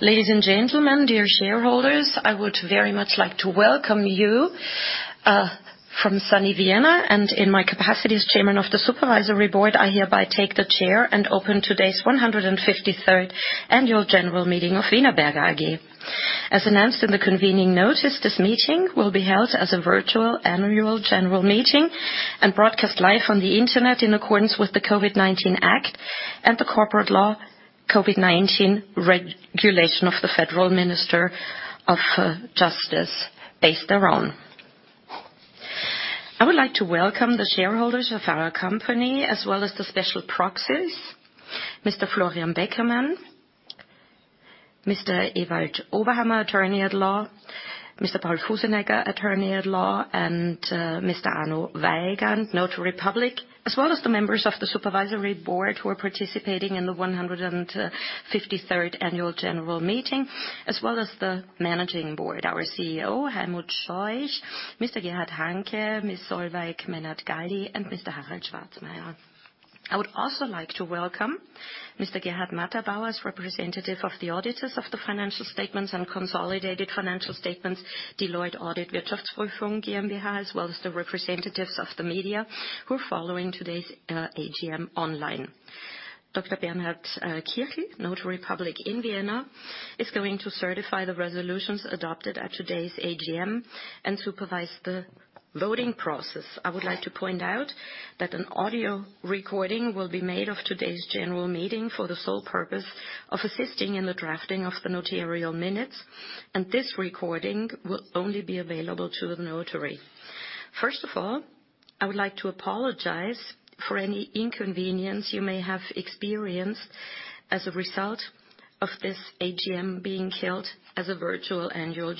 Ladies and gentlemen, dear shareholders, I would very much like to welcome you from sunny Vienna, and in my capacity as Chairman of the Supervisory Board, I hereby take the chair and open today's 153rd annual general meeting of Wienerberger AG. As announced in the convening notice, this meeting will be held as a virtual annual general meeting and broadcast live on the internet in accordance with the Gesellschaftsrechtliches COVID-19-Gesetz and the Company Law COVID-19 Act of the Federal Minister of Justice. I would like to welcome the shareholders of our company, as well as the special proxies, Mr. Florian Beckermann, Mr. Ewald Oberhammer, Attorney at Law, Mr. Paul Fussenegger, Attorney at Law, and Mr. Arno Weigand, Notary Public. As well as the members of the Supervisory Board who are participating in the 153rd annual general meeting, as well as the Managing Board, our CEO, Heimo Scheuch, Mr. Gerhard Hanke, Ms. Solveig Menard-Galli, and Mr. Harald Schwarzmayr. I would also like to welcome Mr. Gerhard Mitterbauer, representative of the auditors of the financial statements and consolidated financial statements, Deloitte Audit Wirtschaftsprüfungs GmbH, as well as the representatives of the media who are following today's AGM online. Dr. Bernhard Kirchknopf, Notary Public in Vienna, is going to certify the resolutions adopted at today's AGM and supervise the voting process. I would like to point out that an audio recording will be made of today's general meeting for the sole purpose of assisting in the drafting of the notarial minutes, and this recording will only be available to the notary. First of all, I would like to apologize for any inconvenience you may have experienced as a result of this AGM being held as a virtual annual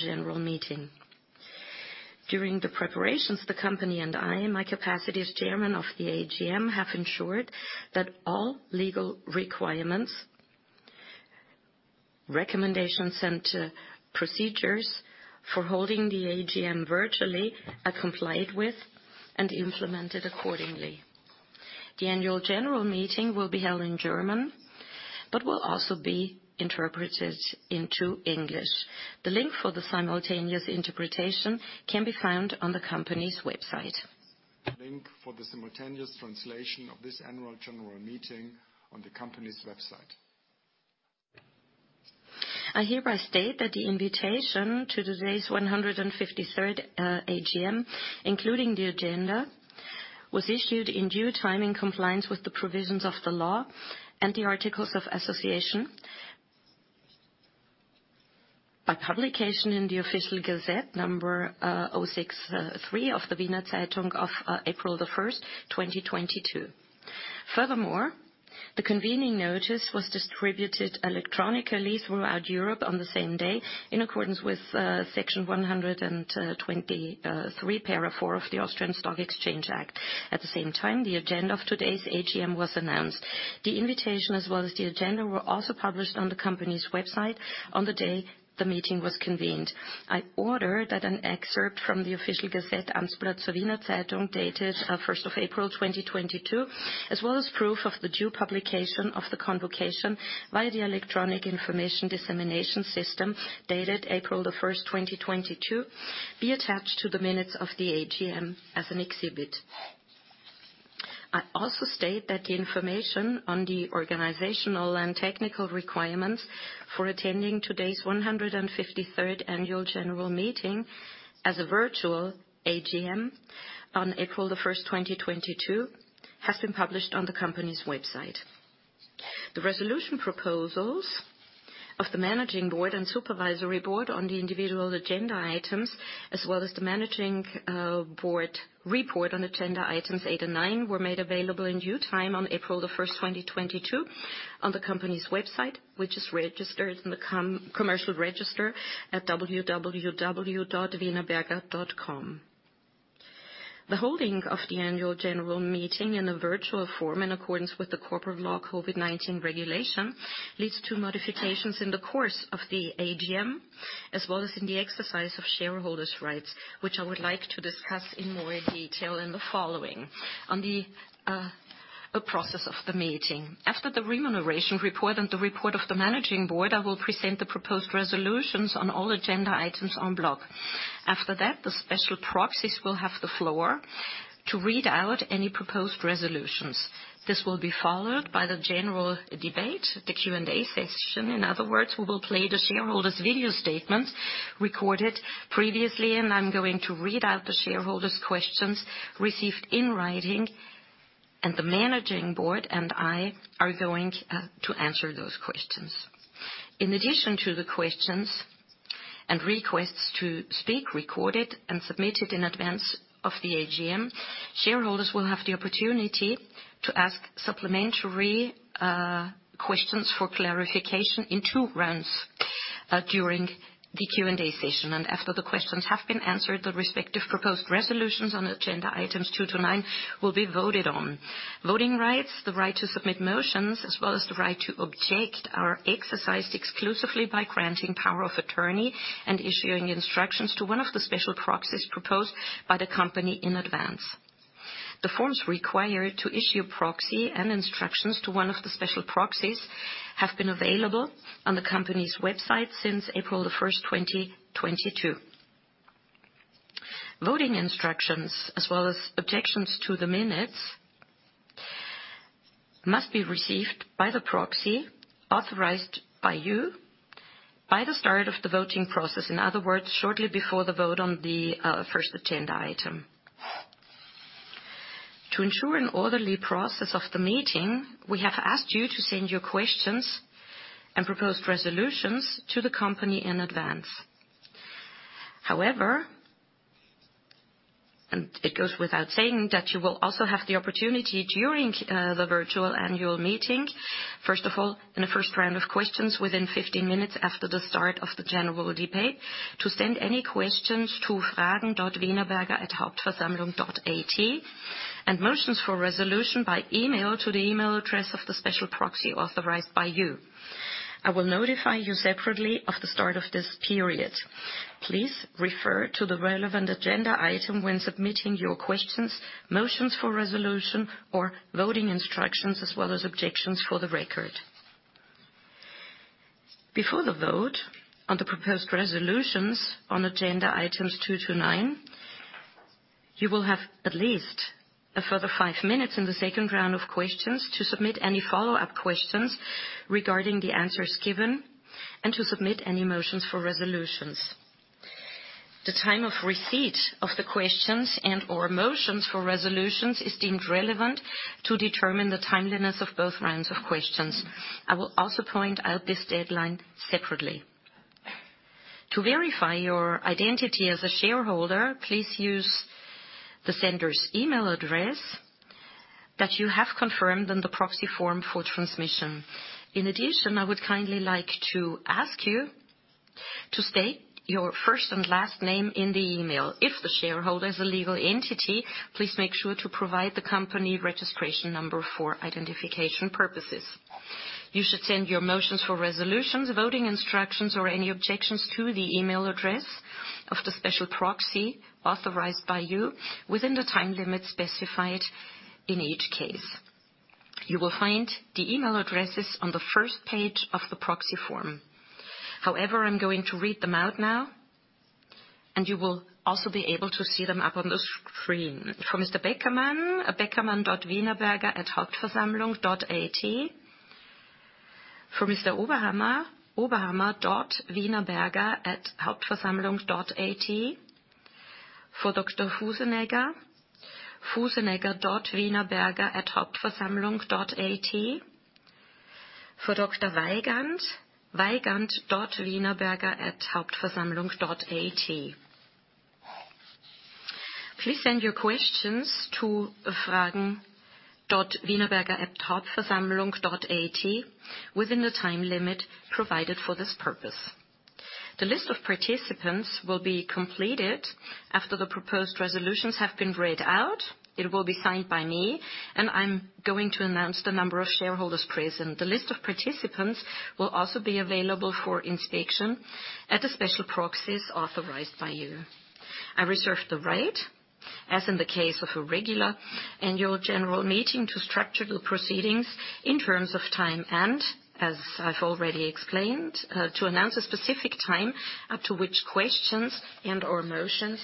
general meeting. During the preparations, the company and I, in my capacity as Chairman of the AGM, have ensured that all legal requirements, recommendations, and procedures for holding the AGM virtually are complied with and implemented accordingly. The annual general meeting will be held in German, but will also be interpreted into English. The link for the simultaneous interpretation can be found on the company's website. Link for the simultaneous translation of this annual general meeting on the company's website. I hereby state that the invitation to today's 153rd AGM, including the agenda, was issued in due time in compliance with the provisions of the law and the articles of association by publication in the official Gazette number 063 of the Wiener Zeitung of April 1, 2022. Furthermore, the convening notice was distributed electronically throughout Europe on the same day in accordance with section 123, Para. 4 of the Austrian Stock Exchange Act. At the same time, the agenda of today's AGM was announced. The invitation, as well as the agenda, were also published on the company's website on the day the meeting was convened. I order that an excerpt from the official Gazette Amtsblatt zur Wiener Zeitung, dated first of April 2022, as well as proof of the due publication of the convocation via the electronic information dissemination system dated April the first, 2022, be attached to the minutes of the AGM as an exhibit. I also state that the information on the organizational and technical requirements for attending today's 153rd annual general meeting as a virtual AGM on April the first, 2022, has been published on the company's website. The resolution proposals of the Managing Board and Supervisory Board on the individual agenda items, as well as the Managing Board report on agenda Items 8 and 9, were made available in due time on April the first, 2022 on the company's website, which is registered in the commercial register at www.wienerberger.com. The holding of the annual general meeting in a virtual form in accordance with the Company Law COVID-19 Act leads to modifications in the course of the AGM, as well as in the exercise of shareholders' rights, which I would like to discuss in more detail in the following. On the process of the meeting. After the remuneration report and the report of the Managing Board, I will present the proposed resolutions on all agenda items en bloc. After that, the special proxies will have the floor to read out any proposed resolutions. This will be followed by the general debate, the Q&A session. In other words, we will play the shareholders' video statements recorded previously, and I'm going to read out the shareholders' questions received in writing, and the Managing Board and I are going to answer those questions. In addition to the questions and requests to speak recorded and submitted in advance of the AGM, shareholders will have the opportunity to ask supplementary questions for clarification in two rounds during the Q&A session. After the questions have been answered, the respective proposed resolutions on agenda items two to nine will be voted on. Voting rights, the right to submit motions, as well as the right to object, are exercised exclusively by granting power of attorney and issuing instructions to one of the special proxies proposed by the company in advance. The forms required to issue a proxy and instructions to one of the special proxies have been available on the company's website since April 1, 2022. Voting instructions as well as objections to the minutes must be received by the proxy authorized by you by the start of the voting process. In other words, shortly before the vote on the first agenda item. To ensure an orderly process of the meeting, we have asked you to send your questions and proposed resolutions to the company in advance. However, and it goes without saying that you will also have the opportunity during the virtual annual meeting, first of all, in the first round of questions within 15 minutes after the start of the general debate, to send any questions to fragen.wienerberger@hauptversammlung.at, and motions for resolution by email to the email address of the special proxy authorized by you. I will notify you separately of the start of this period. Please refer to the relevant agenda item when submitting your questions, motions for resolution, or voting instructions, as well as objections for the record. Before the vote on the proposed resolutions on agenda Items 2-9, you will have at least a further five minutes in the second round of questions to submit any follow-up questions regarding the answers given and to submit any motions for resolutions. The time of receipt of the questions and/or motions for resolutions is deemed relevant to determine the timeliness of both rounds of questions. I will also point out this deadline separately. To verify your identity as a shareholder, please use the sender's email address that you have confirmed on the proxy form for transmission. In addition, I would kindly like to ask you to state your first and last name in the email. If the shareholder is a legal entity, please make sure to provide the company registration number for identification purposes. You should send your motions for resolutions, voting instructions, or any objections to the email address of the special proxy authorized by you within the time limit specified in each case. You will find the email addresses on the first page of the proxy form. However, I'm going to read them out now, and you will also be able to see them up on the screen. For Mr. Beckermann, beckermann.wienerberger@hauptversammlung.at. For Mr. Oberhammer, oberhammer.wienerberger@hauptversammlung.at. For Dr. Fussenegger, fussenegger.wienerberger@hauptversammlung.at. For Dr. Weigand, weigand.wienerberger@hauptversammlung.at. Please send your questions to fragen.wienerberger@hauptversammlung.at within the time limit provided for this purpose. The list of participants will be completed after the proposed resolutions have been read out. It will be signed by me, and I'm going to announce the number of shareholders present. The list of participants will also be available for inspection at the special proxies authorized by you. I reserve the right, as in the case of a regular annual general meeting, to structure the proceedings in terms of time and, as I've already explained, to announce a specific time up to which questions and/or motions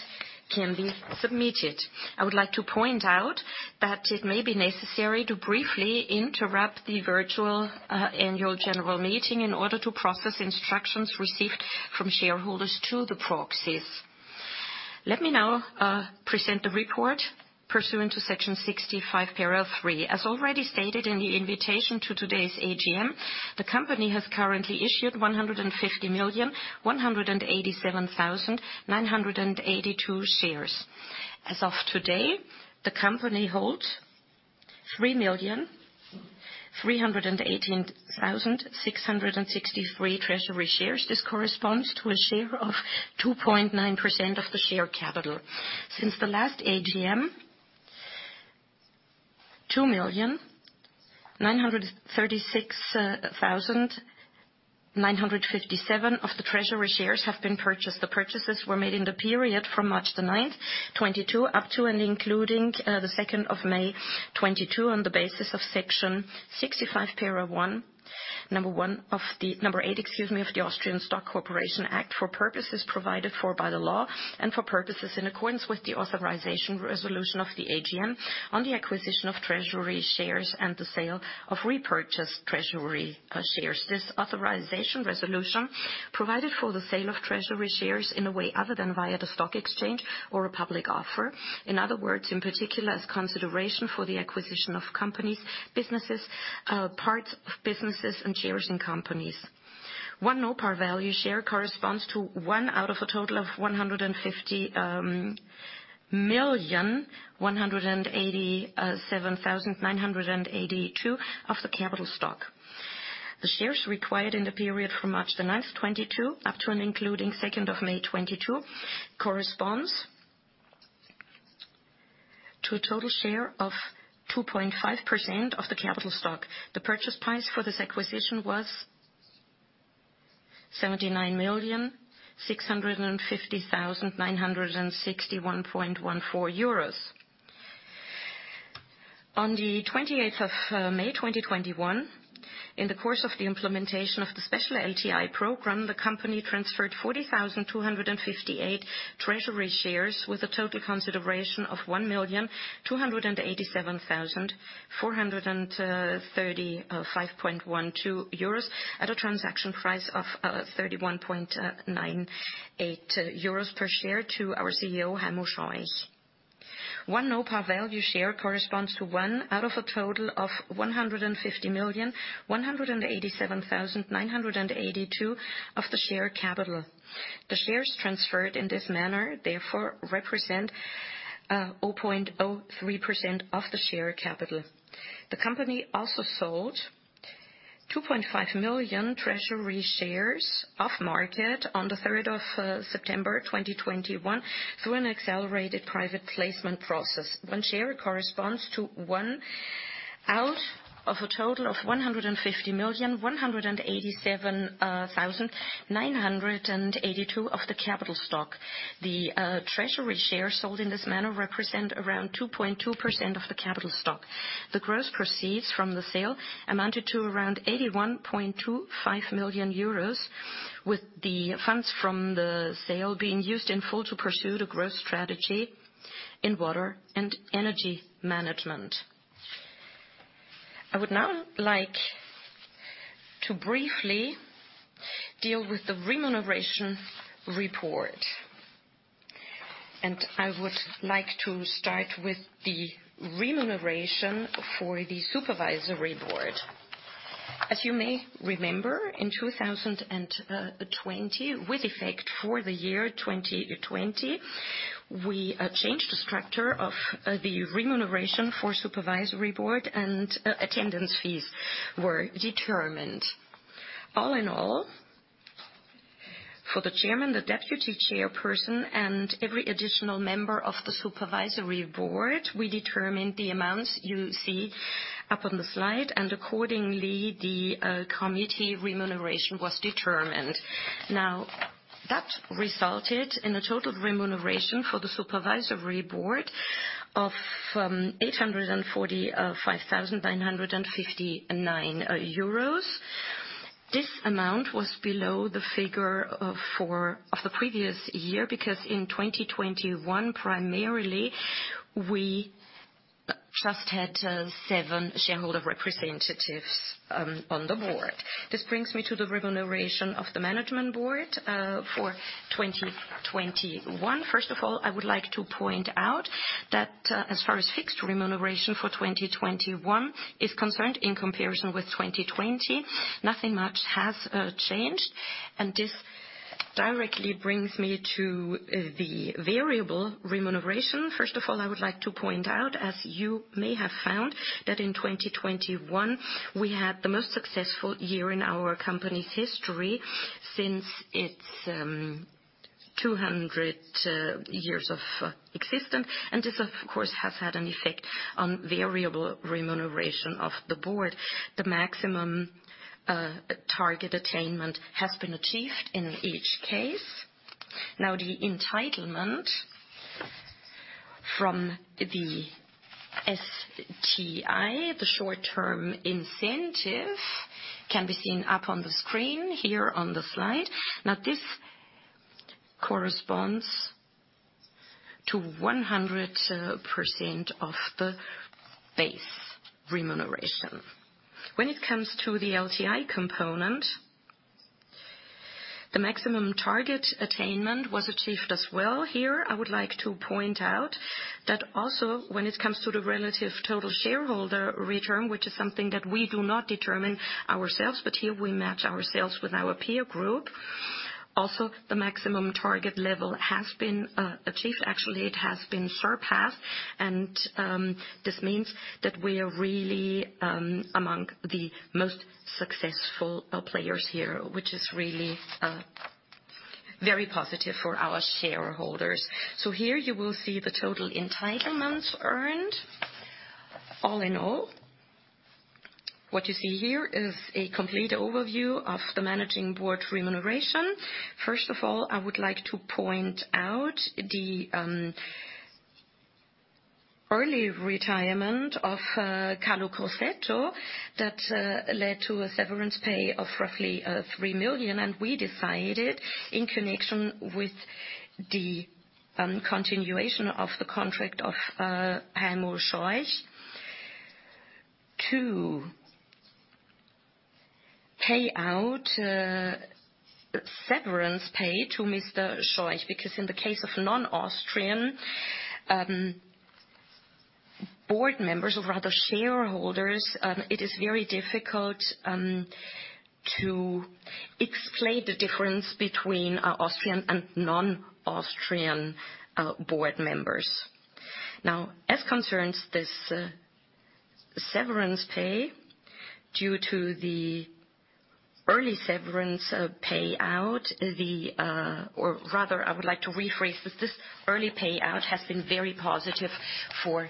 can be submitted. I would like to point out that it may be necessary to briefly interrupt the virtual annual general meeting in order to process instructions received from shareholders to the proxies. Let me now present the report pursuant to Section 65, paragraph 3. As already stated in the invitation to today's AGM, the company has currently issued 150,187,982 shares. As of today, the company holds 3,318,663 treasury shares. This corresponds to a share of 2.9% of the share capital. Since the last AGM, 2,936,957 of the treasury shares have been purchased. The purchases were made in the period from March 9, 2022, up to and including the second of May 2022, on the basis of Section 65, paragraph 1, number 8 of the Austrian Stock Corporation Act for purposes provided for by the law and for purposes in accordance with the authorization resolution of the AGM on the acquisition of treasury shares and the sale of repurchased treasury shares. This authorization resolution provided for the sale of treasury shares in a way other than via the stock exchange or a public offer. In other words, in particular, as consideration for the acquisition of companies, businesses, parts of businesses, and shares in companies. One no-par value share corresponds to one out of a total of 150,187,982 of the capital stock. The shares required in the period from March the ninth, 2022, up to and including second of May, 2022, corresponds to a total share of 2.5% of the capital stock. The purchase price for this acquisition was EUR 79,650,961.14. On the 28th of May 2021, in the course of the implementation of the special LTI program, the company transferred 40,258 treasury shares with a total consideration of 1,287,435.12 euros, at a transaction price of 31.98 euros per share to our CEO, Heimo Scheuch. One no-par value share corresponds to one out of a total of 150,187,982 of the share capital. The shares transferred in this manner therefore represent 0.03% of the share capital. The company also sold 2.5 million treasury shares off market on the 3rd of September 2021 through an accelerated private placement process. One share corresponds to one out of a total of 150,187,982 of the capital stock. The treasury shares sold in this manner represent around 2.2% of the capital stock. The gross proceeds from the sale amounted to around 81.25 million euros, with the funds from the sale being used in full to pursue the growth strategy in water and energy management. I would now like to briefly deal with the remuneration report. I would like to start with the remuneration for the Supervisory Board. As you may remember, in 2020, with effect for the year 2020, we changed the structure of the remuneration for the Supervisory Board and attendance fees were determined. All in all, for the chairman, the deputy chairperson, and every additional member of the supervisory board, we determined the amounts you see up on the slide, and accordingly, the committee remuneration was determined. Now, that resulted in a total remuneration for the supervisory board of 845,959 euros. This amount was below the figure of the previous year, because in 2021, primarily, we just had seven shareholder representatives on the board. This brings me to the remuneration of the management board for 2021. First of all, I would like to point out that as far as fixed remuneration for 2021 is concerned, in comparison with 2020, nothing much has changed. This directly brings me to the variable remuneration. First of all, I would like to point out, as you may have found, that in 2021, we had the most successful year in our company's history since its 200 years of existence. This of course has had an effect on variable remuneration of the board. The maximum target attainment has been achieved in each case. Now, the entitlement from the STI, the short-term incentive, can be seen up on the screen here on the slide. Now, this corresponds to 100% of the base remuneration. When it comes to the LTI component, the maximum target attainment was achieved as well. Here, I would like to point out that also when it comes to the relative total shareholder return, which is something that we do not determine ourselves, but here we match ourselves with our peer group, also, the maximum target level has been achieved. Actually, it has been surpassed. This means that we are really among the most successful players here, which is really very positive for our shareholders. Here you will see the total entitlements earned. All in all, what you see here is a complete overview of the managing board remuneration. First of all, I would like to point out the early retirement of Carlo Crosetto that led to a severance pay of roughly 3 million. We decided in connection with the continuation of the contract of Heimo Scheuch to pay out severance pay to Mr. Scheuch, because in the case of non-Austrian board members, or rather shareholders, it is very difficult to explain the difference between Austrian and non-Austrian board members. Now, as concerns this severance pay, due to the early severance payout. Or rather, I would like to rephrase this. This early payout has been very positive for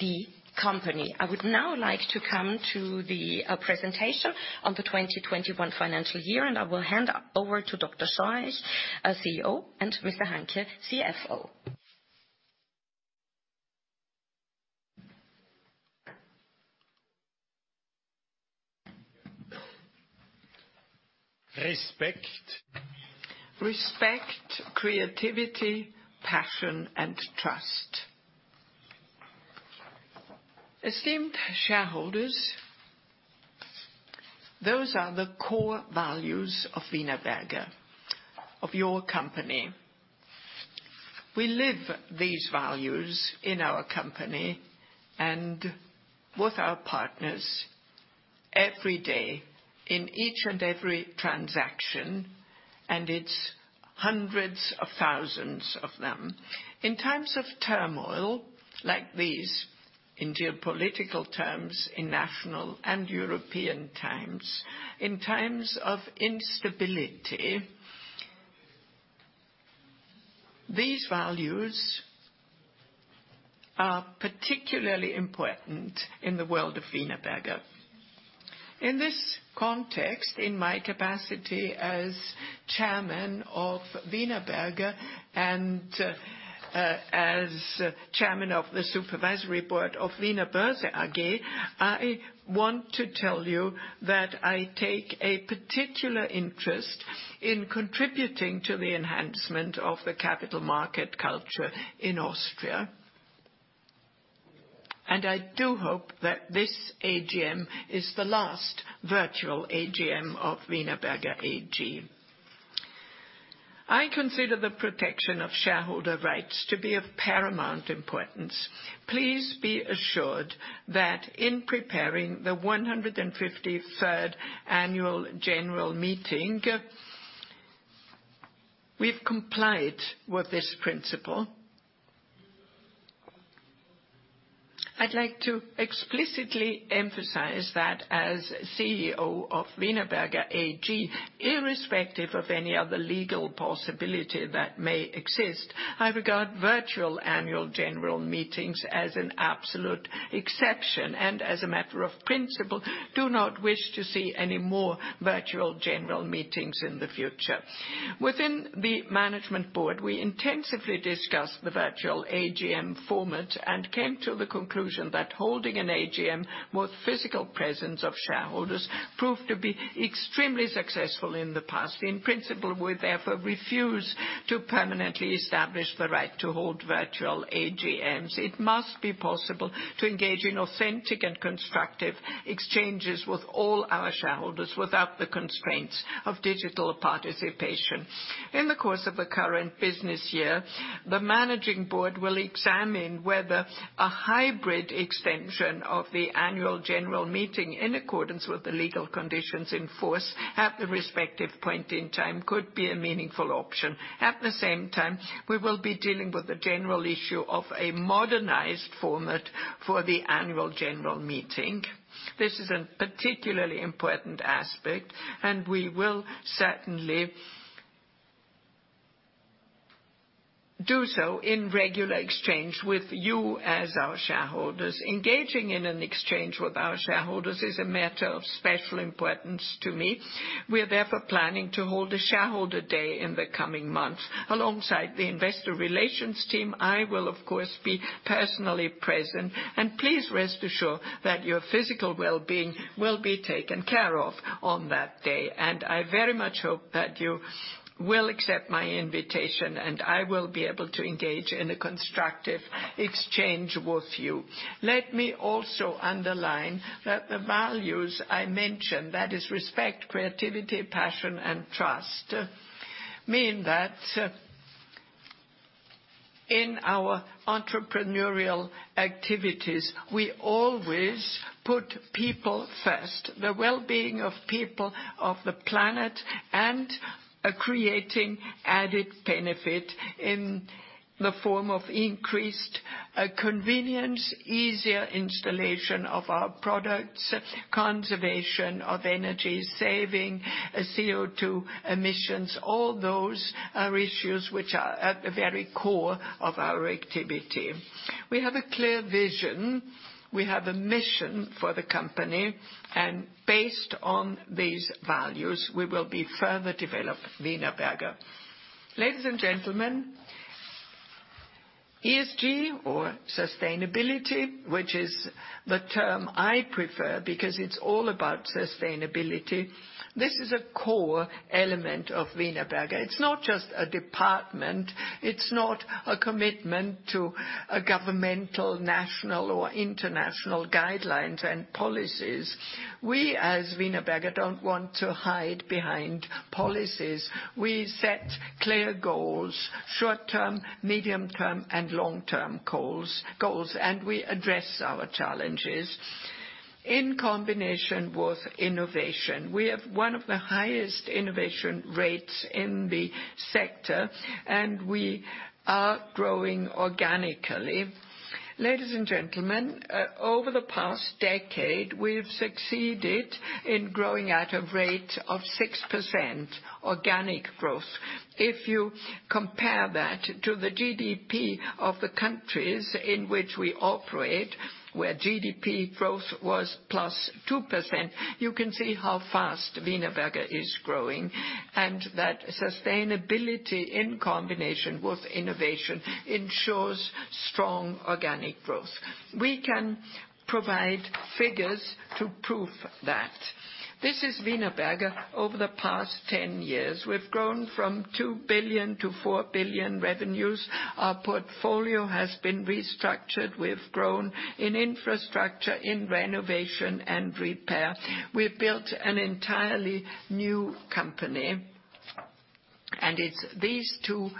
the company. I would now like to come to the presentation on the 2021 financial year, and I will hand over to Dr. Scheuch, our CEO, and Mr. Hanke, CFO. Respect. Respect, creativity, passion, and trust. Esteemed shareholders, those are the core values of Wienerberger, of your company. We live these values in our company and with our partners every day in each and every transaction, and it's hundreds of thousands of them. In times of turmoil like these, in geopolitical terms, in national and European times, in times of instability, these values are particularly important in the world of Wienerberger. In this context, in my capacity as chairman of Wienerberger and as Chairman of the Supervisory Board of Wiener Börse AG, I want to tell you that I take a particular interest in contributing to the enhancement of the capital market culture in Austria. I do hope that this AGM is the last virtual AGM of Wienerberger AG. I consider the protection of shareholder rights to be of paramount importance. Please be assured that in preparing the 153rd annual general meeting, we've complied with this principle. I'd like to explicitly emphasize that as CEO of Wienerberger AG, irrespective of any other legal possibility that may exist, I regard virtual annual general meetings as an absolute exception, and as a matter of principle, do not wish to see any more virtual general meetings in the future. Within the management board, we intensively discussed the virtual AGM format and came to the conclusion that holding an AGM with physical presence of shareholders proved to be extremely successful in the past. In principle, we therefore refuse to permanently establish the right to hold virtual AGMs. It must be possible to engage in authentic and constructive exchanges with all our shareholders without the constraints of digital participation. In the course of the current business year, the managing board will examine whether a hybrid extension of the annual general meeting in accordance with the legal conditions in force at the respective point in time could be a meaningful option. At the same time, we will be dealing with the general issue of a modernized format for the annual general meeting. This is a particularly important aspect, and we will certainly do so in regular exchange with you as our shareholders. Engaging in an exchange with our shareholders is a matter of special importance to me. We are therefore planning to hold a shareholder day in the coming months. Alongside the investor relations team, I will of course be personally present. Please rest assured that your physical well-being will be taken care of on that day. I very much hope that you will accept my invitation, and I will be able to engage in a constructive exchange with you. Let me also underline that the values I mentioned, that is respect, creativity, passion, and trust, mean that in our entrepreneurial activities, we always put people first. The well-being of people, of the planet, and creating added benefit in the form of increased, convenience, easier installation of our products, conservation of energy, saving CO₂ emissions, all those are issues which are at the very core of our activity. We have a clear vision, we have a mission for the company, and based on these values, we will be further develop Wienerberger. Ladies and gentlemen, ESG or sustainability, which is the term I prefer because it's all about sustainability, this is a core element of Wienerberger. It's not just a department, it's not a commitment to a governmental, national or international guidelines and policies. We, as Wienerberger, don't want to hide behind policies. We set clear goals, short-term, medium-term, and long-term goals, and we address our challenges in combination with innovation. We have one of the highest innovation rates in the sector, and we are growing organically. Ladies and gentlemen, over the past decade, we've succeeded in growing at a rate of 6% organic growth. If you compare that to the GDP of the countries in which we operate, where GDP growth was +2%, you can see how fast Wienerberger is growing and that sustainability in combination with innovation ensures strong organic growth. We can provide figures to prove that. This is Wienerberger over the past 10 years. We've grown from 2 billion-4 billion revenues. Our portfolio has been restructured. We've grown in infrastructure, in renovation, and repair. We've built an entirely new company. It's these two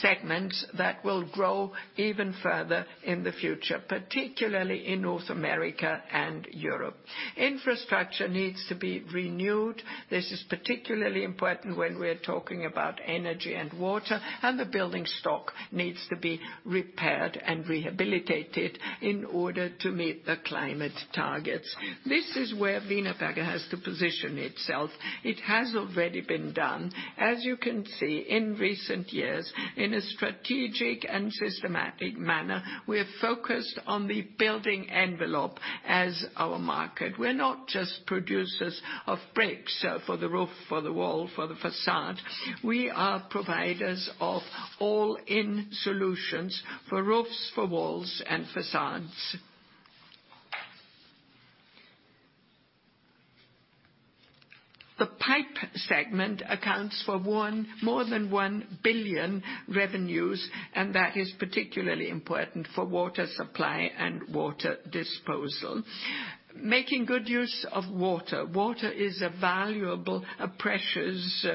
segments that will grow even further in the future, particularly in North America and Europe. Infrastructure needs to be renewed. This is particularly important when we're talking about energy and water, and the building stock needs to be repaired and rehabilitated in order to meet the climate targets. This is where Wienerberger has to position itself. It has already been done. As you can see, in recent years, in a strategic and systematic manner, we're focused on the building envelope as our market. We're not just producers of bricks for the roof, for the wall, for the facade. We are providers of all-in solutions for roofs, for walls, and facades. The pipe segment accounts for more than 1 billion revenues, and that is particularly important for water supply and water disposal. Making good use of water. Water is a valuable, a precious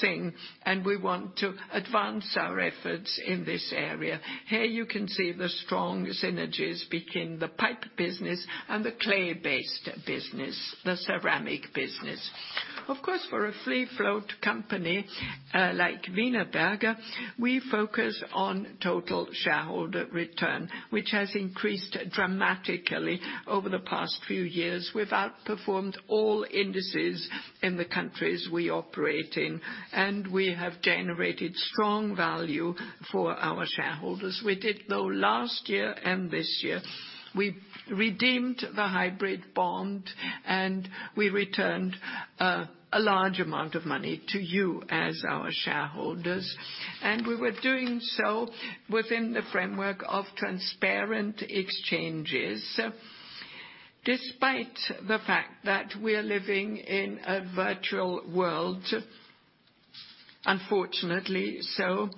thing, and we want to advance our efforts in this area. Here you can see the strong synergies between the pipe business and the clay-based business, the ceramic business. Of course, for a free float company, like Wienerberger, we focus on total shareholder return, which has increased dramatically over the past few years. We've outperformed all indices in the countries we operate in, and we have generated strong value for our shareholders. We did, though, last year and this year, we redeemed the hybrid bond, and we returned a large amount of money to you as our shareholders. We were doing so within the framework of transparent exchanges. Despite the fact that we're living in a virtual world, unfortunately so,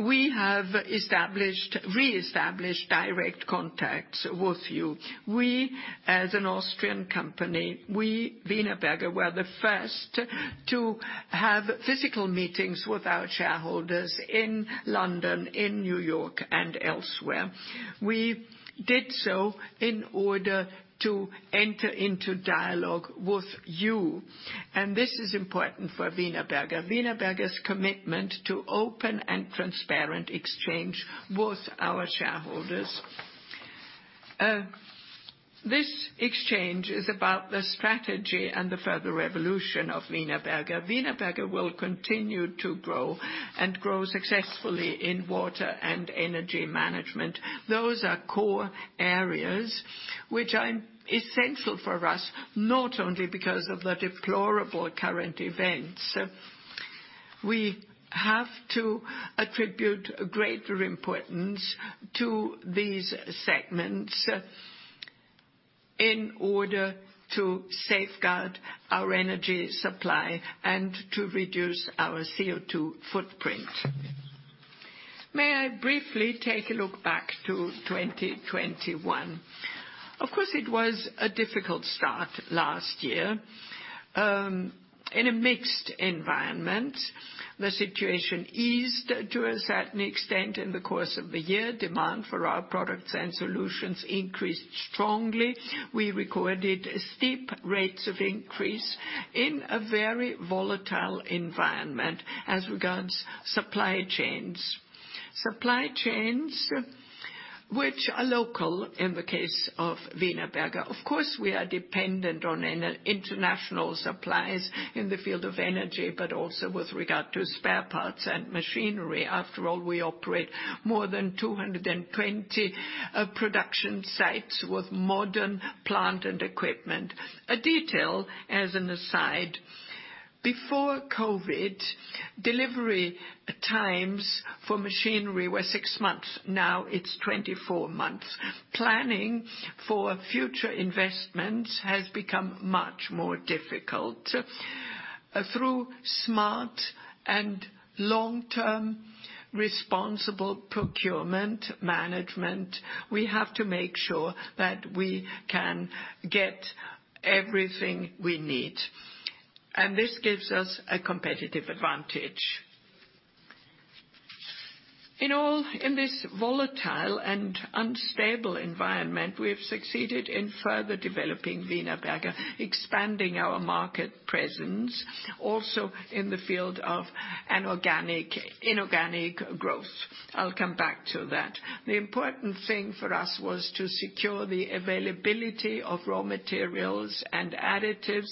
we have re-established direct contacts with you. We, as an Austrian company, we, Wienerberger, were the first to have physical meetings with our shareholders in London, in New York, and elsewhere. We did so in order to enter into dialogue with you, and this is important for Wienerberger. Wienerberger's commitment to open and transparent exchange with our shareholders. This exchange is about the strategy and the further revolution of Wienerberger. Wienerberger will continue to grow and grow successfully in water and energy management. Those are core areas which are essential for us, not only because of the deplorable current events. We have to attribute greater importance to these segments in order to safeguard our energy supply and to reduce our CO2 footprint. May I briefly take a look back to 2021? Of course, it was a difficult start last year in a mixed environment. The situation eased to a certain extent in the course of the year. Demand for our products and solutions increased strongly. We recorded steep rates of increase in a very volatile environment as regards supply chains. Supply chains which are local in the case of Wienerberger. Of course, we are dependent on international supplies in the field of energy, but also with regard to spare parts and machinery. After all, we operate more than 220 production sites with modern plant and equipment. A detail as an aside. Before COVID, delivery times for machinery were 6 months. Now it's 24 months. Planning for future investments has become much more difficult. Through smart and long-term responsible procurement management, we have to make sure that we can get everything we need. This gives us a competitive advantage. In all, in this volatile and unstable environment, we have succeeded in further developing Wienerberger, expanding our market presence, also in the field of organic and inorganic growth. I'll come back to that. The important thing for us was to secure the availability of raw materials and additives,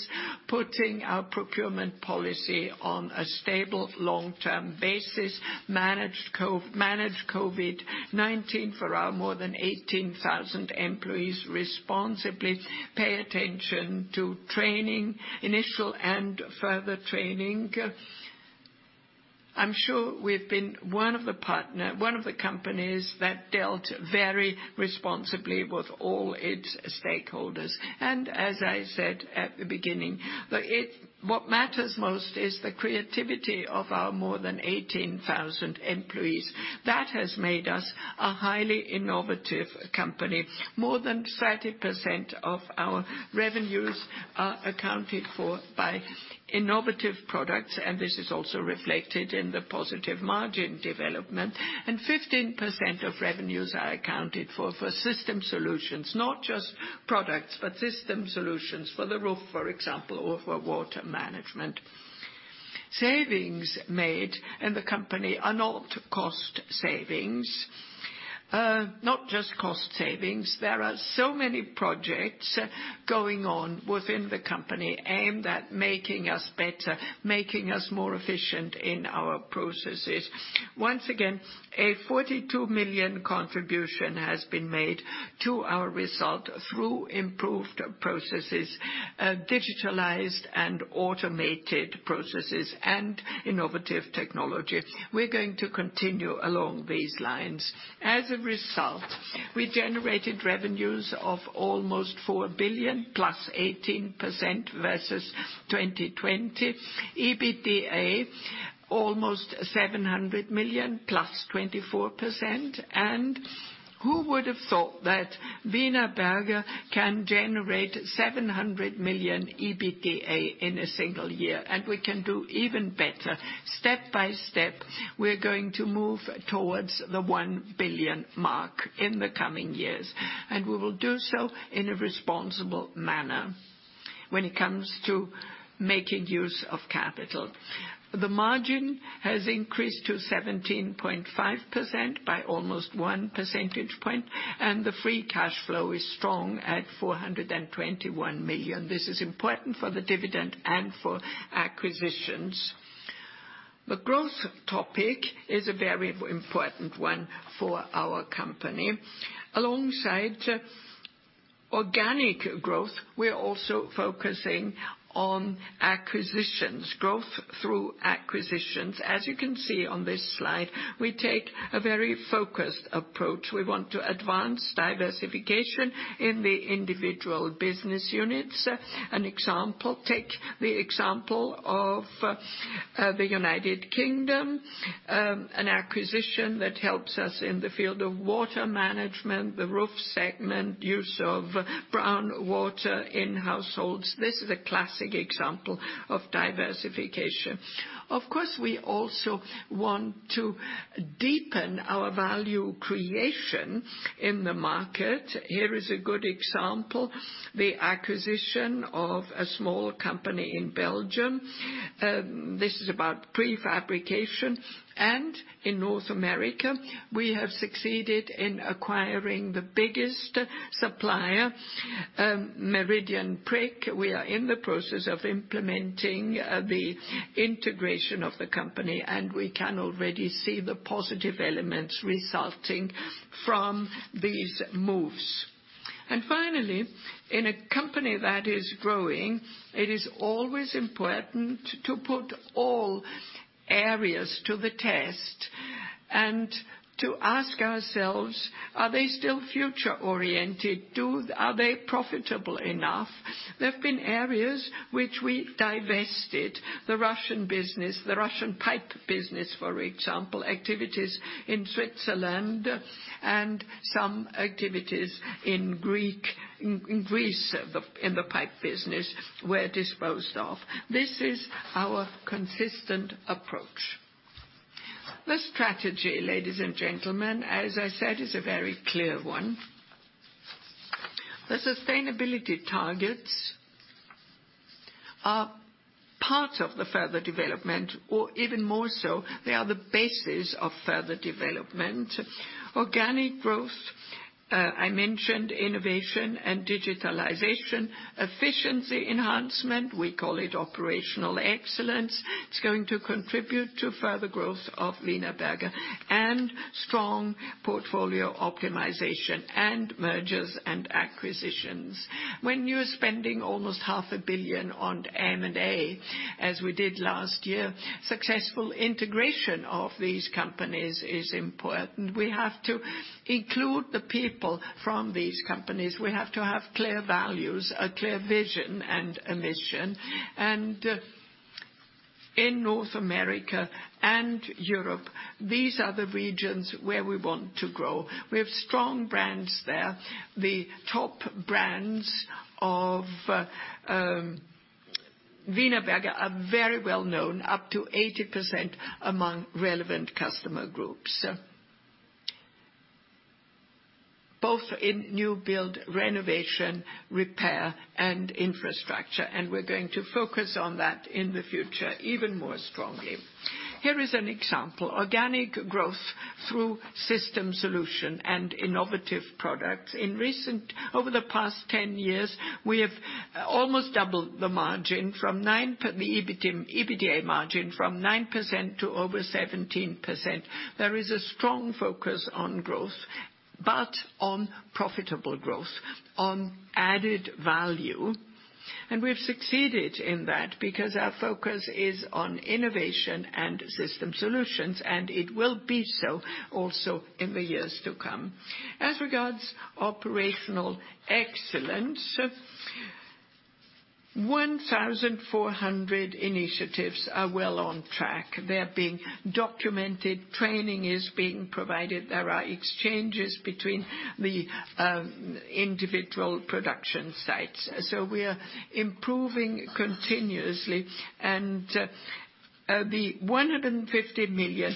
putting our procurement policy on a stable long-term basis, manage COVID-19 for our more than 18,000 employees responsibly, pay attention to training, initial and further training. I'm sure we've been one of the partners, one of the companies that dealt very responsibly with all its stakeholders. As I said at the beginning, what matters most is the creativity of our more than 18,000 employees. That has made us a highly innovative company. More than 30% of our revenues are accounted for by innovative products, and this is also reflected in the positive margin development. Fifteen percent of revenues are accounted for system solutions. Not just products, but system solutions for the roof, for example, or for water management. Savings made in the company are not cost savings. Not just cost savings. There are so many projects going on within the company aimed at making us better, making us more efficient in our processes. Once again, a 42 million contribution has been made to our result through improved processes, digitalized and automated processes and innovative technology. We're going to continue along these lines. As a result, we generated revenues of almost 4 billion +18% versus 2020. EBITDA, almost EUR 700 million +24%. Who would have thought that Wienerberger can generate 700 million EBITDA in a single year, and we can do even better. Step by step, we're going to move towards the 1 billion mark in the coming years, and we will do so in a responsible manner when it comes to making use of capital. The margin has increased to 17.5% by almost 1 percentage point, and the free cash flow is strong at 421 million. This is important for the dividend and for acquisitions. The growth topic is a very important one for our company. Alongside organic growth, we're also focusing on acquisitions, growth through acquisitions. As you can see on this slide, we take a very focused approach. We want to advance diversification in the individual business units. An example, take the example of, the United Kingdom, an acquisition that helps us in the field of water management, the roof segment, use of brown water in households. This is a classic example of diversification. Of course, we also want to deepen our value creation in the market. Here is a good example, the acquisition of a small company in Belgium. This is about prefabrication. In North America, we have succeeded in acquiring the biggest supplier, Meridian Brick. We are in the process of implementing, the integration of the company, and we can already see the positive elements resulting from these moves. Finally, in a company that is growing, it is always important to put all areas to the test and to ask ourselves, are they still future-oriented? Are they profitable enough? There have been areas which we divested, the Russian business, the Russian pipe business, for example, activities in Switzerland, and some activities in Greece in the pipe business were disposed of. This is our consistent approach. The strategy, ladies and gentlemen, as I said, is a very clear one. The sustainability targets are part of the further development, or even more so, they are the basis of further development. Organic growth, I mentioned innovation and digitalization. Efficiency enhancement, we call it operational excellence. It's going to contribute to further growth of Wienerberger and strong portfolio optimization and mergers and acquisitions. When you're spending almost 500 million on M&A, as we did last year, successful integration of these companies is important. We have to include the people from these companies. We have to have clear values, a clear vision and a mission. In North America and Europe, these are the regions where we want to grow. We have strong brands there. The top brands of Wienerberger are very well known, up to 80% among relevant customer groups. Both in new build, renovation, repair, and infrastructure, and we're going to focus on that in the future even more strongly. Here is an example. Organic growth through system solution and innovative products. Over the past 10 years, we have almost doubled the margin from 9% to the EBITDA margin from 9% to over 17%. There is a strong focus on growth, but on profitable growth, on added value. We've succeeded in that because our focus is on innovation and system solutions, and it will be so also in the years to come. As regards operational excellence, 1,400 initiatives are well on track. They're being documented, training is being provided, there are exchanges between the individual production sites. We are improving continuously. The EUR 150 million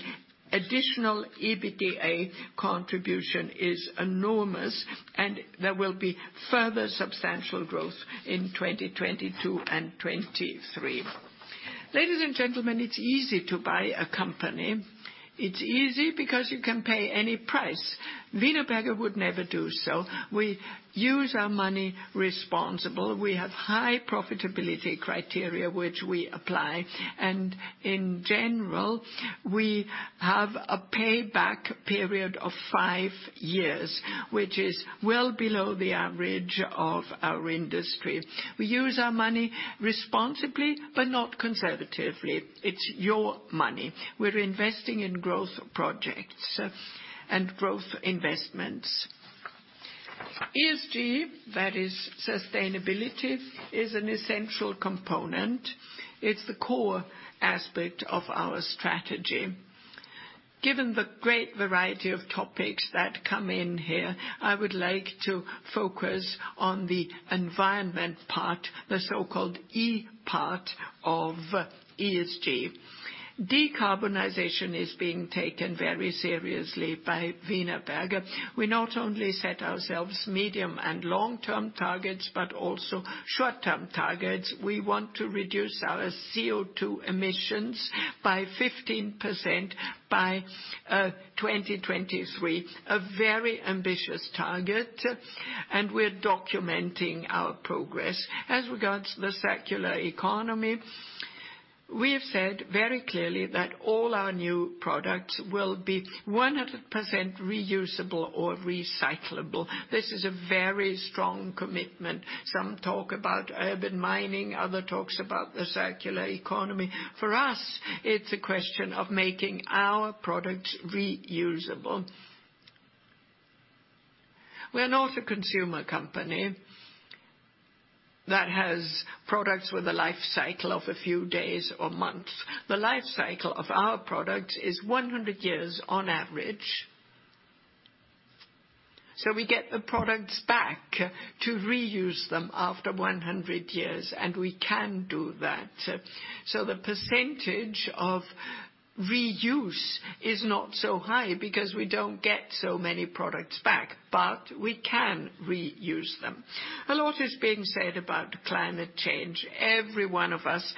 additional EBITDA contribution is enormous, and there will be further substantial growth in 2022 and 2023. Ladies and gentlemen, it's easy to buy a company. It's easy because you can pay any price. Wienerberger would never do so. We use our money responsibly. We have high profitability criteria which we apply. In general, we have a payback period of five years, which is well below the average of our industry. We use our money responsibly, but not conservatively. It's your money. We're investing in growth projects and growth investments. ESG, that is sustainability, is an essential component. It's the core aspect of our strategy. Given the great variety of topics that come in here, I would like to focus on the environment part, the so-called E part of ESG. Decarbonization is being taken very seriously by Wienerberger. We not only set ourselves medium and long-term targets, but also short-term targets. We want to reduce our CO2 emissions by 15% by 2023. A very ambitious target, and we're documenting our progress. As regards to the circular economy, we have said very clearly that all our new products will be 100% reusable or recyclable. This is a very strong commitment. Some talk about urban mining, others talk about the circular economy. For us, it's a question of making our products reusable. We're not a consumer company that has products with a life cycle of a few days or months. The life cycle of our product is 100 years on average. We get the products back to reuse them after 100 years, and we can do that. The percentage of reuse is not so high because we don't get so many products back, but we can reuse them. A lot is being said about climate change. Every one of us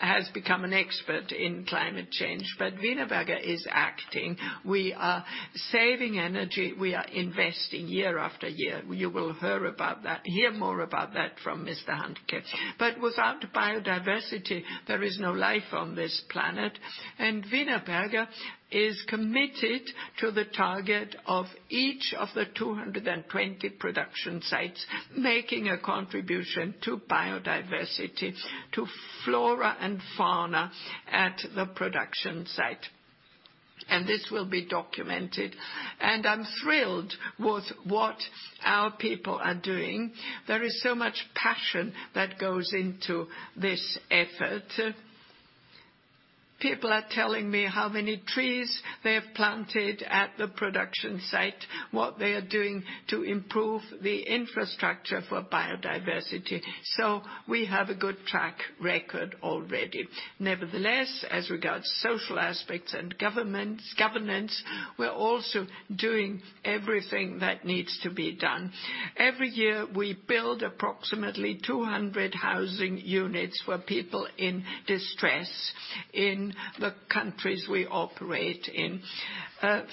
has become an expert in climate change, but Wienerberger is acting. We are saving energy, we are investing year after year. You will hear more about that from Mr. Hanke. Without biodiversity, there is no life on this planet. Wienerberger is committed to the target of each of the 220 production sites making a contribution to biodiversity, to flora and fauna at the production site. This will be documented. I'm thrilled with what our people are doing. There is so much passion that goes into this effort. People are telling me how many trees they have planted at the production site, what they are doing to improve the infrastructure for biodiversity. We have a good track record already. Nevertheless, as regards social aspects and governance, we're also doing everything that needs to be done. Every year, we build approximately 200 housing units for people in distress in the countries we operate in.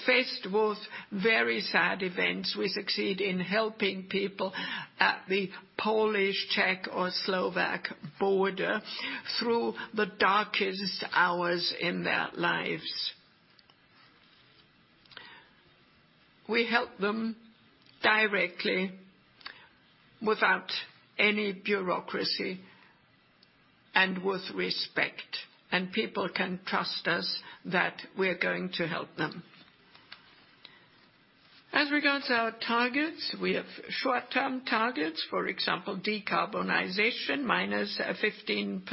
Faced with very sad events, we succeed in helping people at the Polish, Czech or Slovak border through the darkest hours in their lives. We help them directly without any bureaucracy and with respect, and people can trust us that we're going to help them. As regards our targets, we have short-term targets, for example, decarbonization, -15%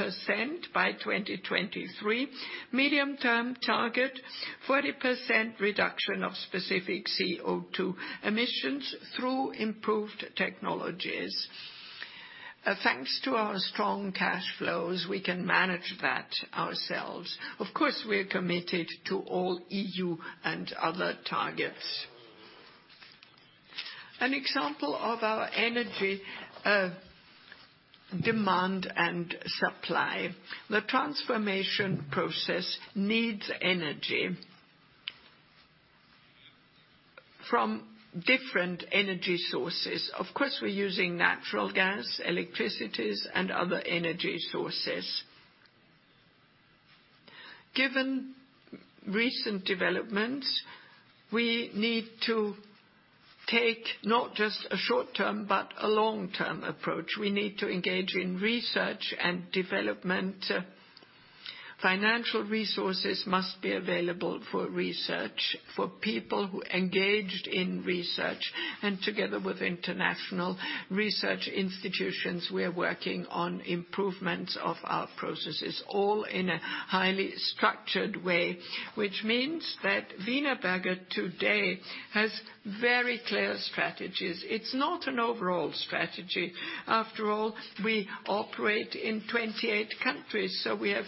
by 2023. Medium-term target, 40% reduction of specific CO2 emissions through improved technologies. Thanks to our strong cash flows, we can manage that ourselves. Of course, we are committed to all EU and other targets. An example of our energy demand and supply. The transformation process needs energy from different energy sources. Of course, we're using natural gas, electricity, and other energy sources. Given recent developments, we need to take not just a short-term, but a long-term approach. We need to engage in research and development. Financial resources must be available for research, for people who engaged in research. Together with international research institutions, we are working on improvements of our processes, all in a highly structured way. Which means that Wienerberger today has very clear strategies. It's not an overall strategy. After all, we operate in 28 countries, so we have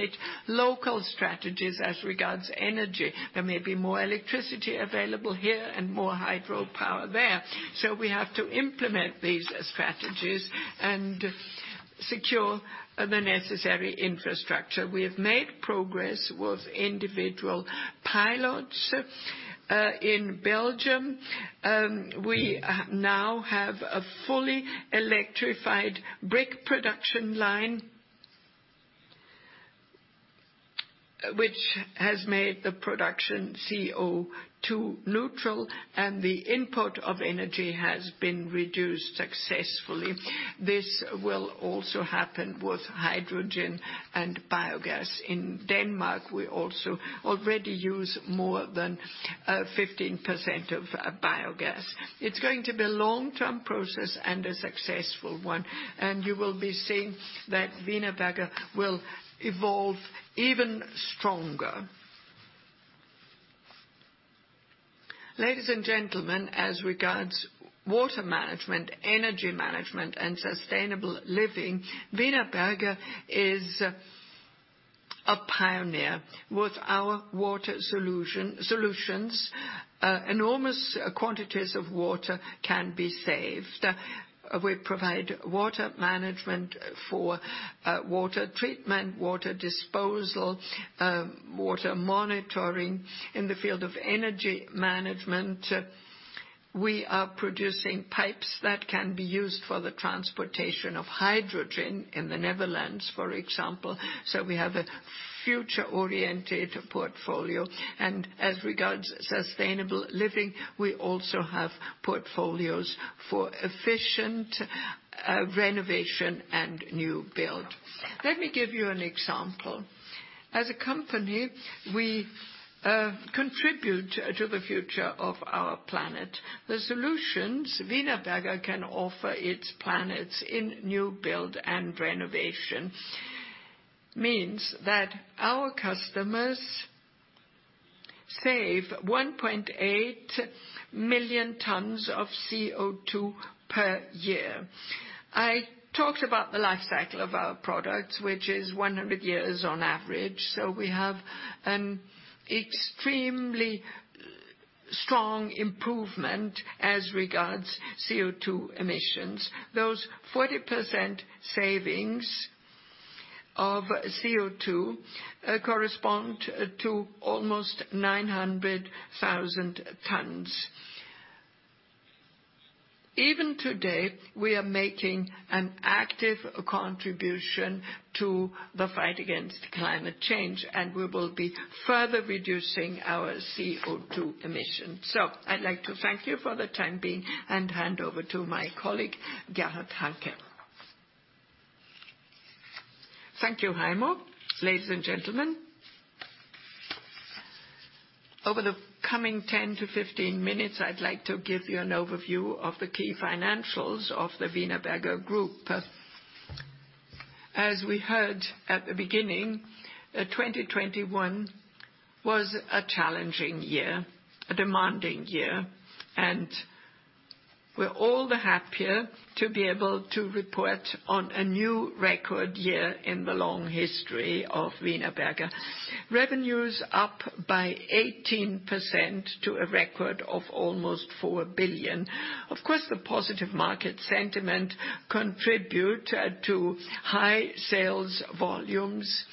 28 local strategies as regards energy. There may be more electricity available here and more hydropower there. We have to implement these strategies and secure the necessary infrastructure. We have made progress with individual pilots. In Belgium, we now have a fully electrified brick production line, which has made the production CO2 neutral, and the input of energy has been reduced successfully. This will also happen with hydrogen and biogas. In Denmark, we also already use more than 15% of biogas. It's going to be a long-term process and a successful one, and you will be seeing that Wienerberger will evolve even stronger. Ladies and gentlemen, as regards water management, energy management, and sustainable living, Wienerberger is a pioneer. With our water solutions, enormous quantities of water can be saved. We provide water management for water treatment, water disposal, water monitoring. In the field of energy management, we are producing pipes that can be used for the transportation of hydrogen in the Netherlands, for example. We have a future-oriented portfolio. As regards sustainable living, we also have portfolios for efficient renovation and new build. Let me give you an example. As a company, we contribute to the future of our planet. The solutions Wienerberger can offer its clients in new build and renovation means that our customers save 1.8 million tons of CO2 per year. I talked about the life cycle of our products, which is 100 years on average. We have an extremely strong improvement as regards CO2 emissions. Those 40% savings of CO2 correspond to almost 900,000 tons. Even today, we are making an active contribution to the fight against climate change, and we will be further reducing our CO2 emissions. I'd like to thank you for the time being and hand over to my colleague, Gerhard Hanke. Thank you, Heimo. Ladies and gentlemen, over the coming 10-15 minutes, I'd like to give you an overview of the key financials of the Wienerberger Group. As we heard at the beginning, 2021 was a challenging year, a demanding year, and we're all the happier to be able to report on a new record year in the long history of Wienerberger. Revenue's up by 18% to a record of almost 4 billion. Of course, the positive market sentiment contribute to high sales volumes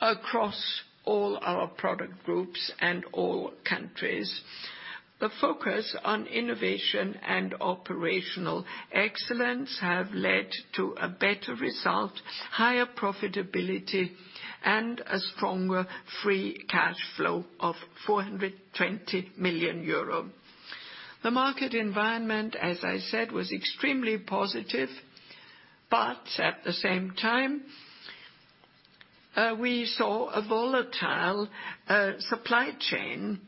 across all our product groups and all countries. The focus on innovation and operational excellence have led to a better result, higher profitability, and a stronger free cash flow of 420 million euro. The market environment, as I said, was extremely positive. At the same time, we saw a volatile supply chain.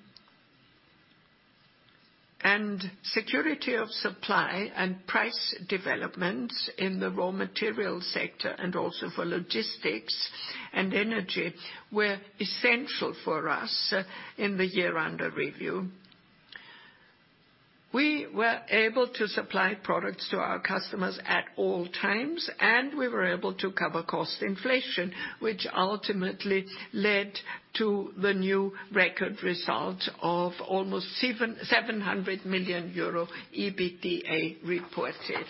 Security of supply and price developments in the raw material sector and also for logistics and energy were essential for us in the year under review. We were able to supply products to our customers at all times, and we were able to cover cost inflation, which ultimately led to the new record result of almost 700 million euro EBITDA reported.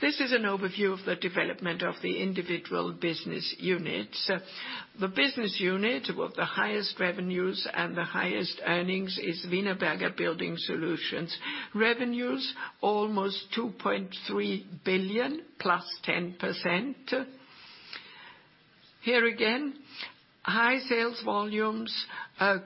This is an overview of the development of the individual business units. The business unit with the highest revenues and the highest earnings is Wienerberger Building Solutions. Revenues almost EUR 2.3 billion, +10%. Here again, high sales volumes,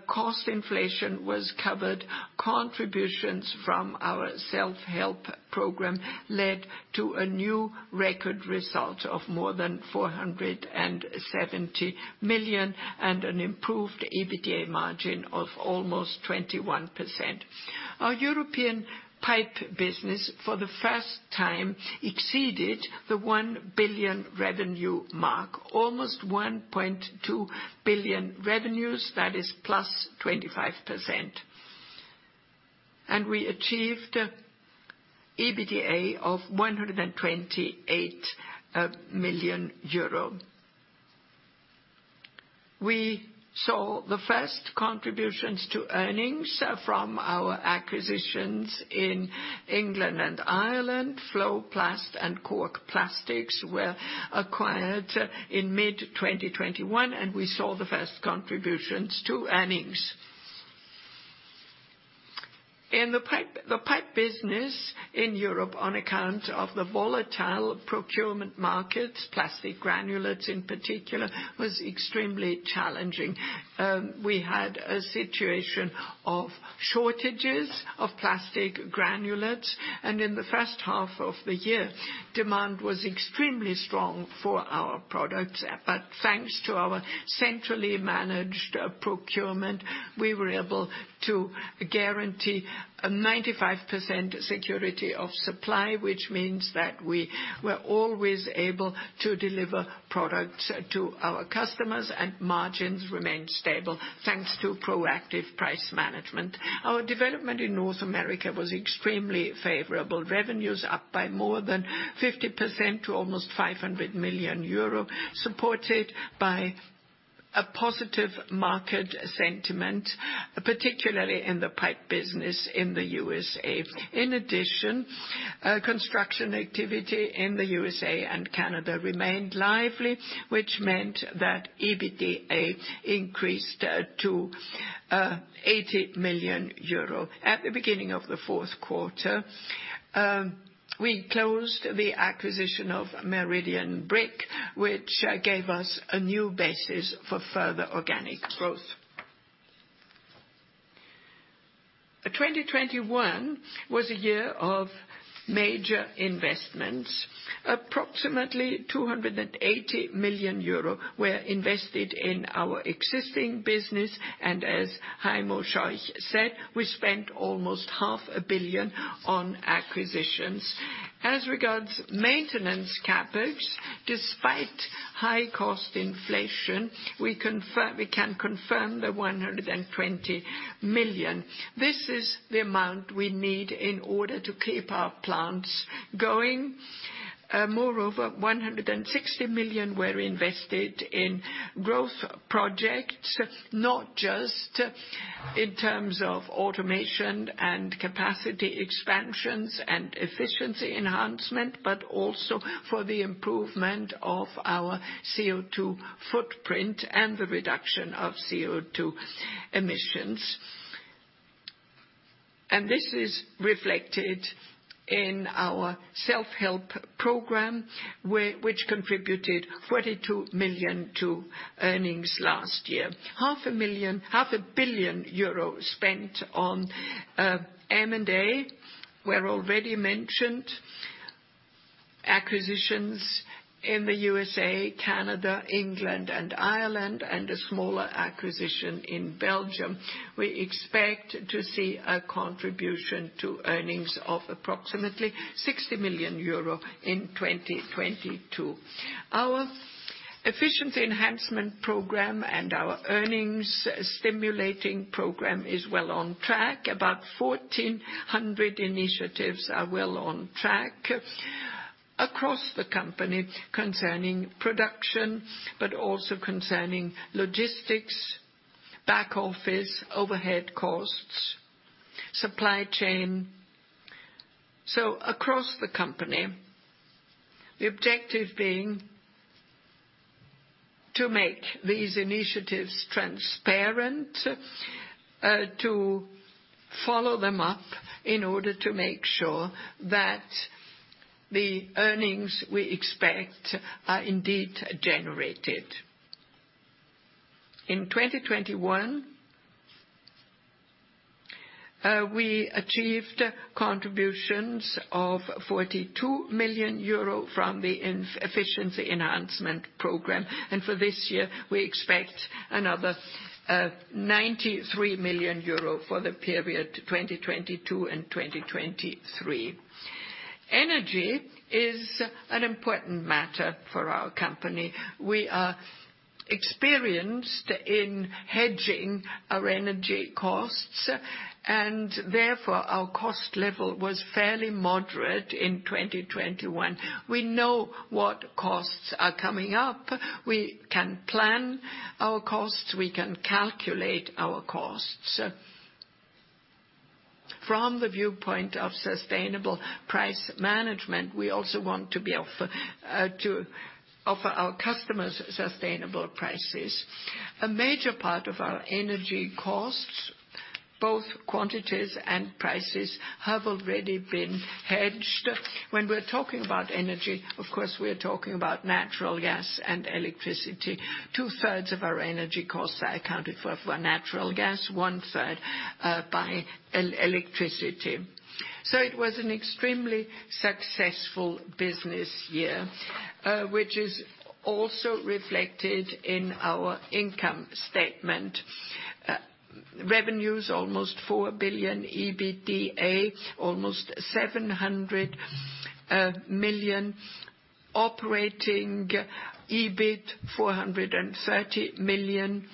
cost inflation was covered. Contributions from our self-help program led to a new record result of more than 470 million, and an improved EBITDA margin of almost 21%. Our European pipe business, for the first time, exceeded the 1 billion revenue mark. Almost 1.2 billion revenues, that is +25%. We achieved EBITDA of EUR 128 million. We saw the first contributions to earnings from our acquisitions in England and Ireland. FloPlast and Cork Plastics were acquired in mid-2021, and we saw the first contributions to earnings. In the pipe business in Europe on account of the volatile procurement markets, plastic granulates in particular, was extremely challenging. We had a situation of shortages of plastic granulates, and in the first half of the year, demand was extremely strong for our products. Thanks to our centrally managed procurement, we were able to guarantee a 95% security of supply, which means that we were always able to deliver products to our customers. Margins remained stable thanks to proactive price management. Our development in North America was extremely favorable. Revenues up by more than 50% to almost 500 million euro, supported by a positive market sentiment, particularly in the pipe business in the USA. In addition, construction activity in the USA and Canada remained lively, which meant that EBITDA increased to 80 million euro. At the beginning of the fourth quarter, we closed the acquisition of Meridian Brick, which gave us a new basis for further organic growth. 2021 was a year of major investments. Approximately 280 million euro were invested in our existing business, and as Heimo Scheuch said, we spent almost 500 million on acquisitions. As regards maintenance CapEx, despite high cost inflation, we can confirm the 120 million. This is the amount we need in order to keep our plants going. Moreover, 160 million were invested in growth projects, not just in terms of automation and capacity expansions and efficiency enhancement, but also for the improvement of our CO2 footprint and the reduction of CO2 emissions. This is reflected in our self-help program which contributed 42 million to earnings last year. 500 million spent on M&A were already mentioned. Acquisitions in the USA, Canada, England, and Ireland, and a smaller acquisition in Belgium. We expect to see a contribution to earnings of approximately 60 million euro in 2022. Our efficiency enhancement program and our earnings stimulating program is well on track. About 1,400 initiatives are well on track across the company concerning production, but also concerning logistics, back office, overhead costs, supply chain. Across the company, the objective being to make these initiatives transparent, to follow them up in order to make sure that the earnings we expect are indeed generated. In 2021, we achieved contributions of 42 million euro from the efficiency enhancement program. For this year, we expect another 93 million euro for the period 2022 and 2023. Energy is an important matter for our company. We are experienced in hedging our energy costs, and therefore, our cost level was fairly moderate in 2021. We know what costs are coming up. We can plan our costs. We can calculate our costs. From the viewpoint of sustainable price management, we also want to offer our customers sustainable prices. A major part of our energy costs. Both quantities and prices have already been hedged. When we're talking about energy, of course, we are talking about natural gas and electricity. Two-thirds of our energy costs are accounted for by natural gas, one-third by electricity. It was an extremely successful business year, which is also reflected in our income statement. Revenues almost 4 billion. EBITDA almost 700 million. Operating EBIT 430 million.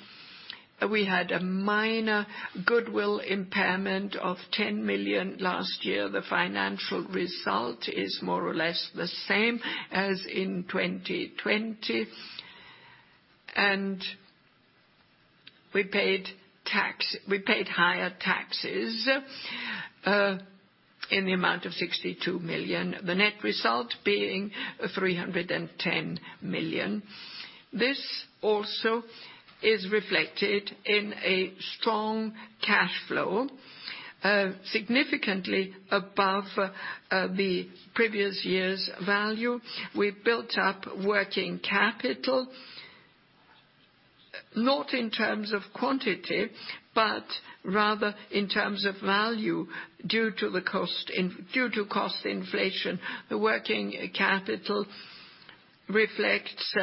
We had a minor goodwill impairment of 10 million last year. The financial result is more or less the same as in 2020. We paid tax. We paid higher taxes in the amount of 62 million. The net result being 310 million. This also is reflected in a strong cash flow significantly above the previous year's value. We built up working capital, not in terms of quantity, but rather in terms of value due to cost inflation. The working capital reflects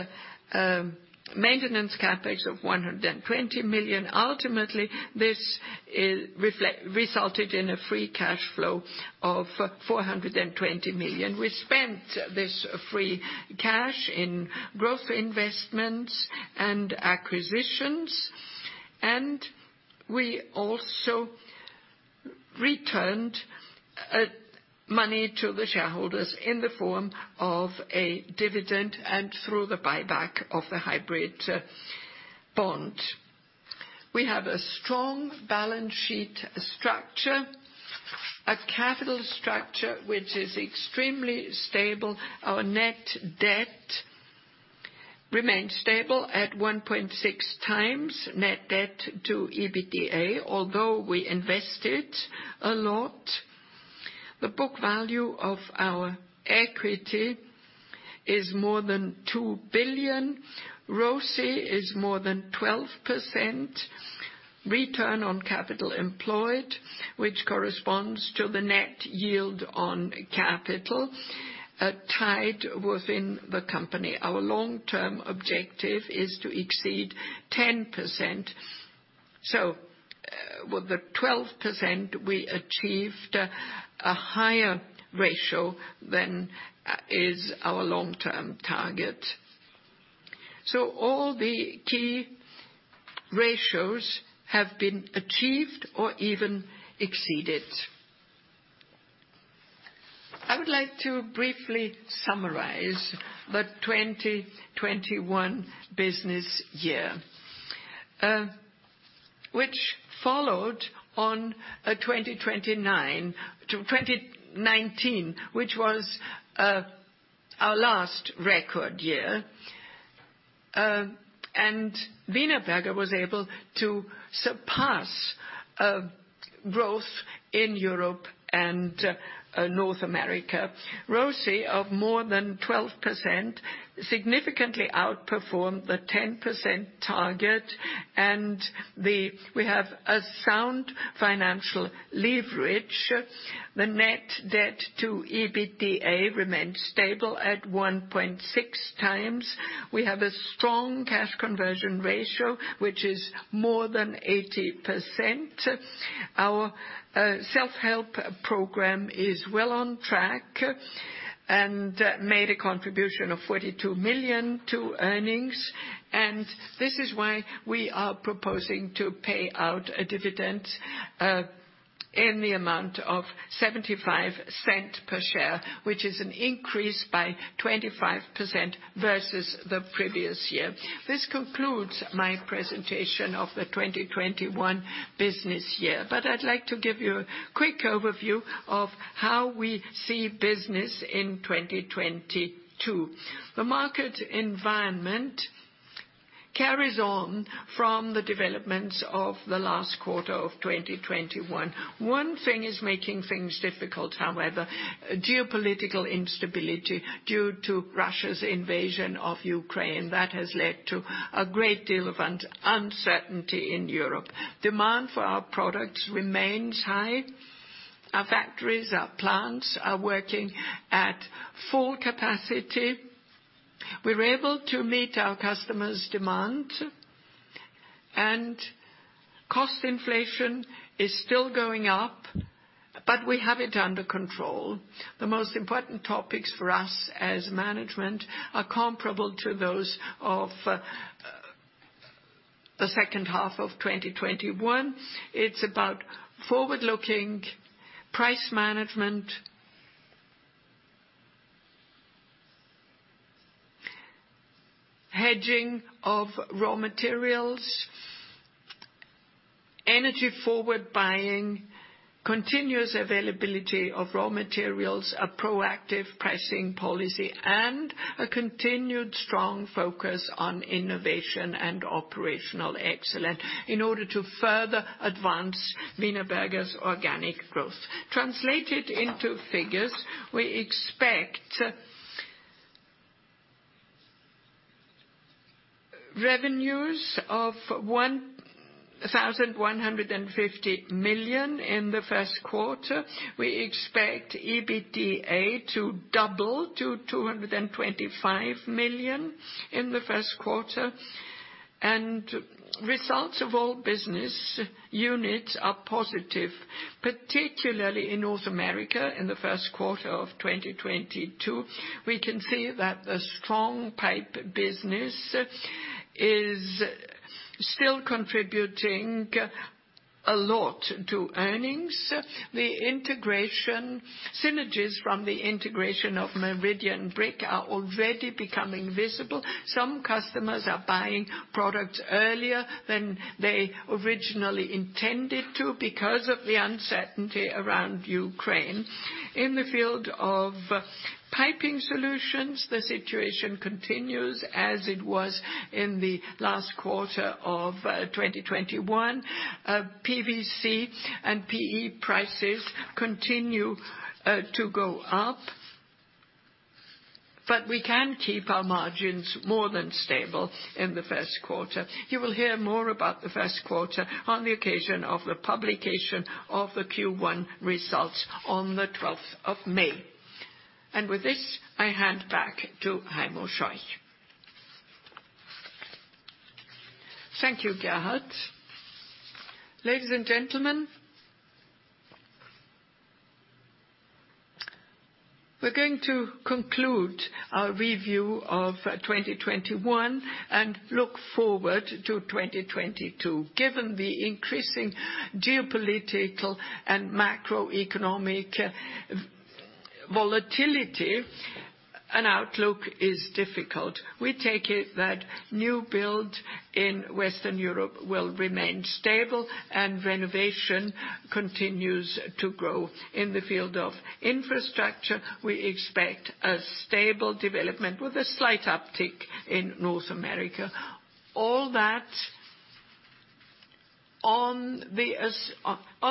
maintenance CapEx of 120 million. Ultimately, this resulted in a free cash flow of 420 million. We spent this free cash in growth investments and acquisitions, and we also returned money to the shareholders in the form of a dividend and through the buyback of the hybrid bond. We have a strong balance sheet structure, a capital structure, which is extremely stable. Our net debt remained stable at 1.6x net debt to EBITDA, although we invested a lot. The book value of our equity is more than 2 billion. ROCE is more than 12%. Return on capital employed, which corresponds to the net yield on capital tied within the company. Our long-term objective is to exceed 10%. With the 12%, we achieved a higher ratio than is our long-term target. All the key ratios have been achieved or even exceeded. I would like to briefly summarize the 2021 business year, which followed on twenty-nineteen, which was our last record year. Wienerberger was able to surpass growth in Europe and North America. ROCE of more than 12% significantly outperformed the 10% target, and we have a sound financial leverage. The net debt to EBITDA remains stable at 1.6 times. We have a strong cash conversion ratio, which is more than 80%. Our self-help program is well on track and made a contribution of 42 million to earnings. This is why we are proposing to pay out a dividend in the amount of 0.75 per share, which is an increase by 25% versus the previous year. This concludes my presentation of the 2021 business year, but I'd like to give you a quick overview of how we see business in 2022. The market environment carries on from the developments of the last quarter of 2021. One thing is making things difficult, however. Geopolitical instability due to Russia's invasion of Ukraine. That has led to a great deal of uncertainty in Europe. Demand for our products remains high. Our factories, our plants are working at full capacity. We're able to meet our customers' demand, and cost inflation is still going up, but we have it under control. The most important topics for us as management are comparable to those of the second half of 2021. It's about forward-looking price management, hedging of raw materials, energy forward buying. Continuous availability of raw materials, a proactive pricing policy, and a continued strong focus on innovation and operational excellence in order to further advance Wienerberger's organic growth. Translated into figures, we expect revenues of 1,150 million in the first quarter. We expect EBITDA to double to 225 million in the first quarter. Results of all business units are positive, particularly in North America in the first quarter of 2022. We can see that the strong pipe business is still contributing a lot to earnings. The integration synergies from the integration of Meridian Brick are already becoming visible. Some customers are buying products earlier than they originally intended to because of the uncertainty around Ukraine. In the field of piping solutions, the situation continues as it was in the last quarter of 2021. PVC and PE prices continue to go up. But we can keep our margins more than stable in the first quarter. You will hear more about the first quarter on the occasion of the publication of the Q1 results on the 12th of May. With this, I hand back to Heimo Scheuch. Thank you, Gerhard. Ladies and gentlemen, we're going to conclude our review of 2021 and look forward to 2022. Given the increasing geopolitical and macroeconomic volatility, an outlook is difficult. We take it that new build in Western Europe will remain stable and renovation continues to grow. In the field of infrastructure, we expect a stable development with a slight uptick in North America. All that on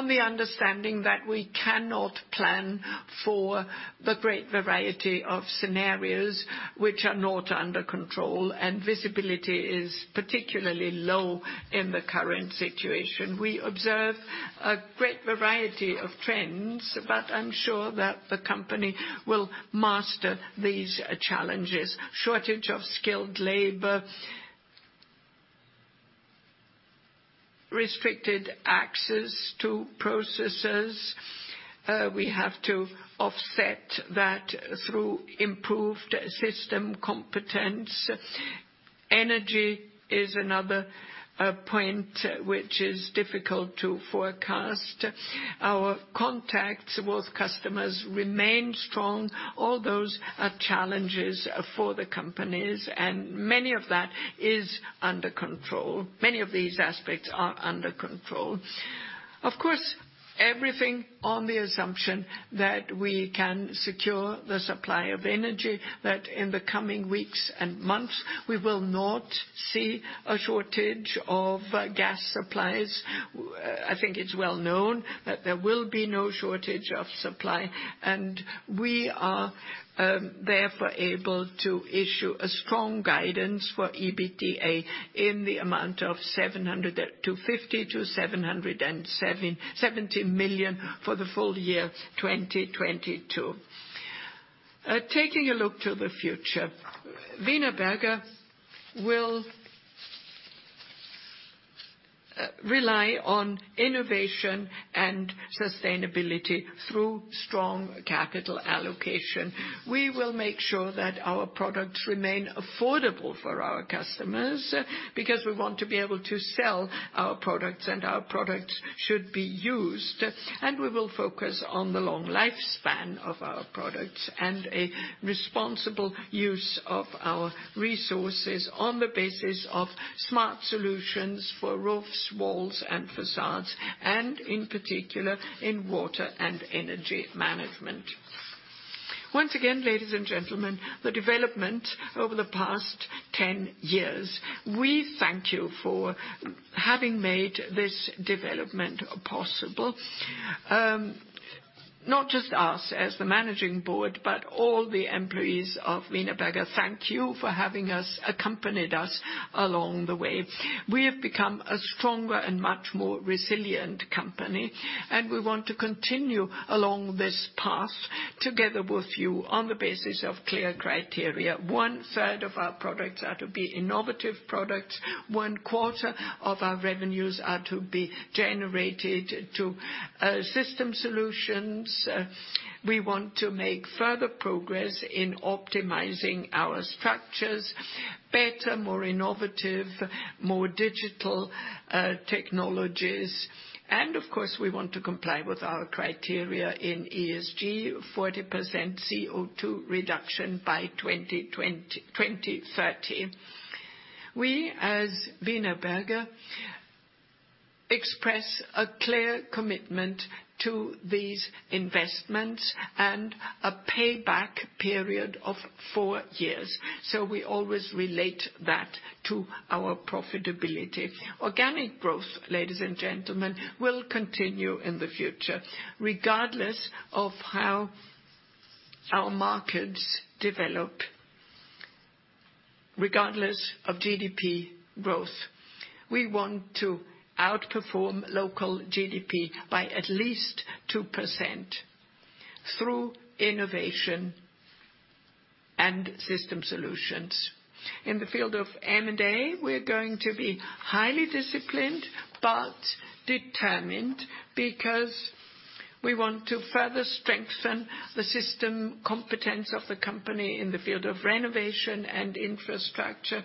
the understanding that we cannot plan for the great variety of scenarios which are not under control, and visibility is particularly low in the current situation. We observe a great variety of trends, but I'm sure that the company will master these challenges. Shortage of skilled labor, restricted access to processes, we have to offset that through improved system competence. Energy is another point which is difficult to forecast. Our contacts with customers remain strong. All those are challenges for the companies, and many of that is under control. Many of these aspects are under control. Of course, everything on the assumption that we can secure the supply of energy, that in the coming weeks and months we will not see a shortage of gas supplies. I think it's well known that there will be no shortage of supply, and we are therefore able to issue a strong guidance for EBITDA in the amount of 750 million-770 million for the full-year 2022. Taking a look to the future, Wienerberger will rely on innovation and sustainability through strong capital allocation. We will make sure that our products remain affordable for our customers because we want to be able to sell our products, and our products should be used. We will focus on the long lifespan of our products and a responsible use of our resources on the basis of smart solutions for roofs, walls, and facades, and in particular, in water and energy management. Once again, ladies and gentlemen, the development over the past 10 years, we thank you for having made this development possible. Not just us as the managing board, but all the employees of Wienerberger thank you for having accompanied us along the way. We have become a stronger and much more resilient company, and we want to continue along this path together with you on the basis of clear criteria. One-third of our products are to be innovative products. One quarter of our revenues are to be generated to system solutions. We want to make further progress in optimizing our structures better, more innovative, more digital, technologies. Of course, we want to comply with our criteria in ESG, 40% CO2 reduction by 2030. We as Wienerberger express a clear commitment to these investments and a payback period of four years. We always relate that to our profitability. Organic growth, ladies and gentlemen, will continue in the future, regardless of how our markets develop, regardless of GDP growth. We want to outperform local GDP by at least 2% through innovation and system solutions. In the field of M&A, we're going to be highly disciplined but determined, because we want to further strengthen the system competence of the company in the field of renovation and infrastructure.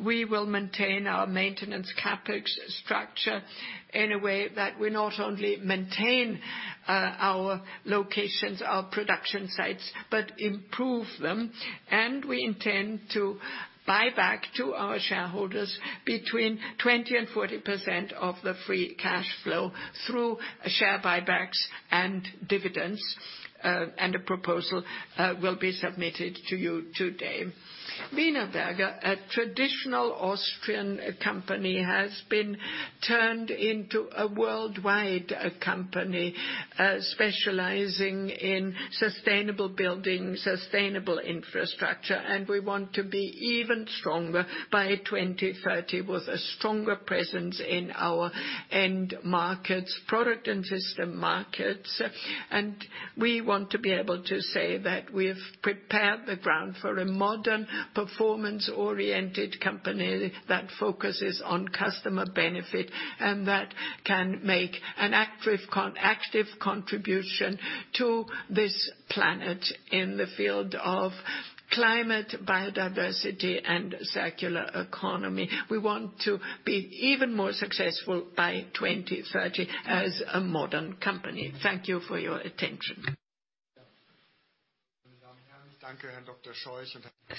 We will maintain our maintenance CapEx structure in a way that we not only maintain our locations, our production sites, but improve them. We intend to buy back to our shareholders between 20%-40% of the free cash flow through share buybacks and dividends. A proposal will be submitted to you today. Wienerberger, a traditional Austrian company, has been turned into a worldwide company, specializing in sustainable building, sustainable infrastructure, and we want to be even stronger by 2030, with a stronger presence in our end markets, product and system markets. We want to be able to say that we have prepared the ground for a modern, performance-oriented company that focuses on customer benefit, and that can make an active contribution to this planet in the field of climate, biodiversity, and circular economy. We want to be even more successful by 2030 as a modern company. Thank you for your attention.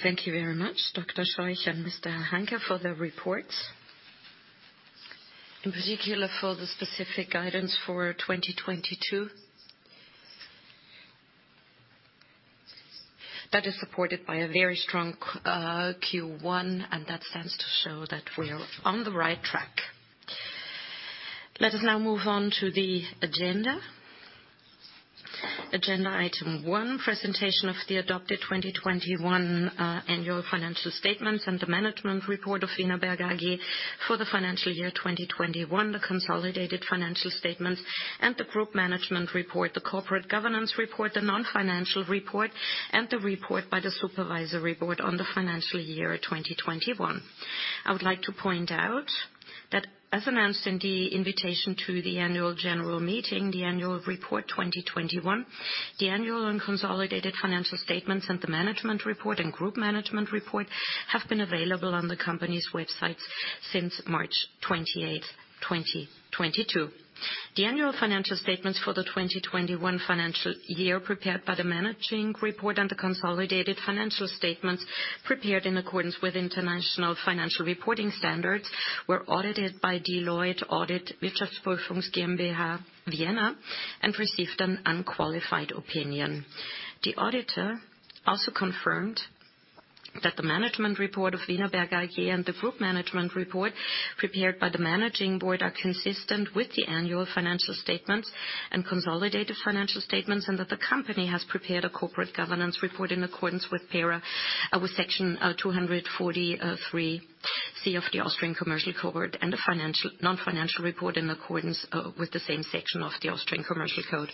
Thank you very much, Dr. Scheuch and Mr. Hanke, for the reports, in particular for the specific guidance for 2022. That is supported by a very strong Q1, and that stands to show that we are on the right track. Let us now move on to the agenda. Agenda item one, presentation of the adopted 2021 annual financial statements and the management report of Wienerberger AG for the financial year 2021, the consolidated financial statements and the group management report, the corporate governance report, the non-financial report, and the report by the supervisory board on the financial year 2021. I would like to point out that, as announced in the invitation to the annual general meeting, the annual report 2021, the annual and consolidated financial statements, and the management report and group management report, have been available on the company's websites since March 28, 2022. The annual financial statements for the 2021 financial year prepared by the managing board and the consolidated financial statements prepared in accordance with international financial reporting standards were audited by Deloitte Audit Wirtschaftsprüfungs GmbH, Vienna, and received an unqualified opinion. The auditor also confirmed that the management report of Wienerberger AG and the group management report prepared by the managing board are consistent with the annual financial statements and consolidated financial statements, and that the company has prepared a corporate governance report in accordance with paragraph, with section 243(c) of the Austrian Commercial Code, and a non-financial report in accordance with the same section of the Austrian Commercial Code.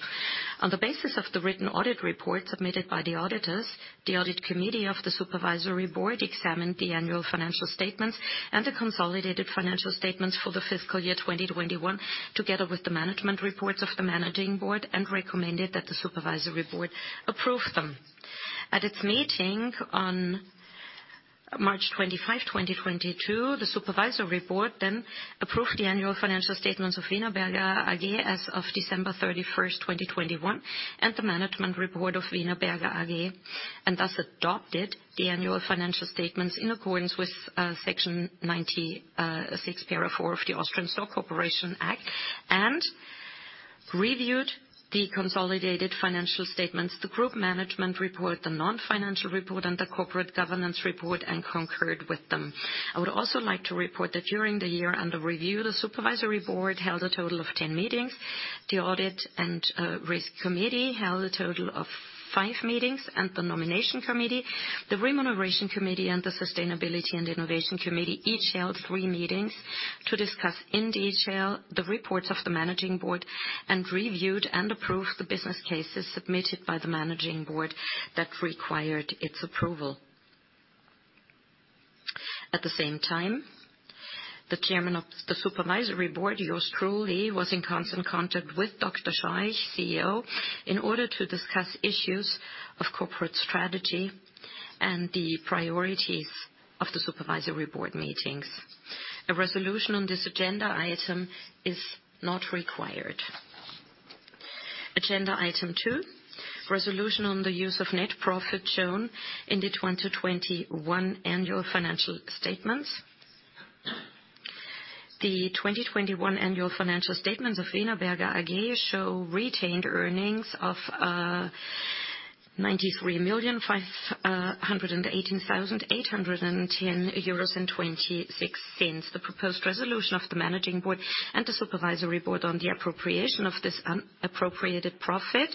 On the basis of the written audit report submitted by the auditors, the audit committee of the supervisory board examined the annual financial statements and the consolidated financial statements for the fiscal year 2021, together with the management reports of the managing board, and recommended that the supervisory board approve them. At its meeting on March 25, 2022, the supervisory board then approved the annual financial statements of Wienerberger AG as of December 31, 2021, and the management report of Wienerberger AG, and thus adopted the annual financial statements in accordance with section 96, Para. 4 of the Austrian Stock Corporation Act, and reviewed the consolidated financial statements, the group management report, the non-financial report, and the corporate governance report, and concurred with them. I would also like to report that during the year under review, the supervisory board held a total of 10 meetings. The audit and risk committee held a total of five meetings. The nomination committee, the remuneration committee, and the sustainability and innovation committee each held three meetings to discuss in detail the reports of the managing board and reviewed and approved the business cases submitted by the managing board that required its approval. At the same time, the chairman of the supervisory board, yours truly, was in constant contact with Dr. Scheuch, CEO, in order to discuss issues of corporate strategy and the priorities of the supervisory board meetings. A resolution on this agenda item is not required. Agenda Item 2, resolution on the use of net profit shown in the 2021 annual financial statements. The 2021 annual financial statements of Wienerberger AG show retained earnings of 93,518,810.26 euros. The proposed resolution of the managing board and the supervisory board on the appropriation of this un-appropriated profit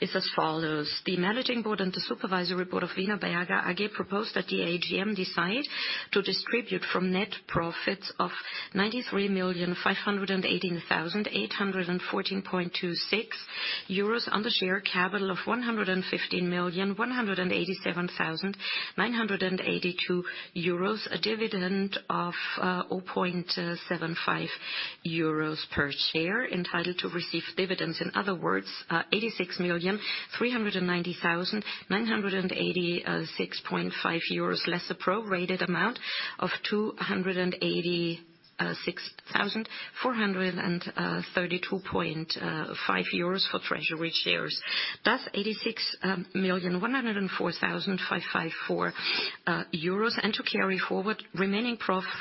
is as follows. The managing board and the supervisory board of Wienerberger AG propose that the AGM decide to distribute from net profits of 93,518,814.26 euros on the share capital of 115,187,982 euros, a dividend of 0.75 euros per share entitled to receive dividends. In other words, 86,390,986.5 euros, less a prorated amount of 286,432.5 euros for treasury shares. That's 86,104,554 euros, and to carry forward remaining profits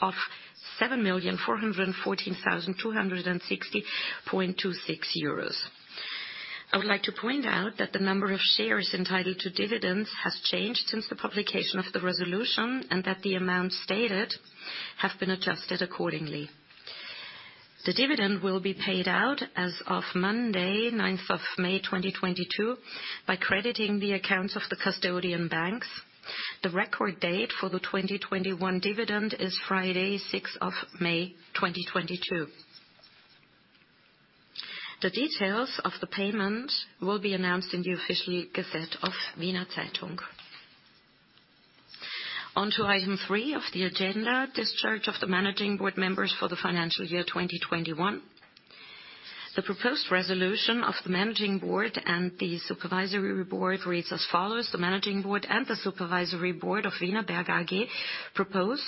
of 7,414,260.26 euros. I would like to point out that the number of shares entitled to dividends has changed since the publication of the resolution, and that the amounts stated have been adjusted accordingly. The dividend will be paid out as of Monday, ninth of May 2022, by crediting the accounts of the custodian banks. The record date for the 2021 dividend is Friday, sixth of May, 2022. The details of the payment will be announced in the official Gazette of Wiener Zeitung. On to item three of the agenda, discharge of the managing board members for the financial year 2021. The proposed resolution of the managing board and the supervisory board reads as follows: The managing board and the supervisory board of Wienerberger AG propose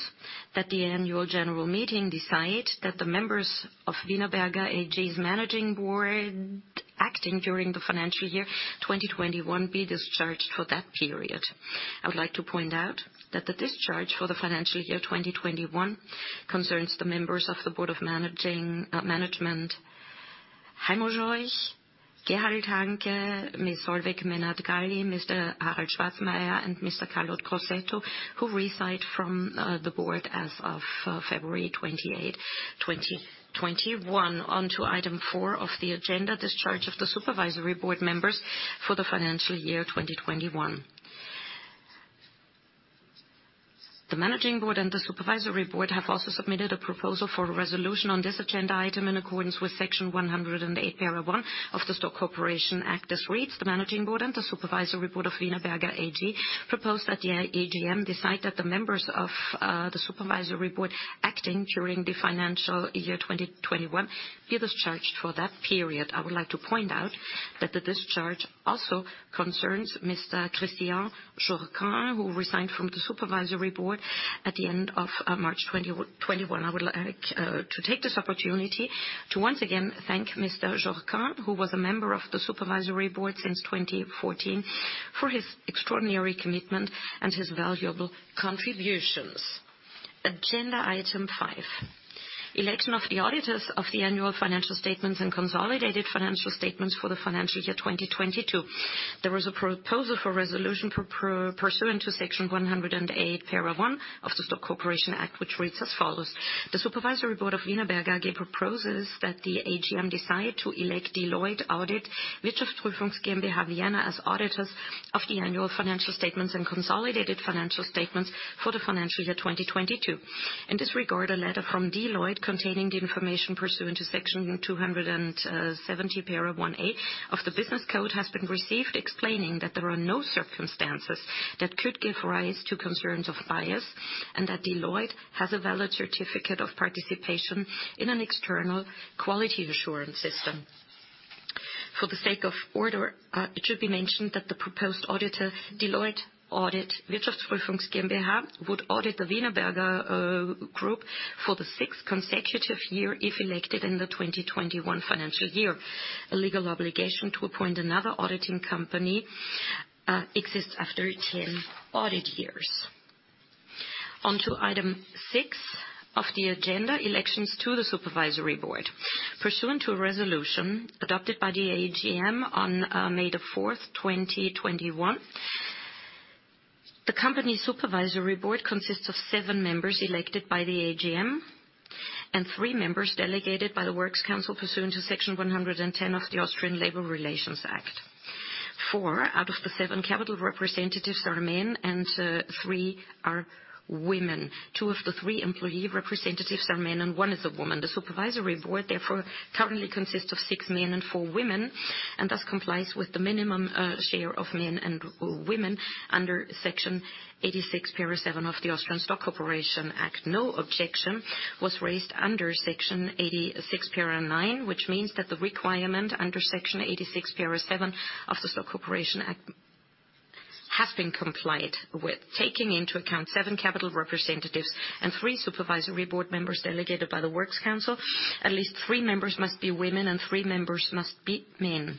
that the annual general meeting decide that the members of Wienerberger AG's managing board acting during the financial year 2021 be discharged for that period. I would like to point out that the discharge for the financial year 2021 concerns the members of the board of management, Heimo Scheuch, Gerhard Hanke, Ms. Solveig Menard-Galli, Mr. Harald Schwarzmayr, and Mr. Carlo Crosetto, who resigned from the board as of February 28, 2021. On to item four of the agenda, discharge of the supervisory board members for the financial year 2021. The managing board and the supervisory board have also submitted a proposal for a resolution on this agenda item in accordance with Section 108, Para. 1 of the Stock Corporation Act as reads: The managing board and the supervisory board of Wienerberger AG propose that the AGM decide that the members of the supervisory board acting during the financial year 2021 be discharged for that period. I would like to point out that the discharge also concerns Mr. Christian Jourquin, who resigned from the supervisory board at the end of March 2021. I would like to take this opportunity to once again thank Mr. Jourquin, who was a member of the supervisory board since 2014, for his extraordinary commitment and his valuable contributions. Agenda Item 5, election of the auditors of the annual financial statements and consolidated financial statements for the financial year 2022. There was a proposal for resolution pursuant to Section 108, Para. 1 of the Stock Corporation Act, which reads as follows. The supervisory board of Wienerberger AG proposes that the AGM decide to elect Deloitte Audit Wirtschaftsprüfungs GmbH, Vienna, as auditors of the annual financial statements and consolidated financial statements for the financial year 2022. In this regard, a letter from Deloitte containing the information pursuant to Section 270, Para. 1A of the Commercial Code has been received explaining that there are no circumstances that could give rise to concerns of bias, and that Deloitte has a valid certificate of participation in an external quality assurance system. For the sake of order, it should be mentioned that the proposed auditor, Deloitte Audit Wirtschaftsprüfungs GmbH, would audit the Wienerberger group for the sixth consecutive year if elected in the 2021 financial year. A legal obligation to appoint another auditing company exists after 10 audit years. On to Item 6 of the agenda, elections to the supervisory board. Pursuant to a resolution adopted by the AGM on May 4, 2021, the company's supervisory board consists of seven members elected by the AGM and three members delegated by the works council pursuant to Section 110 of the Austrian Labour Constitution Act. Four out of the seven capital representatives are men, and three are women. Two of the three employee representatives are men, and one is a woman. The supervisory board therefore currently consists of six men and four women, and thus complies with the minimum share of men and women under Section 86, Para. 7 of the Austrian Stock Corporation Act. No objection was raised under Section 86, Para. 9, which means that the requirement under Section 86, Para. 7 of the Stock Corporation Act has been complied with. Taking into account seven capital representatives and three supervisory board members delegated by the works council, at least three members must be women and three members must be men.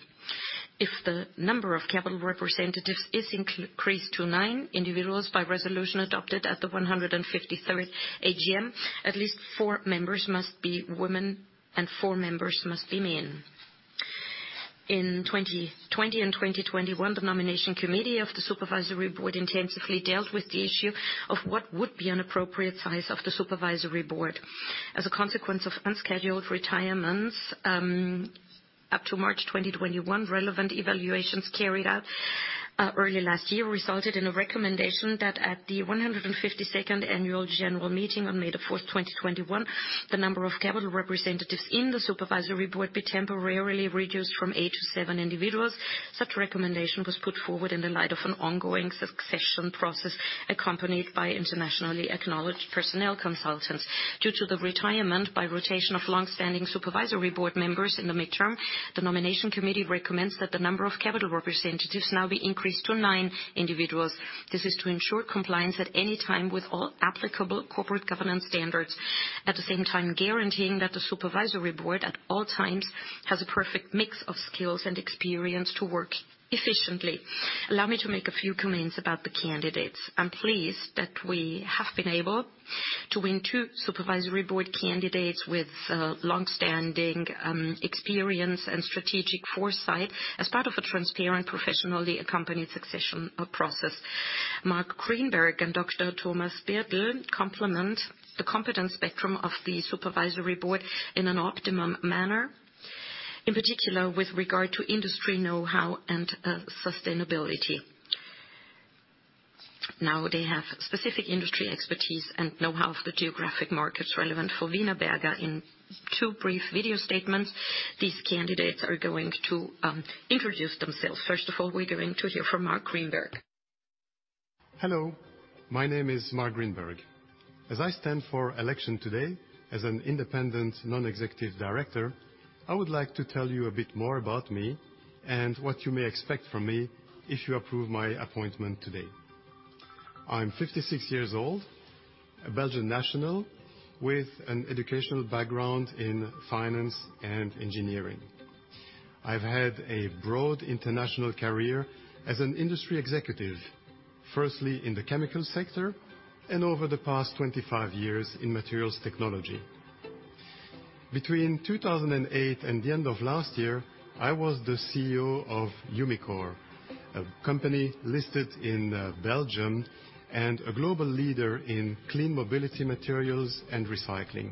If the number of capital representatives is increased to nine individuals by resolution adopted at the 153rd AGM, at least four members must be women and four members must be men. In 2020 and 2021, the Nomination Committee of the Supervisory Board intensively dealt with the issue of what would be an appropriate size of the Supervisory Board. As a consequence of unscheduled retirements, up to March 2021, relevant evaluations carried out early last year resulted in a recommendation that at the 152nd Annual General Meeting on May 4, 2021, the number of capital representatives in the Supervisory Board be temporarily reduced from eight to seven individuals. Such recommendation was put forward in the light of an ongoing succession process, accompanied by internationally acknowledged personnel consultants. Due to the retirement by rotation of long-standing Supervisory Board members in the midterm, the Nomination Committee recommends that the number of capital representatives now be increased to nine individuals. This is to ensure compliance at any time with all applicable corporate governance standards. At the same time, guaranteeing that the Supervisory Board, at all times, has a perfect mix of skills and experience to work efficiently. Allow me to make a few comments about the candidates. I'm pleased that we have been able to win two Supervisory Board candidates with long-standing experience and strategic foresight as part of a transparent, professionally accompanied succession process. Marc Grynberg and Dr. Thomas Birtel complement the competence spectrum of the Supervisory Board in an optimum manner. In particular, with regard to industry knowhow and sustainability. Now, they have specific industry expertise and knowhow of the geographic markets relevant for Wienerberger. In two brief video statements, these candidates are going to introduce themselves. First of all, we're going to hear from Marc Grynberg. Hello, my name is Marc Grynberg. As I stand for election today as an Independent Non-Executive Director, I would like to tell you a bit more about me and what you may expect from me if you approve my appointment today. I'm 56 years old, a Belgian national with an educational background in finance and engineering. I've had a broad international career as an industry executive. Firstly, in the chemical sector, and over the past 25 years in materials technology. Between 2008 and the end of last year, I was the CEO of Umicore, a company listed in Belgium and a global leader in clean mobility materials and recycling.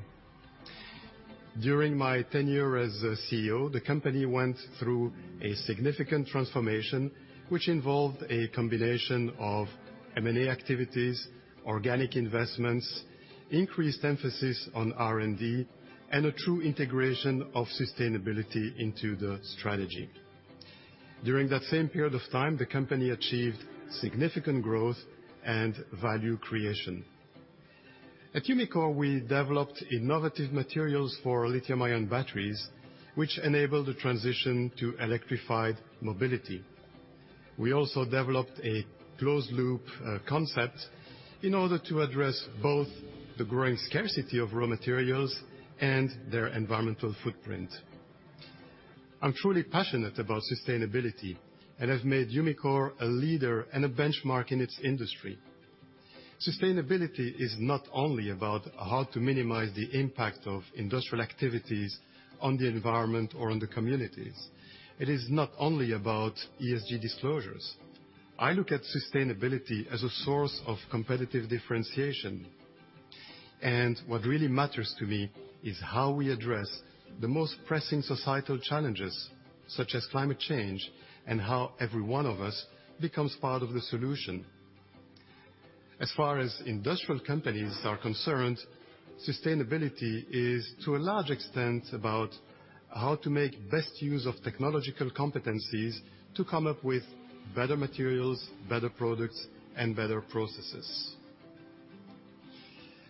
During my tenure as CEO, the company went through a significant transformation which involved a combination of M&A activities, organic investments, increased emphasis on R&D, and a true integration of sustainability into the strategy. During that same period of time, the company achieved significant growth and value creation. At Umicore, we developed innovative materials for lithium ion batteries, which enabled a transition to electrified mobility. We also developed a closed loop concept in order to address both the growing scarcity of raw materials and their environmental footprint. I'm truly passionate about sustainability and have made Umicore a leader and a benchmark in its industry. Sustainability is not only about how to minimize the impact of industrial activities on the environment or on the communities. It is not only about ESG disclosures. I look at sustainability as a source of competitive differentiation. What really matters to me is how we address the most pressing societal challenges, such as climate change, and how every one of us becomes part of the solution. As far as industrial companies are concerned, sustainability is to a large extent about how to make best use of technological competencies to come up with better materials, better products, and better processes.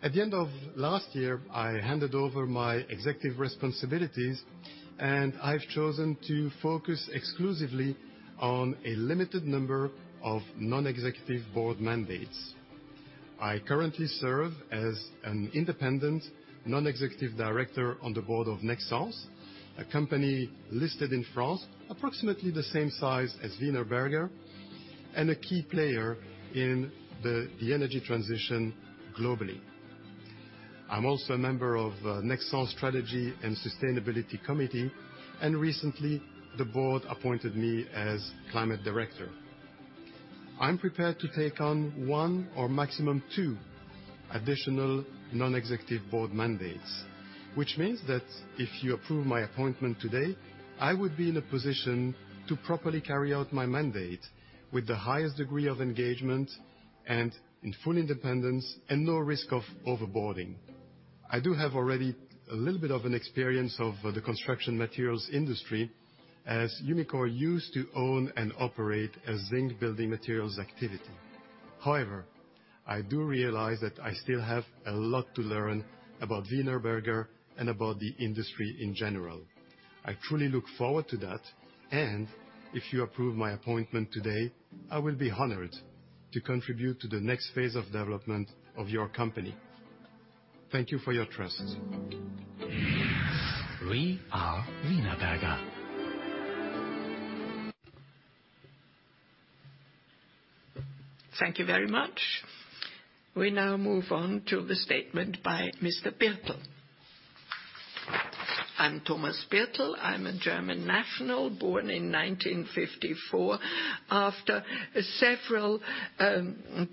At the end of last year, I handed over my executive responsibilities, and I've chosen to focus exclusively on a limited number of non-executive board mandates. I currently serve as an independent non-executive director on the board of Nexans, a company listed in France, approximately the same size as Wienerberger, and a key player in the energy transition globally. I'm also a member of Nexans' Strategy and Sustainability Committee, and recently the board appointed me as climate director. I'm prepared to take on one or maximum two additional non-executive board mandates. Which means that if you approve my appointment today, I would be in a position to properly carry out my mandate with the highest degree of engagement and in full independence and no risk of over-boarding. I do have already a little bit of an experience of the construction materials industry as Umicore used to own and operate a zinc building materials activity. However, I do realize that I still have a lot to learn about Wienerberger and about the industry in general. I truly look forward to that, and if you approve my appointment today, I will be honored to contribute to the next phase of development of your company. Thank you for your trust. Thank you very much. We now move on to the statement by Mr. Birtel. I'm Thomas Birtel. I'm a German national, born in 1954. After several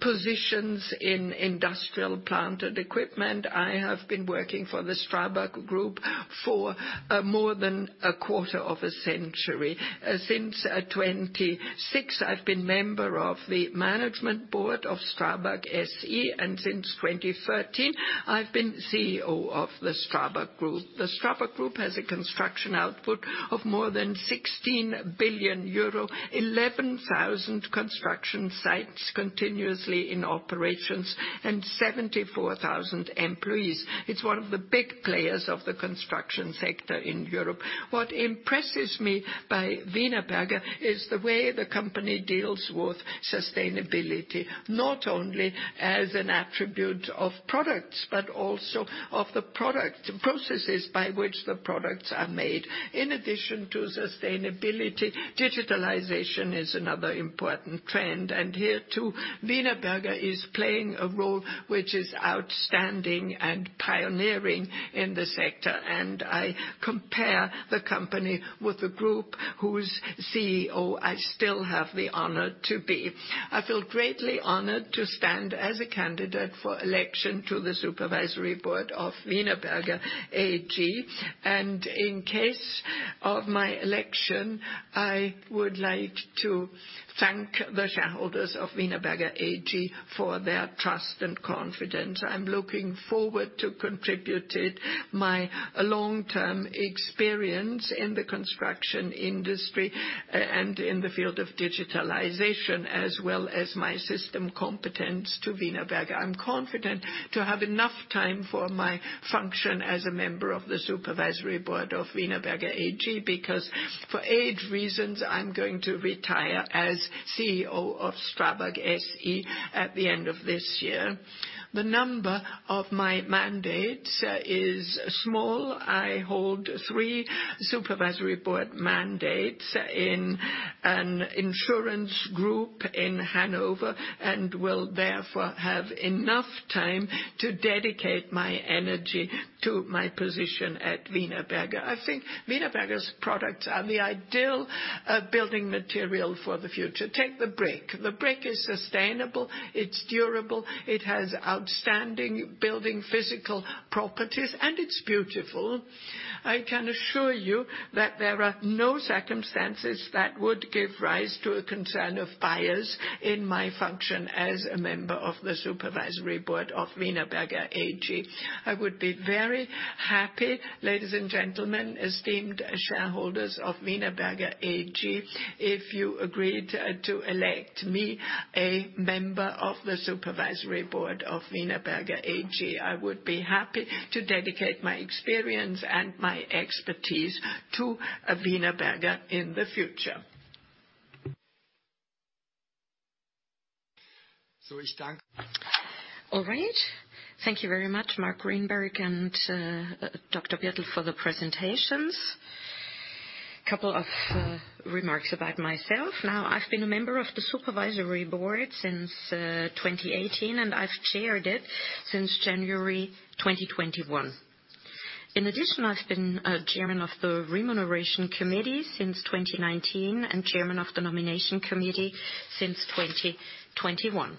positions in industrial plant and equipment, I have been working for the STRABAG Group for more than a quarter of a century. Since 2006, I've been member of the management board of STRABAG SE, and since 2013, I've been CEO of the STRABAG Group. The STRABAG Group has a construction output of more than 16 billion euro, 11,000 construction sites continuously in operations, and 74,000 employees. It's one of the big players of the construction sector in Europe. What impresses me about Wienerberger is the way the company deals with sustainability, not only as an attribute of products, but also of the production processes by which the products are made. In addition to sustainability, digitalization is another important trend, and here too, Wienerberger is playing a role which is outstanding and pioneering in the sector, and I compare the company with the group whose CEO I still have the honor to be. I feel greatly honored to stand as a candidate for election to the Supervisory Board of Wienerberger AG. In case of my election, I would like to thank the shareholders of Wienerberger AG for their trust and confidence. I'm looking forward to contributed my long term experience in the construction industry and in the field of digitalization as well as my system competence to Wienerberger. I'm confident to have enough time for my function as a member of the Supervisory Board of Wienerberger AG, because for age reasons, I'm going to retire as CEO of STRABAG SE at the end of this year. The number of my mandates is small. I hold three supervisory board mandates in an insurance group in Hanover, and will therefore have enough time to dedicate my energy to my position at Wienerberger. I think Wienerberger's products are the ideal building material for the future. Take the brick. The brick is sustainable, it's durable, it has outstanding building physics properties, and it's beautiful. I can assure you that there are no circumstances that would give rise to a conflict of interest in my function as a member of the supervisory board of Wienerberger AG. I would be very happy, ladies and gentlemen, esteemed shareholders of Wienerberger AG, if you agreed to elect me a member of the supervisory board of Wienerberger AG. I would be happy to dedicate my experience and my expertise to Wienerberger in the future. All right. Thank you very much, Marc Grynberg and Dr. Birtel for the presentations. Couple of remarks about myself. Now, I've been a member of the supervisory board since 2018, and I've chaired it since January 2021. In addition, I've been chairman of the Remuneration Committee since 2019, and chairman of the Nomination Committee since 2021.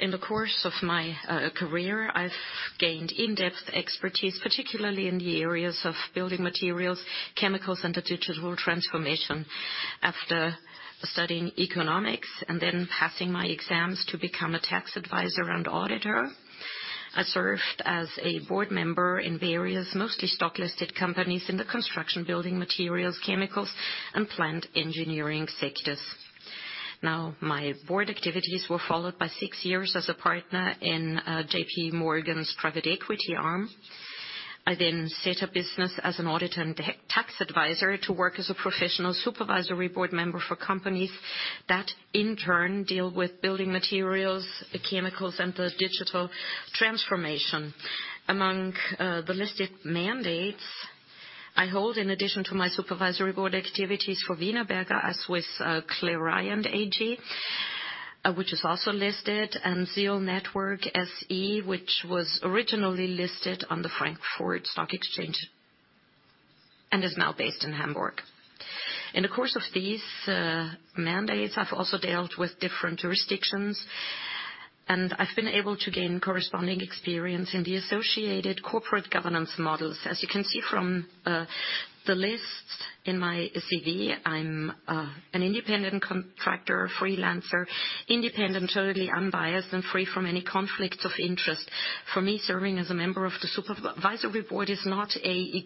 In the course of my career, I've gained in-depth expertise, particularly in the areas of building materials, chemicals, and the digital transformation. After studying economics and then passing my exams to become a tax advisor and auditor, I served as a board member in various, mostly stock-listed companies in the construction, building materials, chemicals, and plant engineering sectors. Now, my board activities were followed by six years as a partner in JPMorgan's private equity arm. I then set up a business as an auditor and a tax advisor to work as a professional supervisory board member for companies that in turn deal with building materials, chemicals, and the digital transformation. Among the listed mandates I hold in addition to my supervisory board activities for Wienerberger, as with Clariant AG, which is also listed, and ZEAL Network SE, which was originally listed on the Frankfurt Stock Exchange and is now based in Hamburg. In the course of these mandates, I've also dealt with different jurisdictions, and I've been able to gain corresponding experience in the associated corporate governance models. As you can see from the list in my CV, I'm an independent contractor, freelancer, independent, totally unbiased, and free from any conflicts of interest. For me, serving as a member of the supervisory board is not a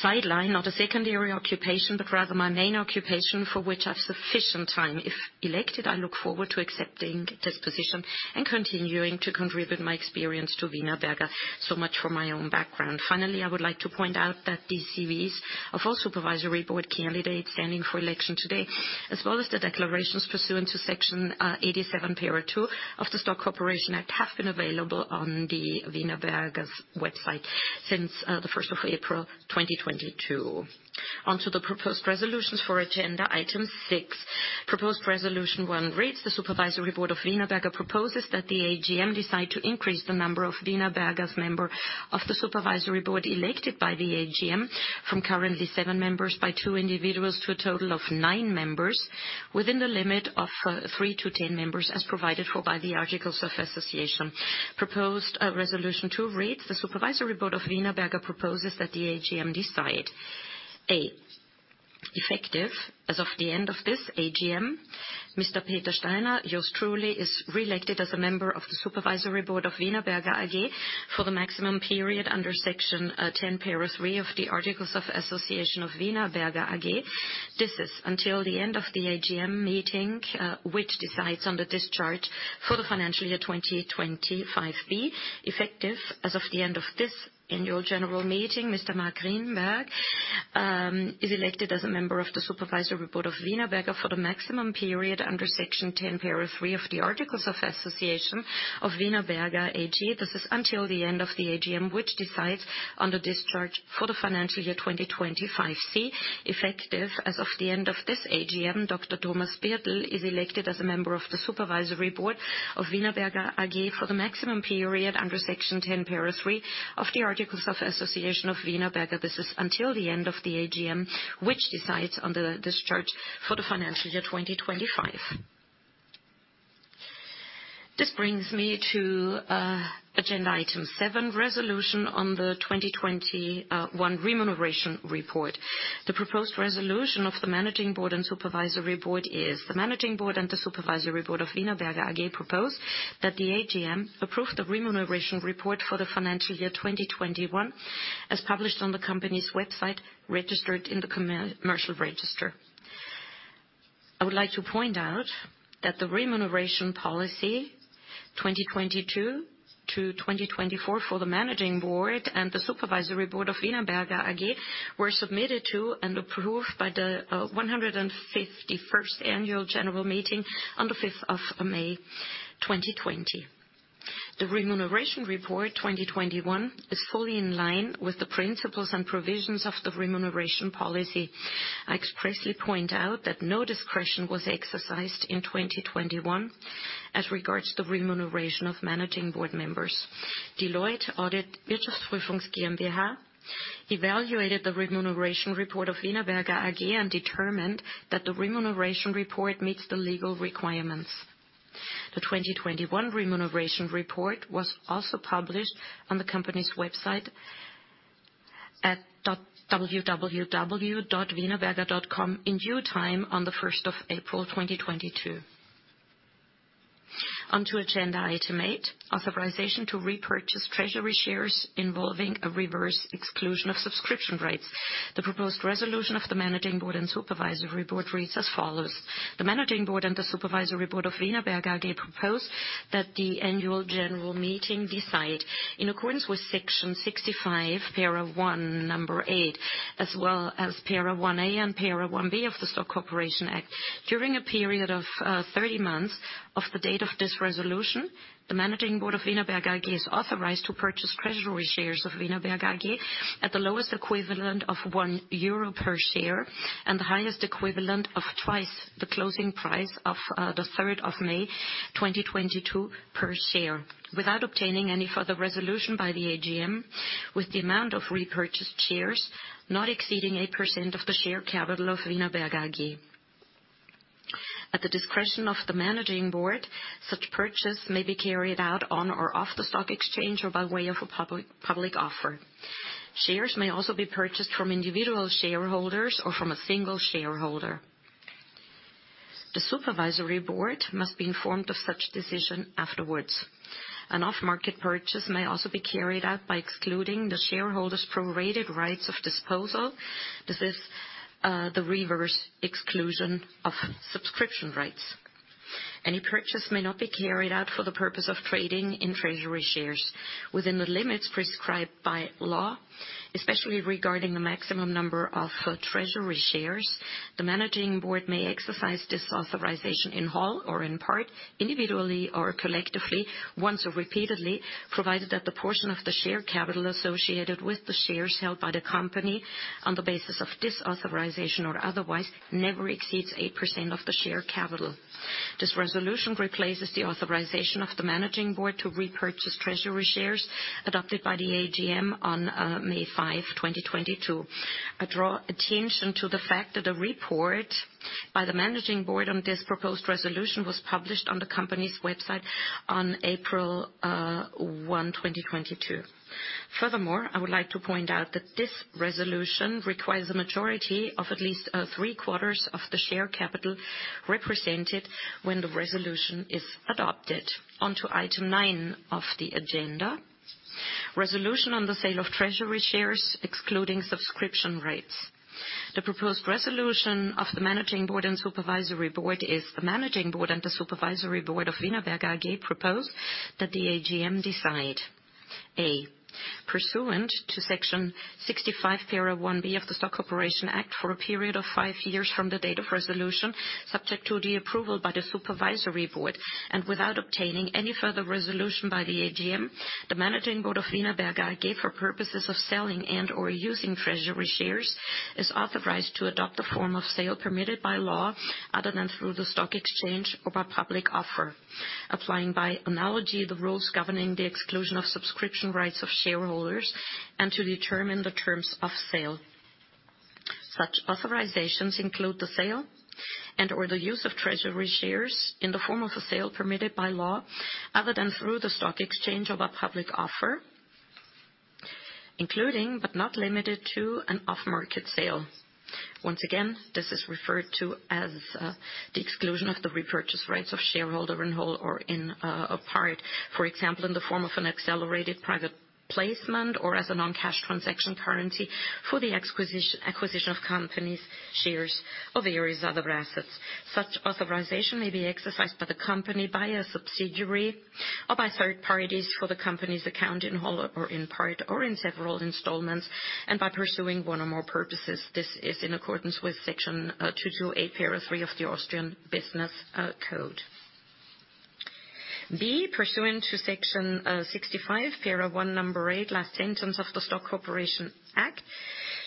sideline, not a secondary occupation, but rather my main occupation for which I have sufficient time. If elected, I look forward to accepting this position and continuing to contribute my experience to Wienerberger. Much for my own background. Finally, I would like to point out that these CVs of all supervisory board candidates standing for election today, as well as the declarations pursuant to Section 87, Para. 2 of the Stock Corporation Act have been available on the Wienerberger's website since the first of April 2022. Onto the proposed resolutions for agenda Item 6. Proposed resolution one reads, "The supervisory board of Wienerberger proposes that the AGM decide to increase the number of Wienerberger's members of the supervisory board elected by the AGM from currently seven members by two individuals to a total of nine members within the limit of three to 10 members as provided for by the articles of association." Proposed resolution two reads, "The supervisory board of Wienerberger proposes that the AGM decide, A, effective as of the end of this AGM, Mr. Peter Steiner, yours truly, is re-elected as a member of the supervisory board of Wienerberger AG for the maximum period under Section 10, Para. 3 of the articles of association of Wienerberger AG. This is until the end of the AGM meeting which decides on the discharge for the financial year 2025. B, effective as of the end of this annual general meeting, Mr. Marc Grynberg is elected as a member of the supervisory board of Wienerberger for the maximum period under Section 10, Para. 3 of the articles of association of Wienerberger AG. This is until the end of the AGM, which decides on the discharge for the financial year 2025. C, effective as of the end of this AGM, Dr. Thomas Birtel is elected as a member of the supervisory board of Wienerberger AG for the maximum period under Section 10, Para. 3 of the articles of association of Wienerberger. This is until the end of the AGM, which decides on the discharge for the financial year 2025. This brings me to agenda Item 7, resolution on the 2021 remuneration report. The proposed resolution of the managing board and supervisory board is the managing board and the supervisory board of Wienerberger AG propose that the AGM approve the remuneration report for the financial year 2021 as published on the company's website registered in the commercial register. I would like to point out that the remuneration policy 2022 to 2024 for the managing board and the supervisory board of Wienerberger AG were submitted to and approved by the 151st annual general meeting on the 5th of May, 2020. The remuneration report 2021 is fully in line with the principles and provisions of the remuneration policy. I expressly point out that no discretion was exercised in 2021 as regards to remuneration of managing board members. Now, onto agenda Item 8, authorization to repurchase treasury shares involving a reverse exclusion of subscription rights. The proposed resolution of the managing board and supervisory board reads as follows: The managing board and the supervisory board of Wienerberger AG propose that the annual general meeting decide, in accordance with Section 65, Para. 1, number 8, as well as Para. 1A and Para. 1B of the Stock Corporation Act, during a period of 30 months from the date of this resolution, the managing board of Wienerberger AG is authorized to purchase treasury shares of Wienerberger AG at the lowest equivalent of 1 euro per share and the highest equivalent of twice the closing price of the third of May 2022 per share. Without obtaining any further resolution by the AGM, with the amount of repurchased shares not exceeding 8% of the share capital of Wienerberger AG. At the discretion of the Managing Board, such purchase may be carried out on or off the stock exchange or by way of a public offer. Shares may also be purchased from individual shareholders or from a single shareholder. The Supervisory Board must be informed of such decision afterwards. An off-market purchase may also be carried out by excluding the shareholders' prorated rights of disposal. This is the reverse exclusion of subscription rights. Any purchase may not be carried out for the purpose of trading in treasury shares. Within the limits prescribed by law, especially regarding the maximum number of treasury shares, the managing board may exercise this authorization in whole or in part, individually or collectively, once or repeatedly, provided that the portion of the share capital associated with the shares held by the company on the basis of this authorization or otherwise never exceeds 8% of the share capital. This resolution replaces the authorization of the managing board to repurchase treasury shares adopted by the AGM on May 5, 2022. I draw attention to the fact that a report by the managing board on this proposed resolution was published on the company's website on April 1, 2022. Furthermore, I would like to point out that this resolution requires a majority of at least three-quarters of the share capital represented when the resolution is adopted. On to item nine of the agenda. Resolution on the sale of treasury shares, excluding subscription rates. The proposed resolution of the managing board and supervisory board is the managing board and the supervisory board of Wienerberger AG propose that the AGM decide A, pursuant to Section 65, Para. 1B of the Stock Corporation Act for a period of five years from the date of resolution, subject to the approval by the supervisory board, and without obtaining any further resolution by the AGM, the managing board of Wienerberger AG for purposes of selling and/or using treasury shares, is authorized to adopt a form of sale permitted by law other than through the stock exchange or by public offer. Applying by analogy the rules governing the exclusion of subscription rights of shareholders and to determine the terms of sale. Such authorizations include the sale and/or the use of treasury shares in the form of a sale permitted by law other than through the stock exchange of a public offer, including, but not limited to, an off-market sale. Once again, this is referred to as the exclusion of the repurchase rights of shareholder in whole or in a part. For example, in the form of an accelerated private placement or as a non-cash transaction currency for the acquisition of companies, shares of various other assets. Such authorization may be exercised by the company, by a subsidiary, or by third parties for the company's account in whole or in part, or in several installments, and by pursuing one or more purposes. This is in accordance with Section 228, Para 3 of the Austrian Commercial Code. Pursuant to Section 65, Para. 1, number 8, last sentence of the Stock Corporation Act.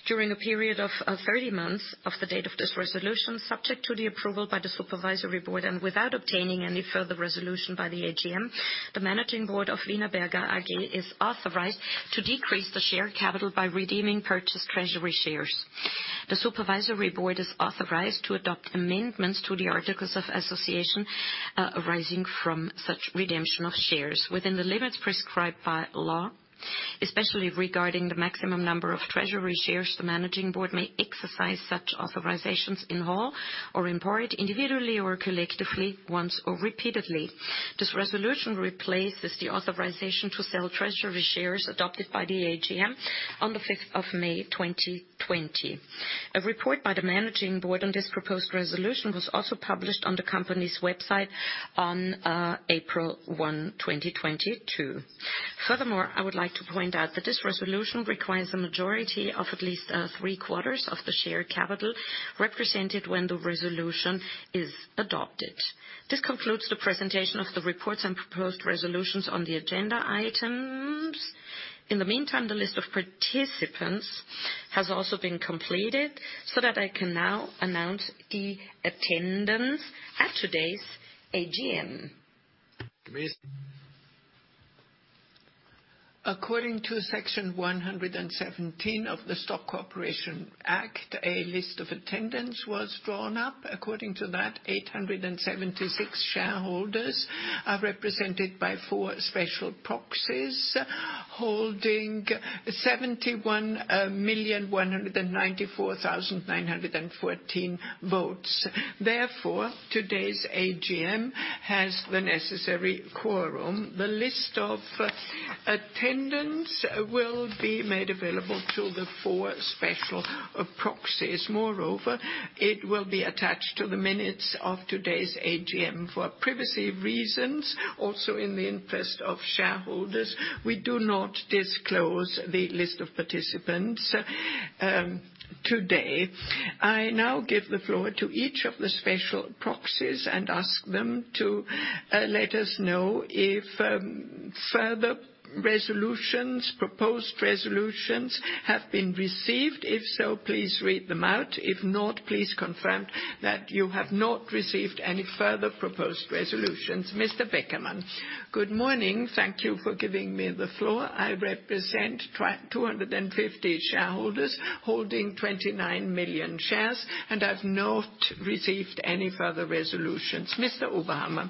During a period of 30 months from the date of this resolution, subject to the approval by the supervisory board and without obtaining any further resolution by the AGM, the managing board of Wienerberger AG is authorized to decrease the share capital by redeeming purchased treasury shares. The supervisory board is authorized to adopt amendments to the articles of association arising from such redemption of shares. Within the limits prescribed by law, especially regarding the maximum number of treasury shares, the managing board may exercise such authorizations in whole or in part, individually or collectively, once or repeatedly. This resolution replaces the authorization to sell treasury shares adopted by the AGM on May 5, 2020. A report by the Managing Board on this proposed resolution was also published on the company's website on April 1, 2022. Furthermore, I would like to point out that this resolution requires a majority of at least three-quarters of the share capital represented when the resolution is adopted. This concludes the presentation of the reports and proposed resolutions on the agenda items. In the meantime, the list of participants has also been completed so that I can now announce the attendance at today's AGM. According to Section 117 of the Stock Corporation Act, a list of attendance was drawn up. According to that, 876 shareholders are represented by four special proxies, holding 71,194,914 votes. Therefore, today's AGM has the necessary quorum. The list of attendance will be made available to the four special proxies. Moreover, it will be attached to the minutes of today's AGM. For privacy reasons, also in the interest of shareholders, we do not disclose the list of participants today. I now give the floor to each of the special proxies and ask them to let us know if further resolutions, proposed resolutions have been received. If so, please read them out. If not, please confirm that you have not received any further proposed resolutions. Mr. Beckermann. Good morning. Thank you for giving me the floor. I represent 250 shareholders holding 29 million shares, and I've not received any further resolutions. Mr. Oberhammer.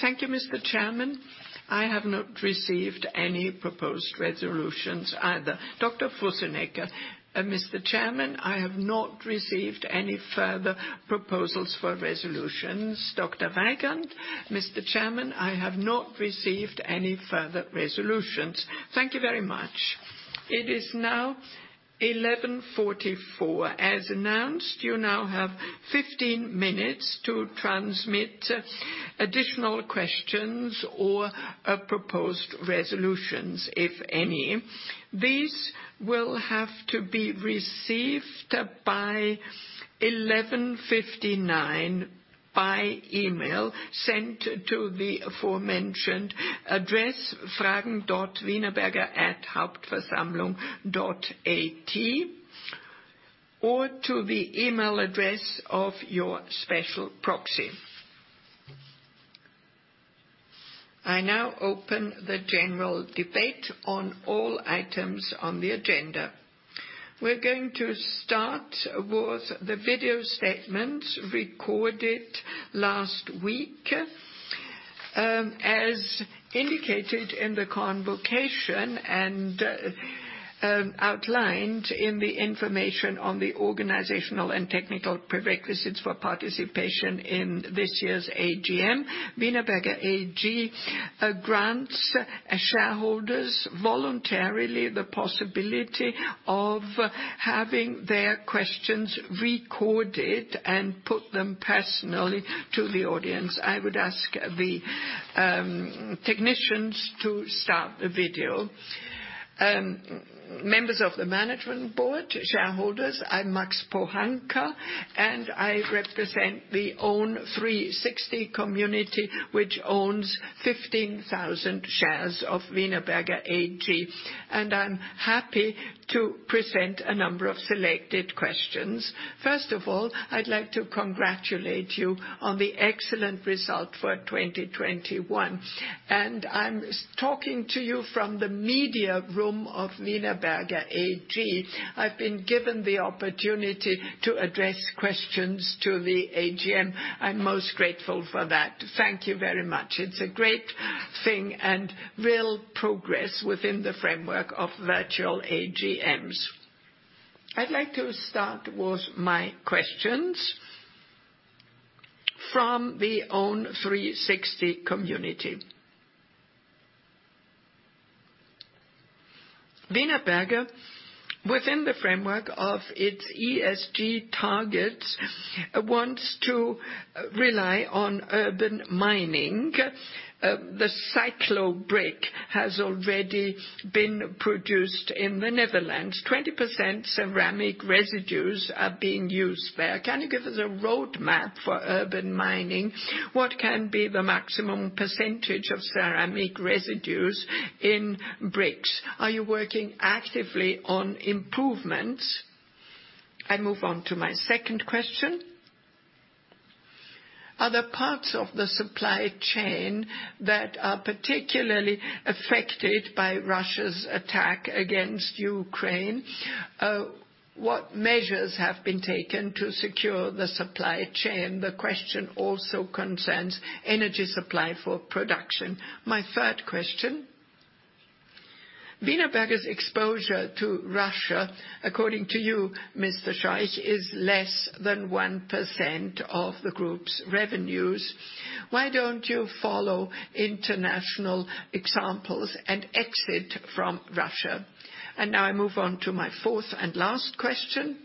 Thank you, Mr. Chairman. I have not received any proposed resolutions either. Dr. Fussenegger. Mr. Chairman, I have not received any further proposals for resolutions. Dr. Weigand. Mr. Chairman, I have not received any further resolutions. Thank you very much. It is now 11:44 A.M. As announced, you now have 15 minutes to transmit additional questions or proposed resolutions, if any. These will have to be received by 11:59 A.M. by email sent to the aforementioned address, fragen.wienerberger@hauptversammlung.at, or to the email address of your special proxy. I now open the general debate on all items on the agenda. We're going to start with the video statements recorded last week. As indicated in the convocation and outlined in the information on the organizational and technical prerequisites for participation in this year's AGM. Wienerberger AG grants shareholders voluntarily the possibility of having their questions recorded and put them personally to the audience. I would ask the technicians to start the video. Members of the management board, shareholders, I'm Max Pohanka, and I represent the Own360 community, which owns 15,000 shares of Wienerberger AG, and I'm happy to present a number of selected questions. First of all, I'd like to congratulate you on the excellent result for 2021. I'm talking to you from the media room of Wienerberger AG. I've been given the opportunity to address questions to the AGM. I'm most grateful for that. Thank you very much. It's a great thing and real progress within the framework of virtual AGMs. I'd like to start with my questions. From the Own360 community. Wienerberger, within the framework of its ESG targets, wants to rely on urban mining. The CicloBrick has already been produced in the Netherlands. 20% ceramic residues are being used there. Can you give us a roadmap for urban mining? What can be the maximum percentage of ceramic residues in bricks? Are you working actively on improvements? I move on to my second question. Are there parts of the supply chain that are particularly affected by Russia's attack against Ukraine? What measures have been taken to secure the supply chain? The question also concerns energy supply for production. My third question, Wienerberger's exposure to Russia, according to you, Mr. Scheuch, is less than 1% of the group's revenues. Why don't you follow international examples and exit from Russia? Now I move on to my fourth and last question.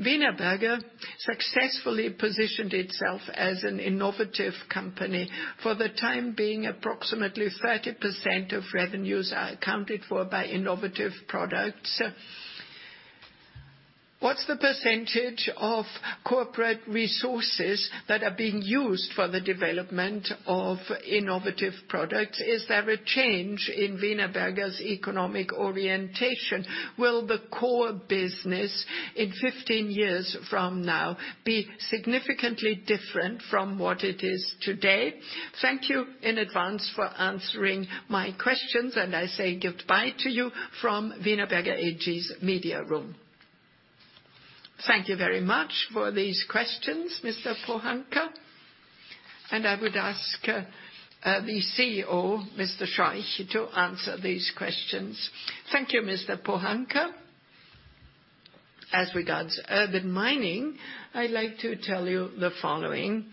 Wienerberger successfully positioned itself as an innovative company. For the time being, approximately 30% of revenues are accounted for by innovative products. What's the percentage of corporate resources that are being used for the development of innovative products? Is there a change in Wienerberger's economic orientation? Will the core business in 15 years from now be significantly different from what it is today? Thank you in advance for answering my questions, and I say goodbye to you from Wienerberger AG's media room. Thank you very much for these questions, Mr. Pohanka. I would ask the CEO, Mr. Scheuch, to answer these questions. Thank you, Mr. Pohanka. As regards urban mining, I'd like to tell you the following.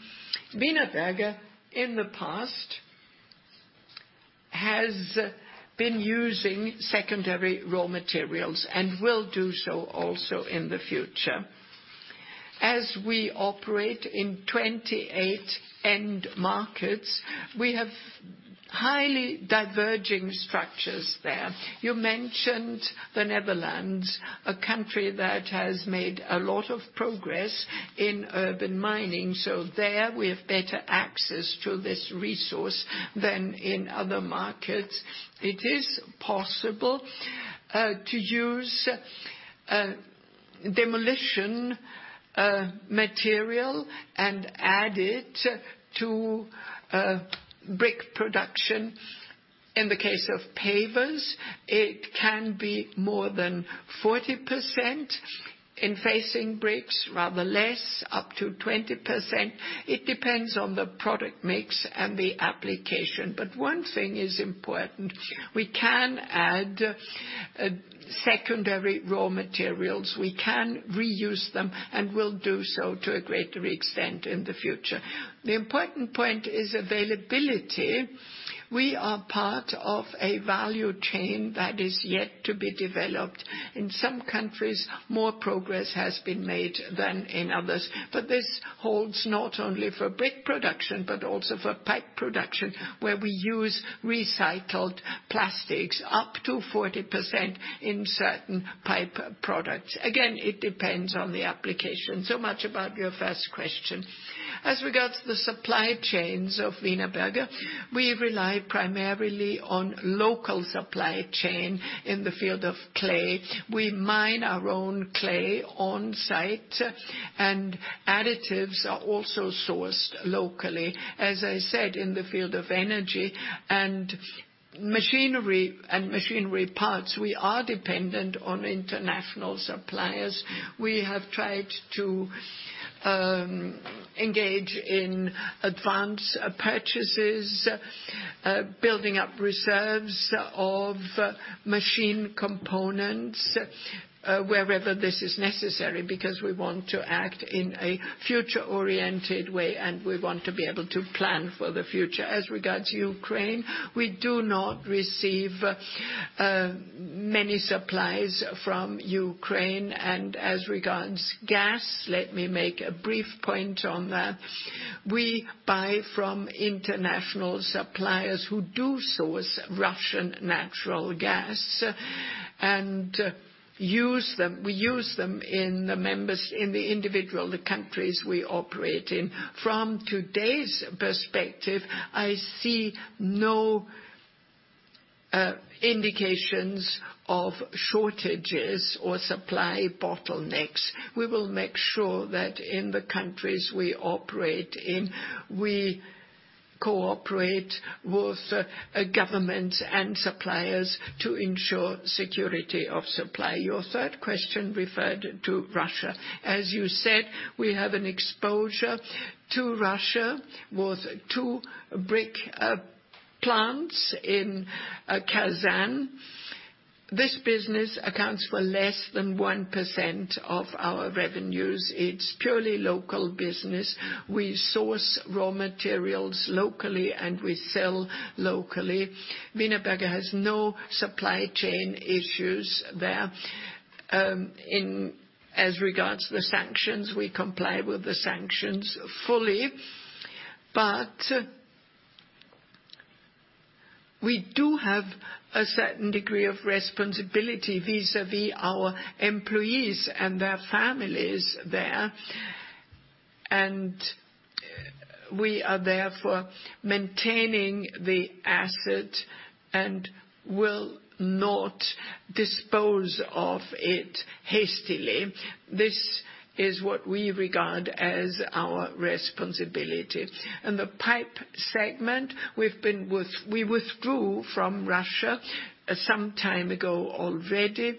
Wienerberger, in the past, has been using secondary raw materials and will do so also in the future. As we operate in 28 end markets, we have highly diverging structures there. You mentioned the Netherlands, a country that has made a lot of progress in urban mining, so there we have better access to this resource than in other markets. It is possible to use demolition material and add it to brick production. In the case of pavers, it can be more than 40%. In facing bricks, rather less, up to 20%. It depends on the product mix and the application. But one thing is important, we can add secondary raw materials, we can reuse them, and will do so to a greater extent in the future. The important point is availability. We are part of a value chain that is yet to be developed. In some countries, more progress has been made than in others. This holds not only for brick production, but also for pipe production, where we use recycled plastics, up to 40% in certain pipe products. Again, it depends on the application. Much about your first question. As regards to the supply chains of Wienerberger, we rely primarily on local supply chain in the field of clay. We mine our own clay on-site, and additives are also sourced locally. As I said, in the field of energy and machinery and machinery parts, we are dependent on international suppliers. We have tried to engage in advance purchases. Building up reserves of machine components, wherever this is necessary, because we want to act in a future-oriented way, and we want to be able to plan for the future. As regards Ukraine, we do not receive many supplies from Ukraine. As regards gas, let me make a brief point on that. We buy from international suppliers who do source Russian natural gas and use them. We use them in the individual countries we operate in. From today's perspective, I see no indications of shortages or supply bottlenecks. We will make sure that in the countries we operate in, we cooperate with governments and suppliers to ensure security of supply. Your third question referred to Russia. As you said, we have an exposure to Russia with two brick plants in Kazan. This business accounts for less than 1% of our revenues. It's purely local business. We source raw materials locally, and we sell locally. Wienerberger has no supply chain issues there. As regards the sanctions, we comply with the sanctions fully. We do have a certain degree of responsibility vis-à-vis our employees and their families there. We are therefore maintaining the asset and will not dispose of it hastily. This is what we regard as our responsibility. In the pipe segment, we withdrew from Russia some time ago already.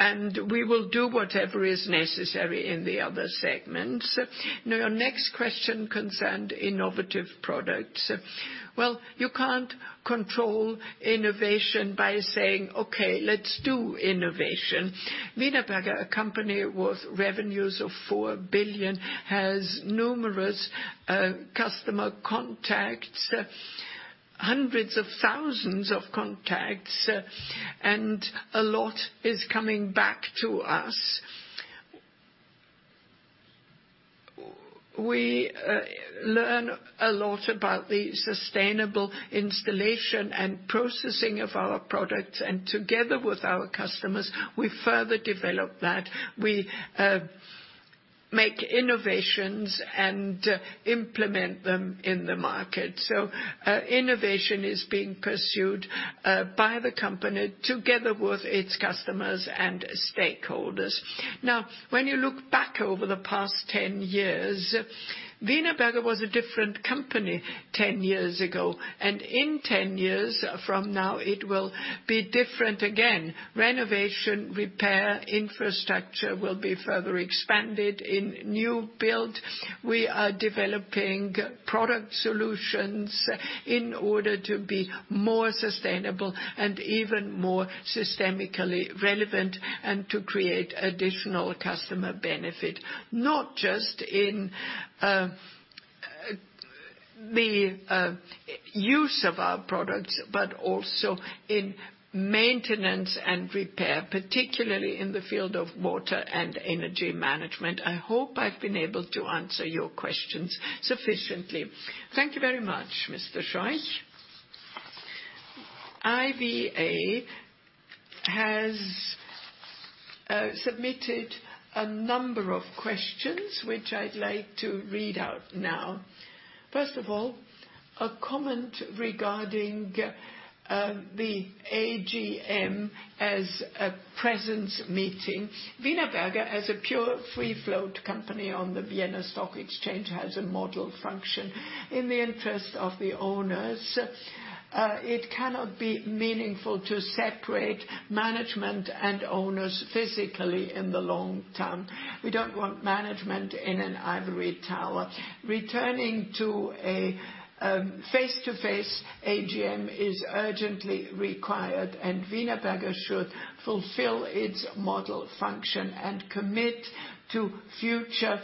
We will do whatever is necessary in the other segments. Now, your next question concerned innovative products. Well, you can't control innovation by saying, "Okay, let's do innovation." Wienerberger, a company with revenues of 4 billion, has numerous customer contacts, hundreds of thousands of contacts, and a lot is coming back to us. We learn a lot about the sustainable installation and processing of our products. Together with our customers, we further develop that. We make innovations and implement them in the market. Innovation is being pursued by the company together with its customers and stakeholders. When you look back over the past 10 years, Wienerberger was a different company 10 years ago, and in 10 years from now it will be different again. Renovation, repair, infrastructure will be further expanded. In new build, we are developing product solutions in order to be more sustainable and even more systemically relevant and to create additional customer benefit, not just in the use of our products, but also in maintenance and repair, particularly in the field of water and energy management. I hope I've been able to answer your questions sufficiently. Thank you very much, Mr. Scheuch. IVA has submitted a number of questions which I'd like to read out now. First of all, a comment regarding the AGM as a presence meeting. Wienerberger, as a pure free float company on the Vienna Stock Exchange, has a model function. In the interest of the owners, it cannot be meaningful to separate management and owners physically in the long term. We don't want management in an ivory tower. Returning to a face-to-face AGM is urgently required, and Wienerberger should fulfill its model function and commit to future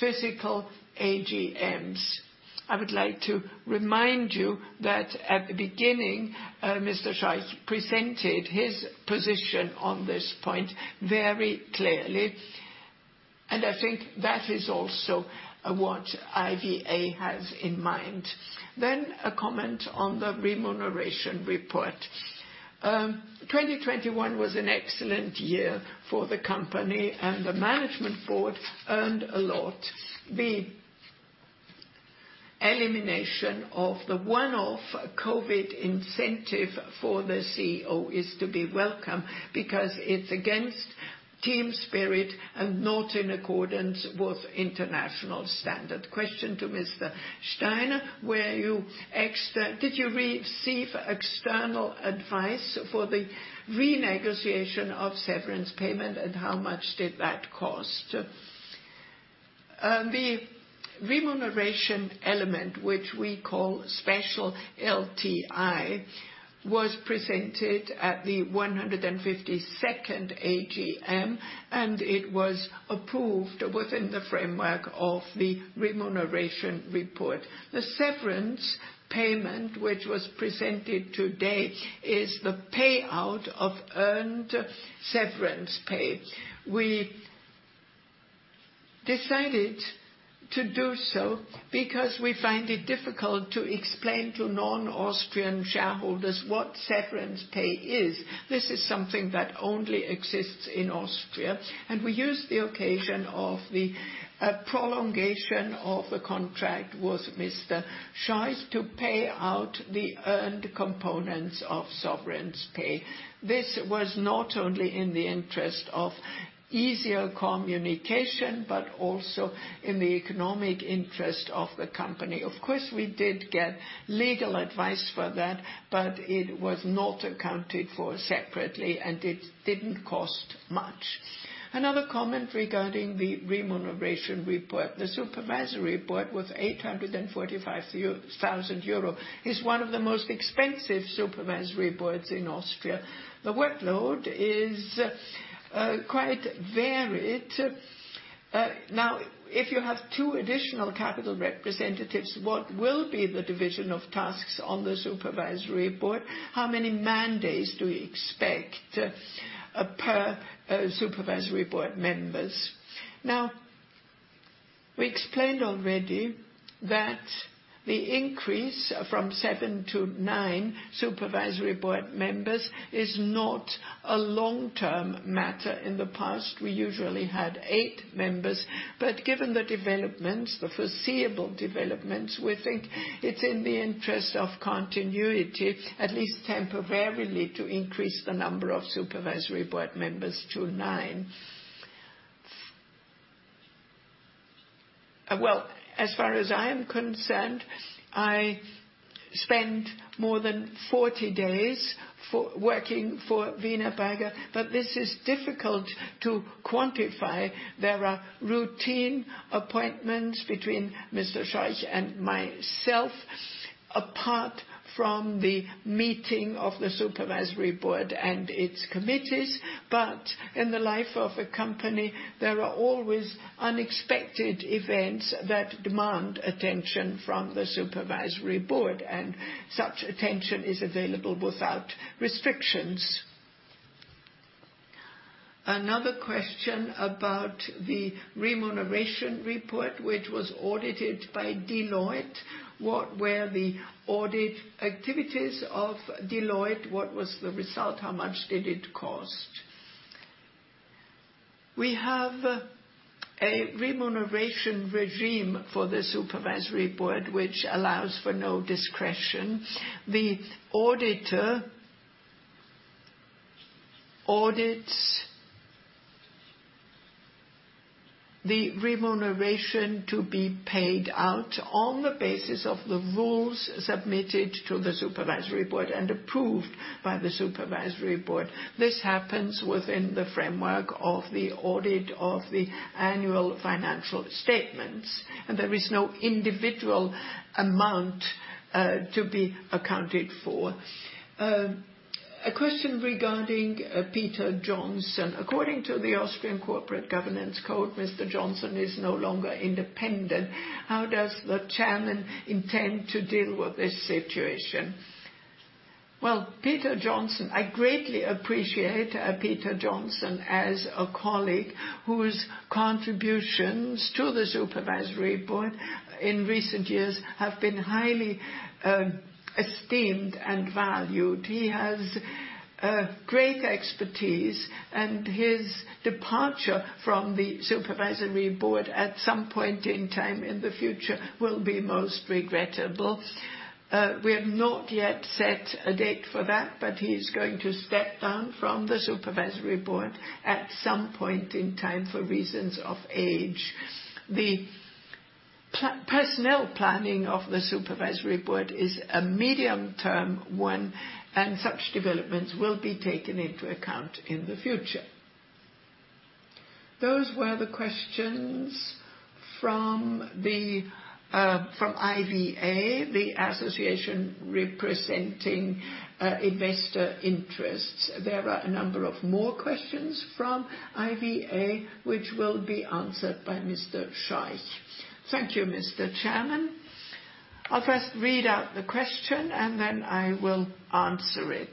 physical AGMs. I would like to remind you that at the beginning, Mr. Scheuch presented his position on this point very clearly, and I think that is also what IVA has in mind. A comment on the remuneration report. 2021 was an excellent year for the company, and the management board earned a lot. The elimination of the one-off COVID incentive for the CEO is to be welcome because it's against team spirit and not in accordance with international standard. Question to Mr. Steiner, did you receive external advice for the renegotiation of severance payment, and how much did that cost? The remuneration element, which we call special LTI, was presented at the 152nd AGM, and it was approved within the framework of the remuneration report. The severance payment which was presented today is the payout of earned severance pay. We decided to do so because we find it difficult to explain to non-Austrian shareholders what severance pay is. This is something that only exists in Austria. We used the occasion of the prolongation of the contract with Mr. Scheuch to pay out the earned components of severance pay. This was not only in the interest of easier communication, but also in the economic interest of the company. Of course, we did get legal advice for that, but it was not accounted for separately, and it didn't cost much. Another comment regarding the remuneration report. The supervisory board, with 845,000 euros, is one of the most expensive supervisory boards in Austria. The workload is quite varied. Now, if you have two additional capital representatives, what will be the division of tasks on the supervisory board? How many man days do you expect per supervisory board members? Now, we explained already that the increase from 7-9 supervisory board members is not a long-term matter. In the past, we usually had eight members. Given the developments, the foreseeable developments, we think it's in the interest of continuity, at least temporarily, to increase the number of supervisory board members to nine. Well, as far as I am concerned, I spend more than 40 days working for Wienerberger, but this is difficult to quantify. There are routine appointments between Mr. Scheuch and myself, apart from the meeting of the supervisory board and its committees. In the life of a company, there are always unexpected events that demand attention from the supervisory board, and such attention is available without restrictions. Another question about the remuneration report, which was audited by Deloitte. What were the audit activities of Deloitte? What was the result? How much did it cost? We have a remuneration regime for the supervisory board, which allows for no discretion. The auditor audits the remuneration to be paid out on the basis of the rules submitted to the supervisory board and approved by the supervisory board. This happens within the framework of the audit of the annual financial statements, and there is no individual amount to be accounted for. A question regarding Peter Johnson. According to the Austrian Code of Corporate Governance, Mr. Johnson is no longer independent. How does the Chairman intend to deal with this situation? Well, Peter Johnson, I greatly appreciate Peter Johnson as a colleague whose contributions to the Supervisory Board in recent years have been highly esteemed and valued. He has great expertise, and his departure from the Supervisory Board at some point in time in the future will be most regrettable. We have not yet set a date for that, but he's going to step down from the Supervisory Board at some point in time for reasons of age. The personnel planning of the supervisory board is a medium-term one, and such developments will be taken into account in the future. Those were the questions from IVA, the association representing investor interests. There are a number of more questions from IVA, which will be answered by Mr. Scheuch. Thank you, Mr. Chairman. I'll first read out the question, and then I will answer it,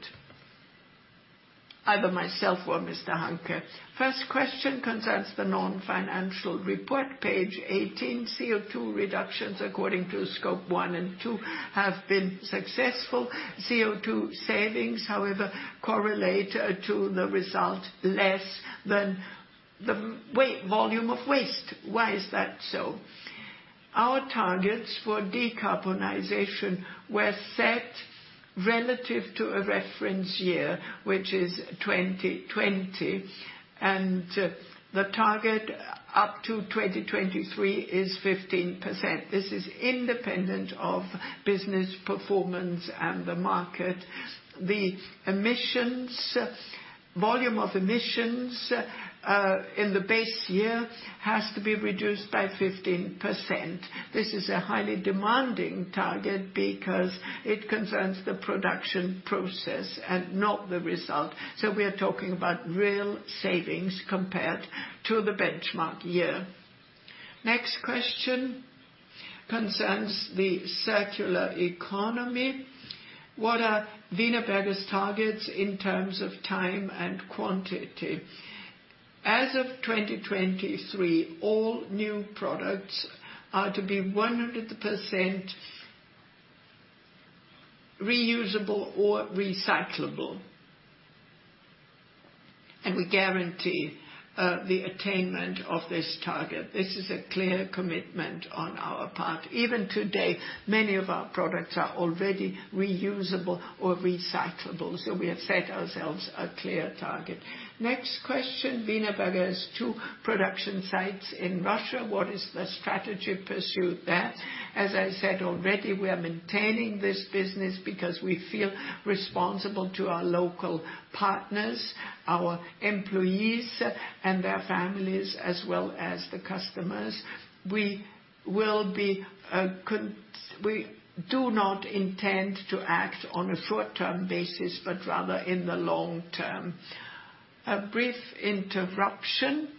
either myself or Mr. Hanke. First question concerns the non-financial report, page 18. CO2 reductions, according to Scope 1 and 2, have been successful. CO2 savings, however, correlate to the result less than the volume of waste. Why is that so? Our targets for decarbonization were set relative to a reference year, which is 2020, and the target up to 2023 is 15%. This is independent of business performance and the market. The volume of emissions in the base year has to be reduced by 15%. This is a highly demanding target because it concerns the production process and not the result. We are talking about real savings compared to the benchmark year. Next question concerns the circular economy. What are Wienerberger's targets in terms of time and quantity? As of 2023, all new products are to be 100% reusable or recyclable. We guarantee the attainment of this target. This is a clear commitment on our part. Even today, many of our products are already reusable or recyclable, so we have set ourselves a clear target. Next question. Wienerberger has two production sites in Russia. What is the strategy pursued there? As I said already, we are maintaining this business because we feel responsible to our local partners, our employees and their families, as well as the customers. We do not intend to act on a short-term basis, but rather in the long term. A brief interruption.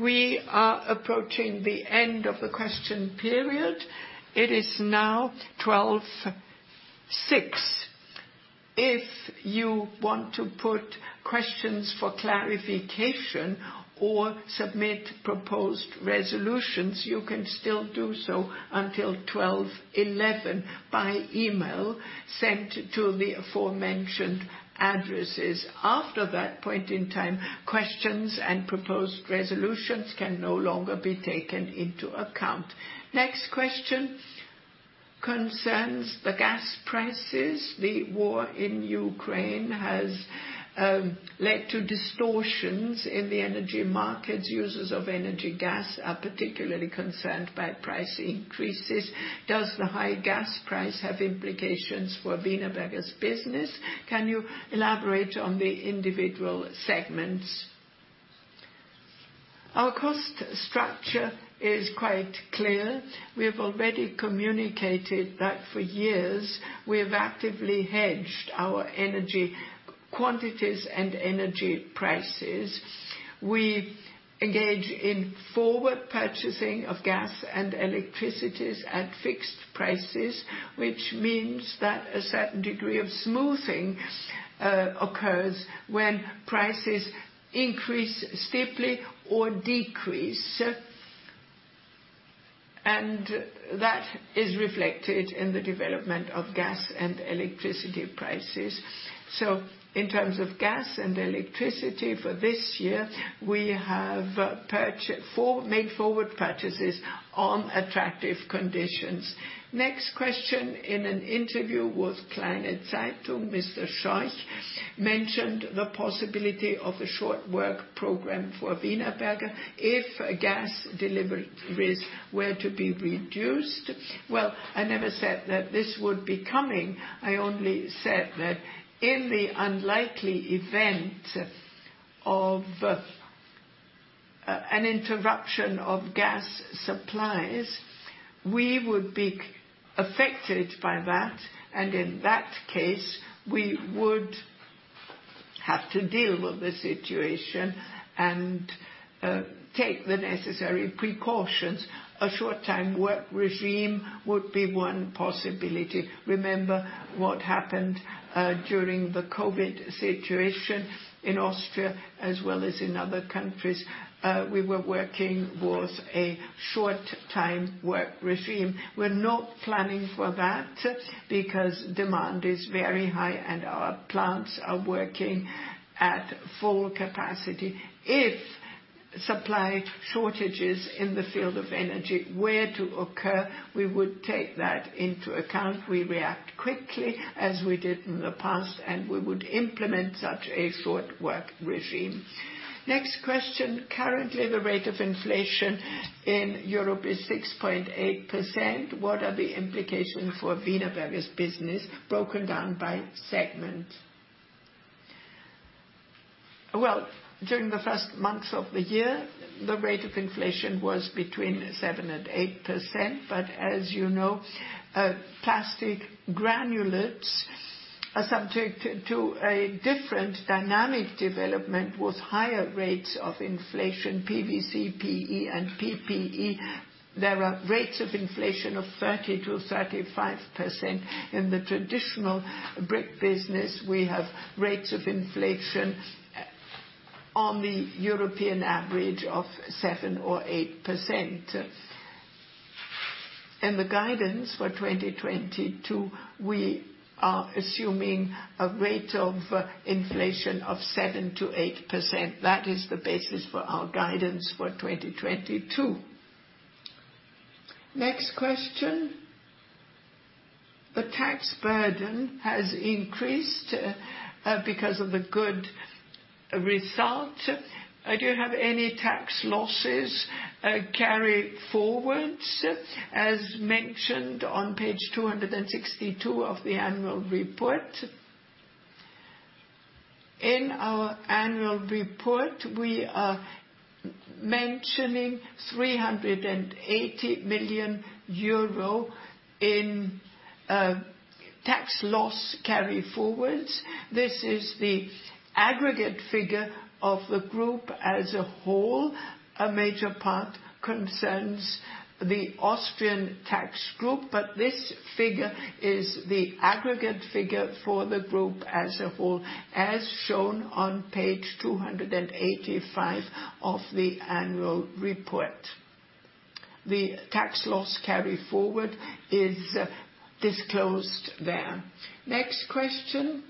We are approaching the end of the question period. It is now 12:06 PM. If you want to put questions for clarification or submit proposed resolutions, you can still do so until 12:11 PM by email sent to the aforementioned addresses. After that point in time, questions and proposed resolutions can no longer be taken into account. Next question concerns the gas prices. The war in Ukraine has led to distortions in the energy markets. Users of energy gas are particularly concerned by price increases. Does the high gas price have implications for Wienerberger's business? Can you elaborate on the individual segments? Our cost structure is quite clear. We have already communicated that for years. We have actively hedged our energy quantities and energy prices. We engage in forward purchasing of gas and electricity at fixed prices, which means that a certain degree of smoothing occurs when prices increase steeply or decrease. That is reflected in the development of gas and electricity prices. In terms of gas and electricity for this year, we have made forward purchases on attractive conditions. Next question, in an interview with Kleine Zeitung, Mr. Scheuch mentioned the possibility of a short work program for Wienerberger if gas deliveries were to be reduced. Well, I never said that this would be coming. I only said that in the unlikely event of an interruption of gas supplies, we would be affected by that, and in that case, we would have to deal with the situation and take the necessary precautions. A short time work regime would be one possibility. Remember what happened during the COVID situation in Austria as well as in other countries. We were working with a short time work regime. We're not planning for that because demand is very high and our plants are working at full capacity. If supply shortages in the field of energy were to occur, we would take that into account. We react quickly, as we did in the past, and we would implement such a short work regime. Next question. Currently the rate of inflation in Europe is 6.8%. What are the implications for Wienerberger's business broken down by segment? Well, during the first months of the year, the rate of inflation was between 7% and 8%, but as you know, plastic granulates are subject to a different dynamic development with higher rates of inflation, PVC, PE, and PP. There are rates of inflation of 30%-35%. In the traditional brick business, we have rates of inflation on the European average of 7% or 8%. In the guidance for 2022, we are assuming a rate of inflation of 7%-8%. That is the basis for our guidance for 2022. Next question. The tax burden has increased because of the good result. I don't have any tax losses carry forwards. As mentioned on page 262 of the annual report. In our annual report, we are mentioning EUR 380 million in tax loss carry forwards. This is the aggregate figure of the group as a whole. A major part concerns the Austrian tax group, but this figure is the aggregate figure for the group as a whole, as shown on page 285 of the annual report. The tax loss carry forward is disclosed there. Next question.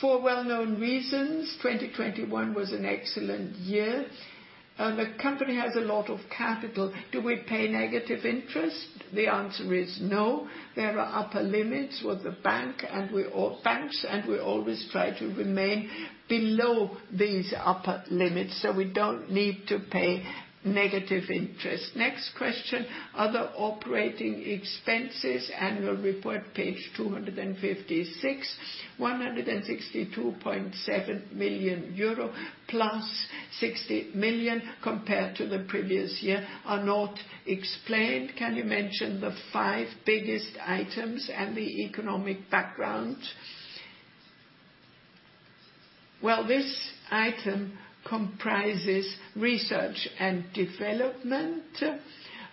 For well-known reasons, 2021 was an excellent year. The company has a lot of capital. Do we pay negative interest? The answer is no. There are upper limits with the banks, and we always try to remain below these upper limits, so we don't need to pay negative interest. Next question. Other operating expenses, annual report page 256. 162.7 million euro plus 60 million compared to the previous year are not explained. Can you mention the five biggest items and the economic background? Well, this item comprises research and development,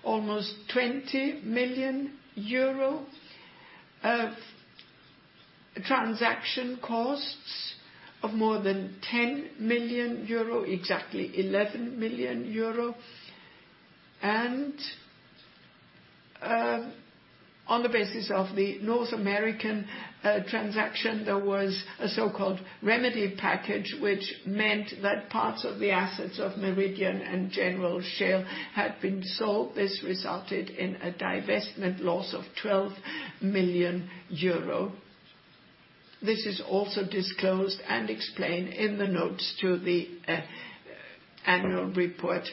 almost EUR 20 million of transaction costs of more than 10 million euro, exactly 11 million euro. On the basis of the North American transaction, there was a so-called remedy package, which meant that parts of the assets of Meridian Brick and General Shale had been sold. This resulted in a divestment loss of 12 million euro. This is also disclosed and explained in the notes to the annual report.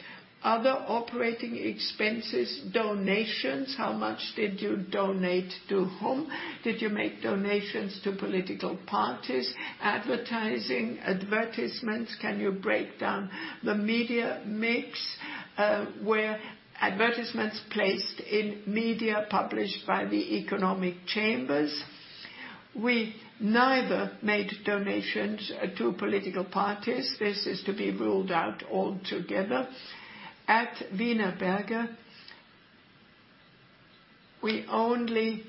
Other operating expenses, donations, how much did you donate to whom? Did you make donations to political parties? Advertising, advertisements, can you break down the media mix, were advertisements placed in media published by the economic chambers? We neither made donations to political parties. This is to be ruled out altogether. At Wienerberger, we only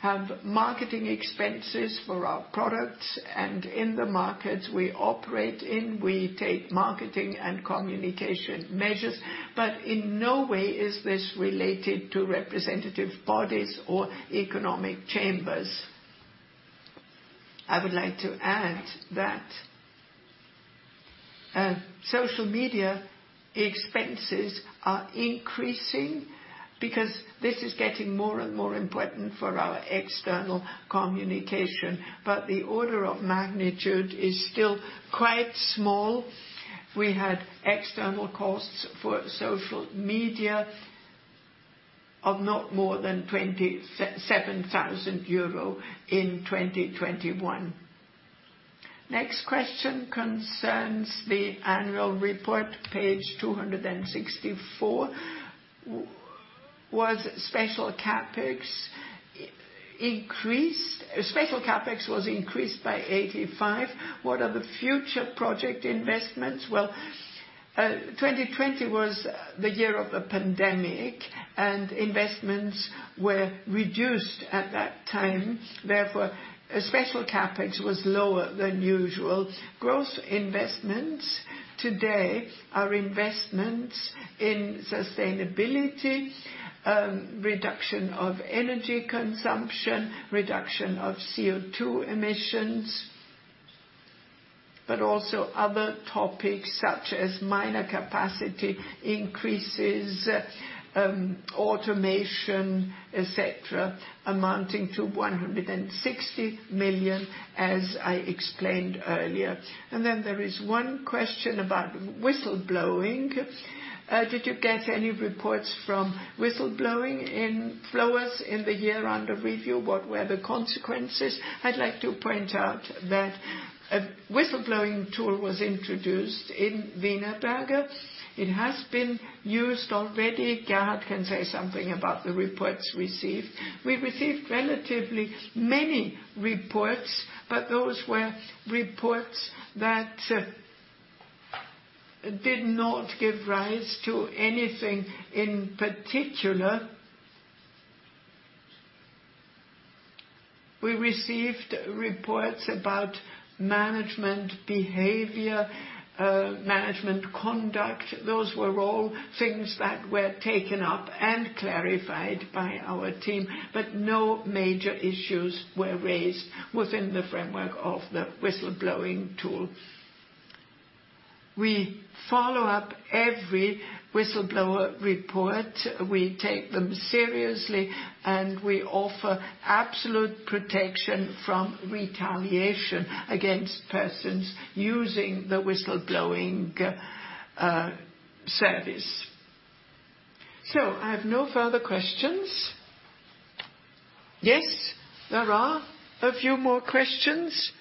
have marketing expenses for our products, and in the markets we operate in, we take marketing and communication measures, but in no way is this related to representative bodies or economic chambers. I would like to add that social media expenses are increasing because this is getting more and more important for our external communication. But the order of magnitude is still quite small. We had external costs for social media of not more than 27,000 euro in 2021. Next question concerns the annual report, page 264. Was special CapEx increased? Special CapEx was increased by 85%. What are the future project investments? 2020 was the year of the pandemic and investments were reduced at that time. Therefore, special CapEx was lower than usual. Growth investments today are investments in sustainability, reduction of energy consumption, reduction of CO2 emissions, but also other topics such as minor capacity increases, automation, et cetera, amounting to 160 million, as I explained earlier. There is one question about whistleblowing. Did you get any reports from whistleblowing in Flowers in the year under review? What were the consequences? I'd like to point out that a whistleblowing tool was introduced in Wienerberger. It has been used already. Gerhard can say something about the reports received. We received relatively many reports, but those were reports that did not give rise to anything in particular. We received reports about management behavior, management conduct. Those were all things that were taken up and clarified by our team, but no major issues were raised within the framework of the whistleblowing tool. We follow up every whistleblower report. We take them seriously, and we offer absolute protection from retaliation against persons using the whistleblowing service. I have no further questions. Yes, there are a few more questions.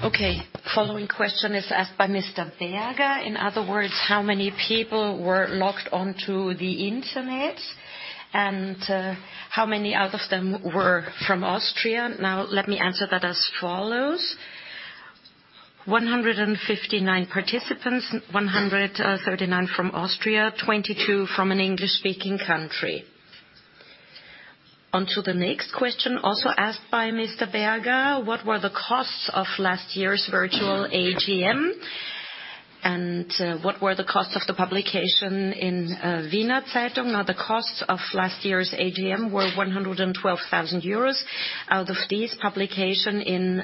Okay, following question is asked by Mr. Berger. In other words, how many people were logged on to the internet, and how many out of them were from Austria? Now let me answer that as follows. 159 participants, 139 from Austria, 22 from an English-speaking country. On to the next question, also asked by Mr. Berger, "What were the costs of last year's virtual AGM, and what were the costs of the publication in Wiener Zeitung?" Now, the costs of last year's AGM were 112 thousand euros. Out of these, publication in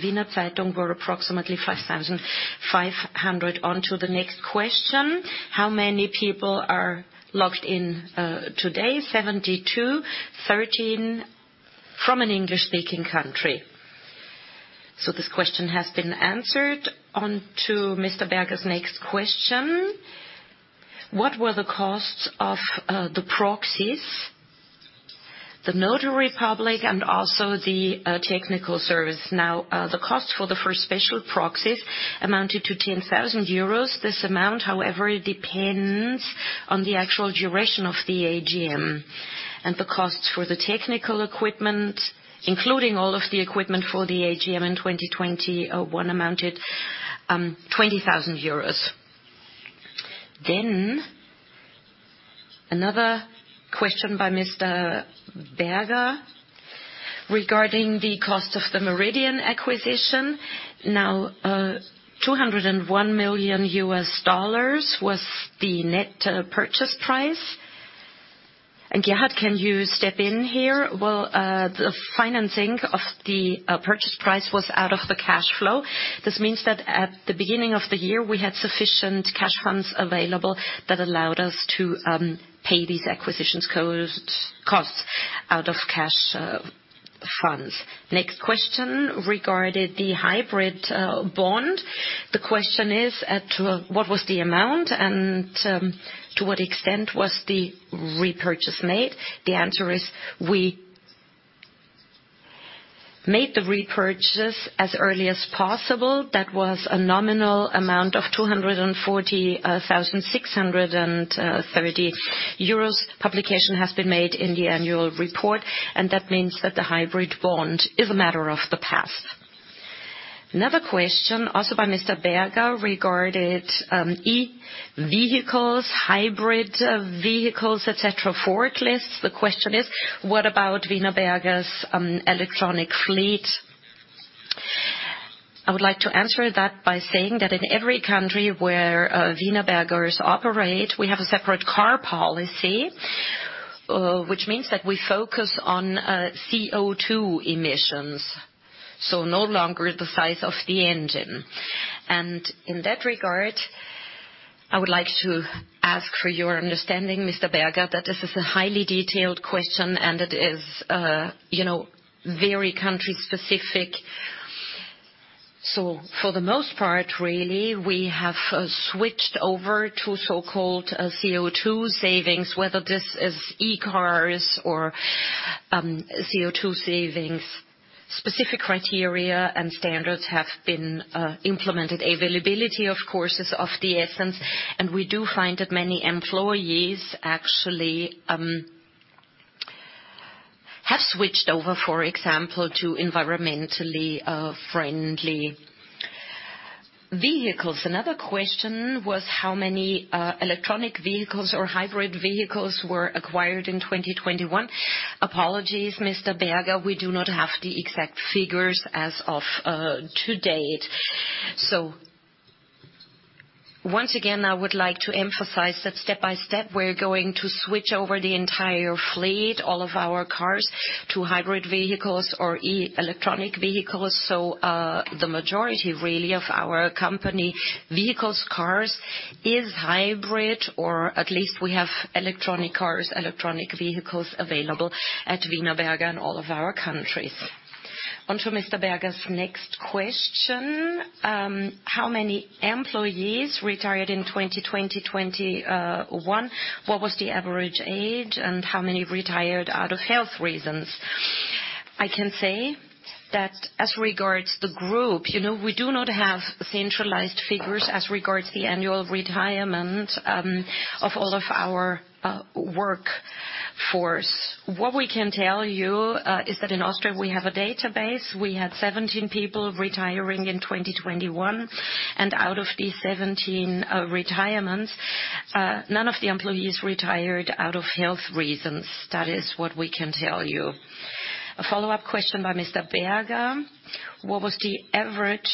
Wiener Zeitung were approximately 5,500. On to the next question, "How many people are logged in today?" 72, 13 from an English-speaking country. This question has been answered. On to Mr. Berger's next question, "What were the costs of the proxies, the notary public, and also the technical service?" Now, the cost for the special proxies amounted to 10,000 euros. This amount, however, it depends on the actual duration of the AGM. The costs for the technical equipment, including all of the equipment for the AGM in 2021 amounted to EUR 20,000. Another question by Mr. Berger regarding the cost of the Meridian Brick acquisition. Now, $201 million was the net purchase price. Gerhard, can you step in here? Well, the financing of the purchase price was out of the cash flow. This means that at the beginning of the year, we had sufficient cash funds available that allowed us to pay these acquisition costs out of cash funds. Next question regarded the hybrid bond. The question is as to what was the amount and to what extent was the repurchase made? The answer is we made the repurchases as early as possible. That was a nominal amount of 240,630 euros. Publication has been made in the annual report, and that means that the hybrid bond is a matter of the past. Another question, also by Mr. Berger, regarded electric vehicles, hybrid vehicles, et cetera, forklifts. The question is, "What about Wienerberger's electric fleet?" I would like to answer that by saying that in every country where Wienerberger operates, we have a separate car policy, which means that we focus on CO2 emissions, so no longer the size of the engine. In that regard, I would like to ask for your understanding, Mr. Berger, that this is a highly detailed question, and it is, you know, very country specific. For the most part, really, we have switched over to so-called CO2 savings, whether this is e-cars or CO2 savings. Specific criteria and standards have been implemented. Availability, of course, is of the essence, and we do find that many employees actually have switched over, for example, to environmentally friendly vehicles. Another question was, "How many electronic vehicles or hybrid vehicles were acquired in 2021?" Apologies, Mr. Berger, we do not have the exact figures as of to date. Once again, I would like to emphasize that step-by-step we're going to switch over the entire fleet, all of our cars, to hybrid vehicles or electronic vehicles. The majority really of our company vehicles, cars is hybrid, or at least we have electric cars, electric vehicles available at Wienerberger in all of our countries. On to Mr. Berger's next question, "How many employees retired in 2020, 2021? What was the average age, and how many retired out of health reasons?" I can say that as regards the group, you know, we do not have centralized figures as regards the annual retirement of all of our work force. What we can tell you is that in Austria, we have a database. We had 17 people retiring in 2021, and out of these 17 retirements, none of the employees retired out of health reasons. That is what we can tell you. A follow-up question by Mr. Berger, "What was the average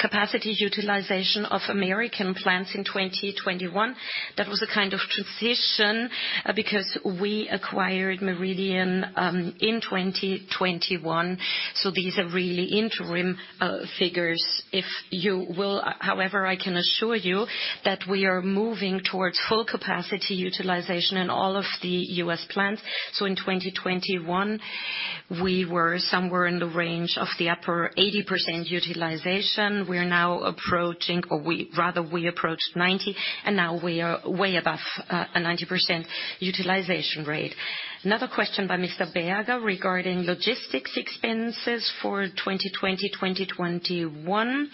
capacity utilization of American plants in 2021? That was a kind of transition, because we acquired Meridian, in 2021, so these are really interim figures. If you will, however, I can assure you that we are moving towards full capacity utilization in all of the U.S. plants. In 2021, we were somewhere in the range of the upper 80% utilization. We're now approaching, rather, we approached 90%, and now we are way above a 90% utilization rate. Another question by Mr. Berger regarding logistics expenses for 2020, 2021.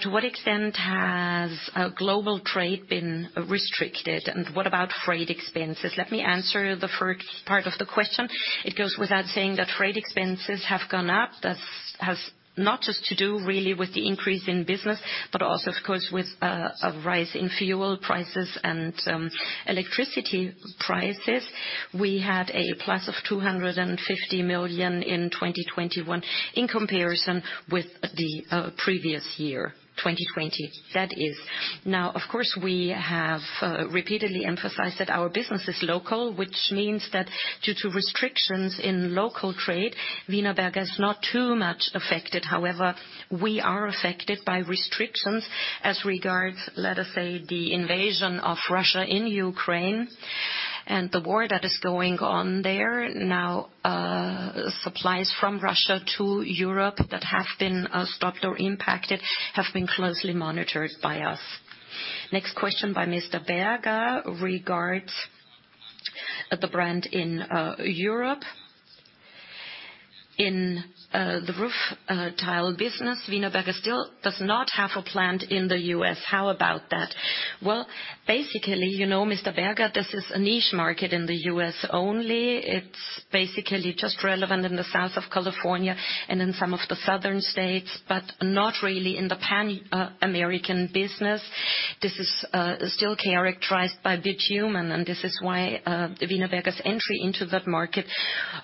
To what extent has global trade been restricted, and what about freight expenses? Let me answer the first part of the question. It goes without saying that freight expenses have gone up. That has not just to do really with the increase in business, but also, of course, with a rise in fuel prices and electricity prices. We had a plus of 250 million in 2021 in comparison with the previous year, 2020. That is. Now, of course, we have repeatedly emphasized that our business is local, which means that due to restrictions in local trade, Wienerberger is not too much affected. However, we are affected by restrictions as regards, let us say, the invasion of Russia in Ukraine and the war that is going on there. Now, supplies from Russia to Europe that have been stopped or impacted have been closely monitored by us. Next question by Mr. Berger regards the brand in Europe. In the roof tile business, Wienerberger still does not have a plant in the U.S. How about that? Well, basically, you know, Mr. Berger, this is a niche market in the U.S. only. It's basically just relevant in the Southern California and in some of the southern states, but not really in the Pan American business. This is still characterized by bitumen, and this is why Wienerberger's entry into that market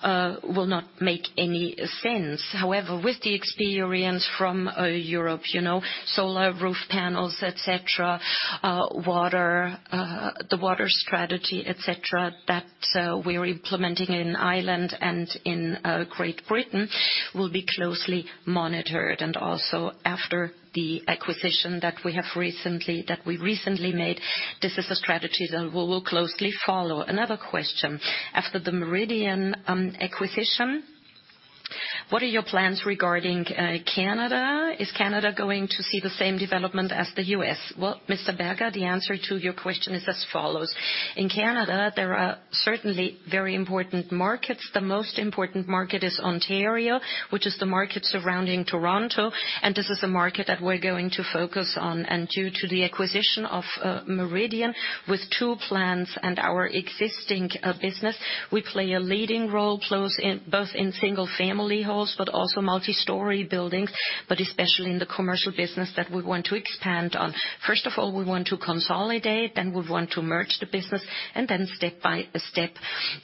will not make any sense. However, with the experience from Europe, you know, solar roof panels, et cetera, water, the water strategy, et cetera, that we're implementing in Ireland and in Great Britain will be closely monitored. Also after the acquisition that we recently made, this is a strategy that we will closely follow. Another question. After the Meridian Brick acquisition, what are your plans regarding Canada? Is Canada going to see the same development as the U.S.? Well, Mr. Berger, the answer to your question is as follows. In Canada, there are certainly very important markets. The most important market is Ontario, which is the market surrounding Toronto, and this is the market that we're going to focus on. Due to the acquisition of Meridian Brick with two plants and our existing business, we play a leading role in both single-family homes, but also multi-story buildings, but especially in the commercial business that we want to expand on. First of all, we want to consolidate, then we want to merge the business, and then step by step,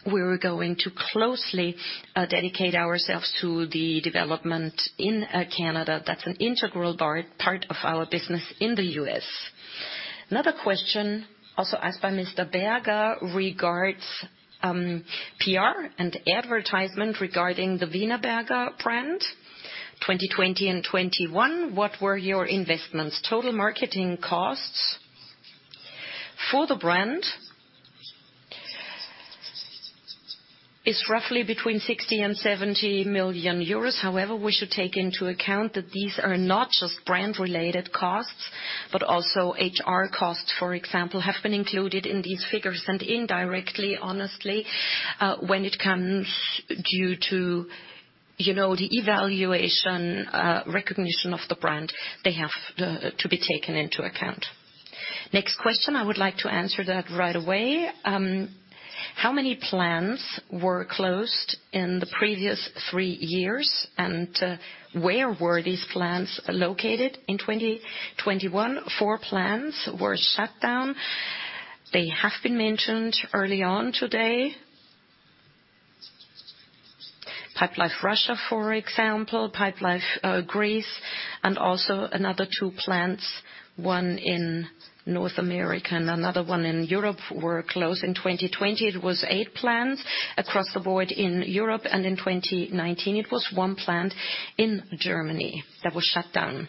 we're going to closely dedicate ourselves to the development in Canada. That's an integral part of our business in the U.S. Another question, also asked by Mr. Berger, regards PR and advertisement regarding the Wienerberger brand. 2020 and 2021, what were your investments? Total marketing costs for the brand is roughly between 60 million and 70 million euros. However, we should take into account that these are not just brand-related costs, but also HR costs, for example, have been included in these figures. Indirectly, honestly, when it comes to, you know, the evaluation, recognition of the brand, they have to be taken into account. Next question, I would like to answer that right away. How many plants were closed in the previous three years, and where were these plants located? In 2021, 4 plants were shut down. They have been mentioned early on today. Pipelife Russia, for example, Pipelife, Greece, and also another two plants, one in North America and another one in Europe were closed. In 2020, it was eight plants across the board in Europe, and in 2019, it was one plant in Germany that was shut down.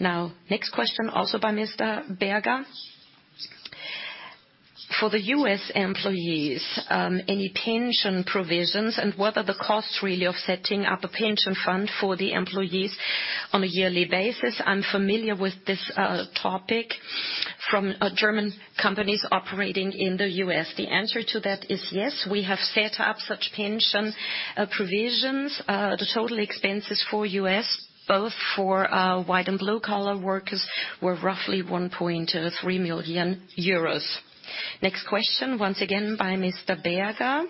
Now, next question, also by Mr. Berger. For the U.S. employees, any pension provisions and what are the costs really of setting up a pension fund for the employees on a yearly basis? I'm familiar with this topic from German companies operating in the U.S. The answer to that is yes, we have set up such pension provisions. The total expenses for U.S., both for white and blue-collar workers, were roughly 1.3 million euros. Next question, once again by Mr. Berger.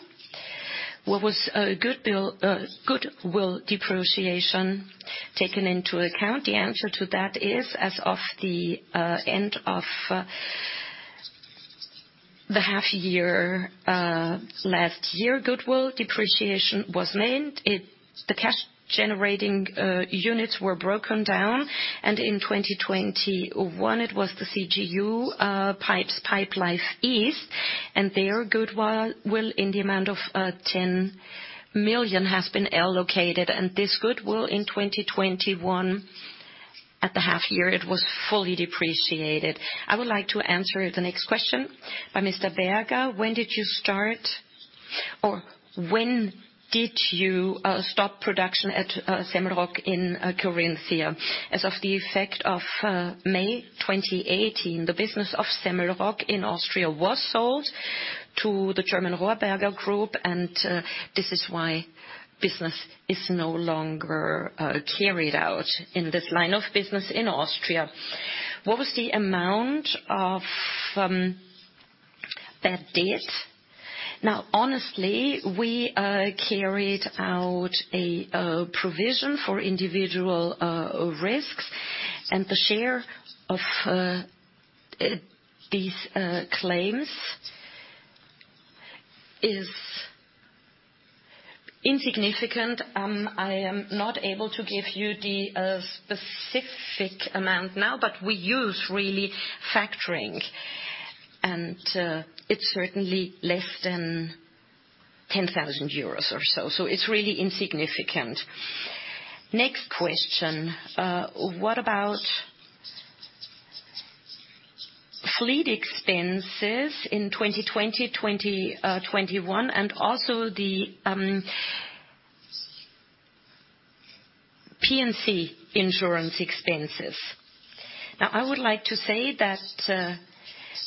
What was goodwill depreciation taken into account? The answer to that is, as of the end of the half year last year, goodwill depreciation was named. The cash generating units were broken down, and in 2021 it was the CGU pipes, Pipelife East, and their goodwill will, in the amount of 10 million, has been allocated. This goodwill in 2021, at the half year, it was fully depreciated. I would like to answer the next question by Mr. Berger. When did you start or when did you stop production at Semmelrock in Carinthia? As of the effect of May 2018, the business of Semmelrock in Austria was sold to the German Rohrer Group, and this is why business is no longer carried out in this line of business in Austria. What was the amount of bad debt? Honestly, we carried out a provision for individual risks, and the share of these claims is insignificant. I am not able to give you the specific amount now, but we use really factoring, and it's certainly less than 10,000 euros or so. So it's really insignificant. Next question. What about fleet expenses in 2020, 2021, and also the P&C insurance expenses? I would like to say that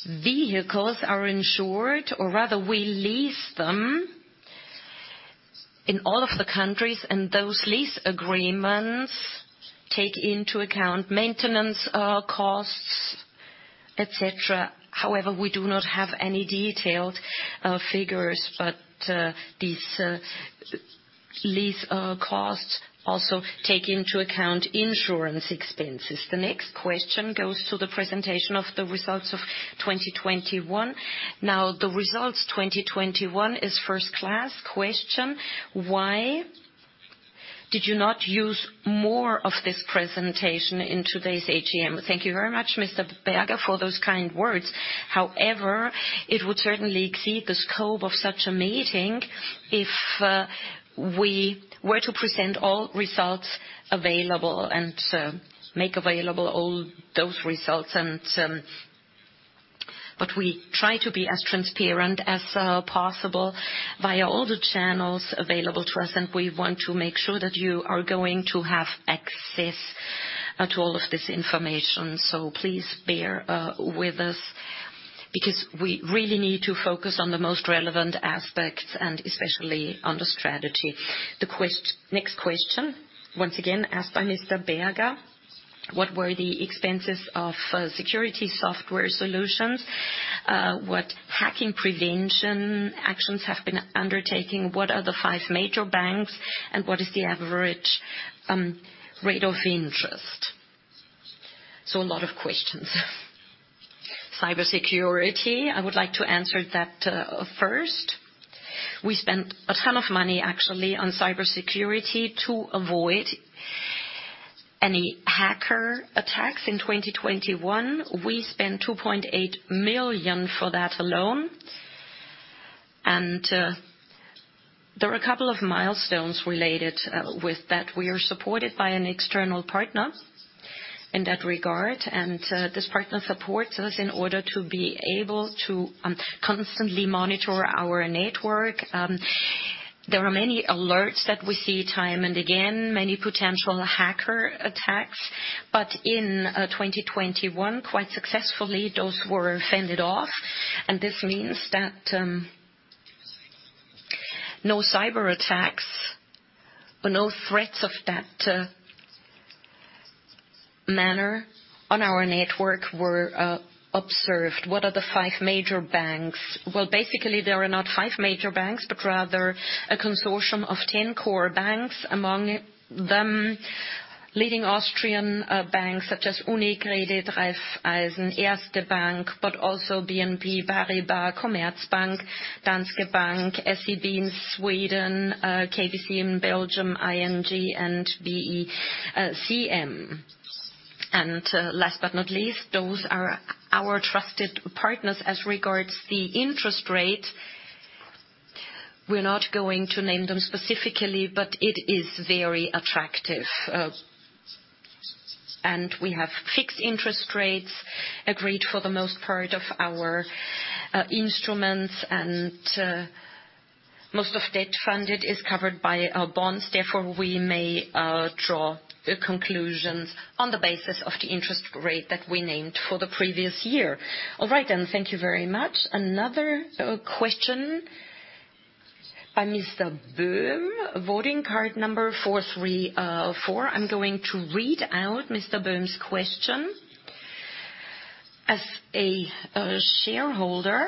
vehicles are insured, or rather we lease them in all of the countries, and those lease agreements take into account maintenance costs, et cetera. However, we do not have any detailed figures, but these lease costs also take into account insurance expenses. The next question goes to the presentation of the results of 2021. Now, the results 2021 is first class. Question, why did you not use more of this presentation in today's AGM? Thank you very much, Mr. Berger, for those kind words. However, it would certainly exceed the scope of such a meeting if we were to present all results available and make available all those results. But we try to be as transparent as possible via all the channels available to us, and we want to make sure that you are going to have access to all of this information. Please bear with us, because we really need to focus on the most relevant aspects and especially on the strategy. Next question, once again, asked by Mr. Berger, what were the expenses of security software solutions? What hacking prevention actions have been undertaking? What are the five major banks, and what is the average rate of interest? A lot of questions. Cybersecurity, I would like to answer that first. We spent a ton of money actually on cybersecurity to avoid any hacker attacks. In 2021, we spent 2.8 million for that alone. There were a couple of milestones related with that. We are supported by an external partner in that regard, and this partner supports us in order to be able to constantly monitor our network. There are many alerts that we see time and again, many potential hacker attacks. In 2021, quite successfully, those were fended off, and this means that no cyber attacks or no threats of that manner on our network were observed. What are the five major banks? Well, basically, there are not five major banks, but rather a consortium of 10 core banks. Among them, leading Austrian banks such as UniCredit, Raiffeisen, Erste Bank, but also BNP Paribas, Commerzbank, Danske Bank, SEB in Sweden, KBC in Belgium, ING, and BCM. Last but not least, those are our trusted partners as regards the interest rate. We're not going to name them specifically, but it is very attractive. We have fixed interest rates agreed for the most part of our instruments, and most of debt funded is covered by our bonds, therefore, we may draw the conclusions on the basis of the interest rate that we named for the previous year. All right, then. Thank you very much. Another question by Mr. Böhm, voting card number 434. I'm going to read out Mr. Böhm's question. As a shareholder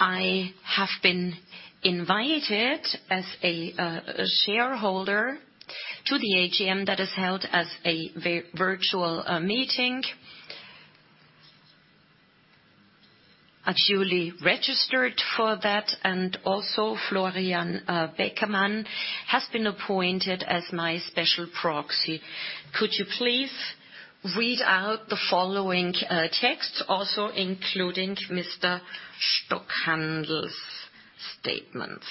I have been invited as a shareholder to the AGM that is held as a virtual meeting. Actually registered for that, and also Florian Beckermann has been appointed as my special proxy. Could you please read out the following text, also including Mr. Stockhandel's statements?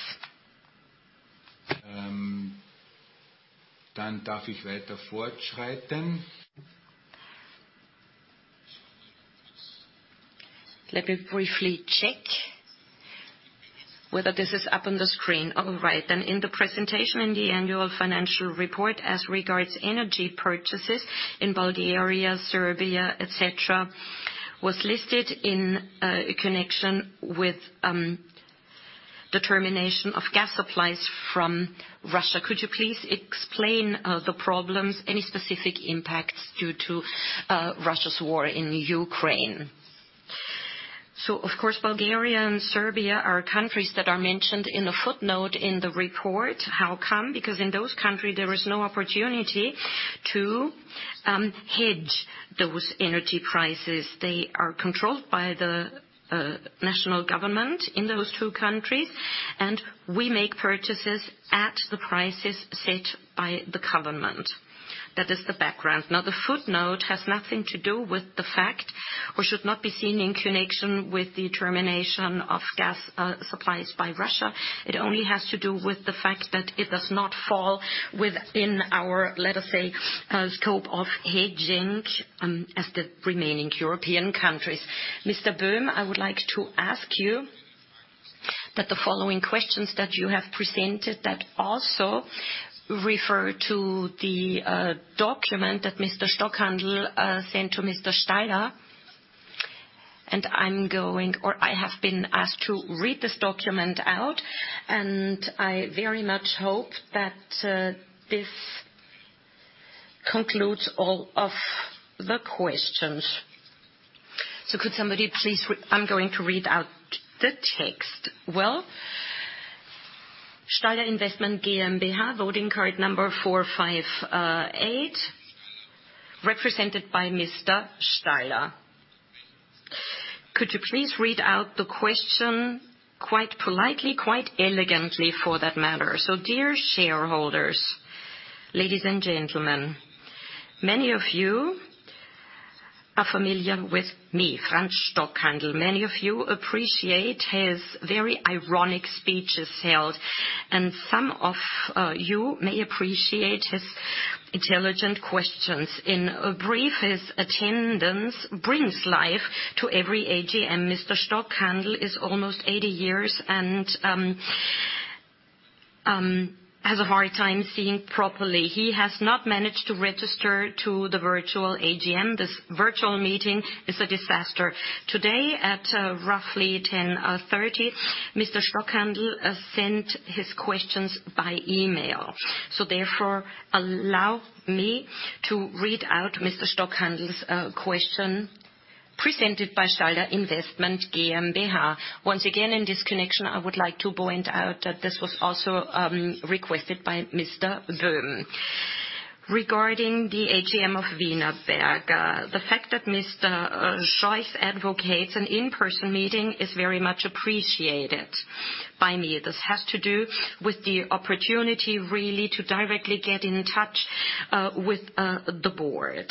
Let me briefly check whether this is up on the screen. All right. In the presentation in the annual financial report as regards energy purchases in Bulgaria, Serbia, et cetera, was listed in connection with the termination of gas supplies from Russia. Could you please explain the problems, any specific impacts due to Russia's war in Ukraine? Of course, Bulgaria and Serbia are countries that are mentioned in a footnote in the report. How come? Because in those countries there is no opportunity to hedge those energy prices. They are controlled by the national government in those two countries, and we make purchases at the prices set by the government. That is the background. Now, the footnote has nothing to do with the fact, or should not be seen in connection with the termination of gas supplies by Russia. It only has to do with the fact that it does not fall within our, let us say, scope of hedging, as the remaining European countries. Mr. Böhm, I would like to ask you that the following questions that you have presented that also refer to the document that Mr. Stockhandel sent to Mr. Staller. I have been asked to read this document out, and I very much hope that this concludes all of the questions. I'm going to read out the text. Well, Staller Investment GmbH, voting card number 458, represented by Mr. Staller. Could you please read out the question quite politely, quite elegantly for that matter? Dear shareholders, ladies and gentlemen, many of you are familiar with me, Franz Stockhandel. Many of you appreciate his very ironic speeches held, and some of you may appreciate his intelligent questions. In brief, his attendance brings life to every AGM. Mr. Stockhandel is almost 80 years and has a hard time seeing properly. He has not managed to register to the virtual AGM. This virtual meeting is a disaster. Today, at roughly 10:30, Mr. Stockhandel sent his questions by email. Therefore, allow me to read out Mr. Stockhandel's question presented by Staller Investment GmbH. Once again, in this connection, I would like to point out that this was also requested by Mr. Böhm. Regarding the AGM of Wienerberger, the fact that Mr. Scheuch advocates an in-person meeting is very much appreciated by me. This has to do with the opportunity really to directly get in touch with the board.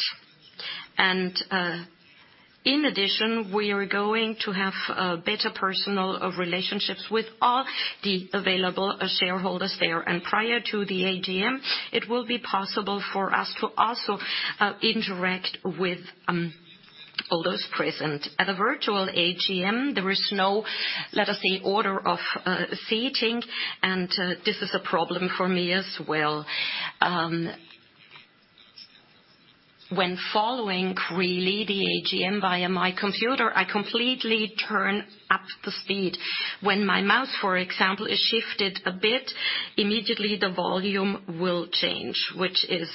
In addition, we are going to have better personal relationships with all the available shareholders there. Prior to the AGM, it will be possible for us to also interact with all those present. At a virtual AGM, there is no, let us say, order of seating, and this is a problem for me as well. When following really the AGM via my computer, I completely turn up the speed. When my mouse, for example, is shifted a bit, immediately the volume will change, which is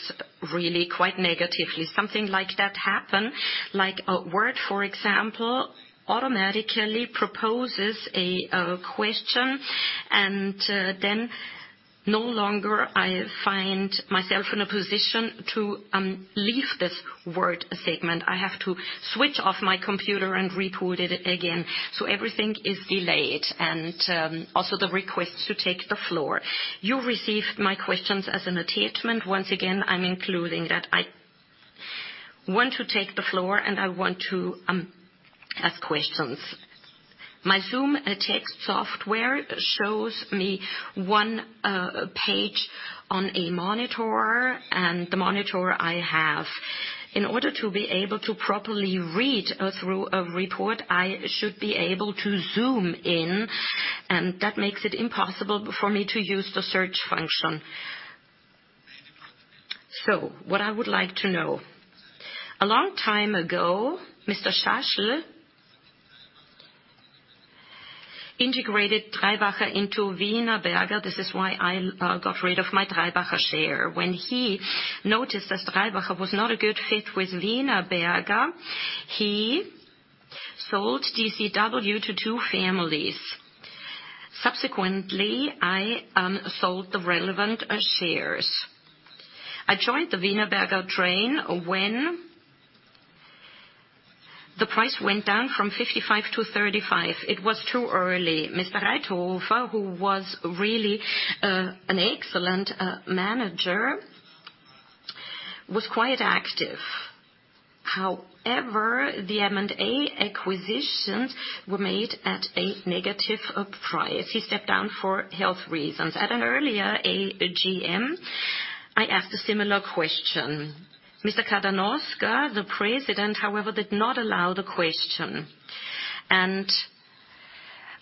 really quite negatively. Something like that happen, like a word, for example, automatically proposes a question and then no longer I find myself in a position to leave this word segment. I have to switch off my computer and reboot it again, so everything is delayed, and also the request to take the floor. You received my questions as an attachment. Once again, I'm including that. I want to take the floor, and I want to ask questions. My Zoom text software shows me one page on a monitor, and the monitor I have. In order to be able to properly read through a report, I should be able to zoom in, and that makes it impossible for me to use the search function. What I would like to know. A long time ago, Mr. Schaschl integrated Treibacher into Wienerberger. This is why I got rid of my Treibacher share. When he noticed that Treibacher was not a good fit with Wienerberger, he sold DCW to two families. Subsequently, I sold the relevant shares. I joined the Wienerberger train when the price went down from 55-35. It was too early. Mr. Reithofer, who was really an excellent manager, was quite active. However, the M&A acquisitions were made at a negative price. He stepped down for health reasons. At an earlier AGM, I asked a similar question. Mr. Kardenoska, the president, however, did not allow the question.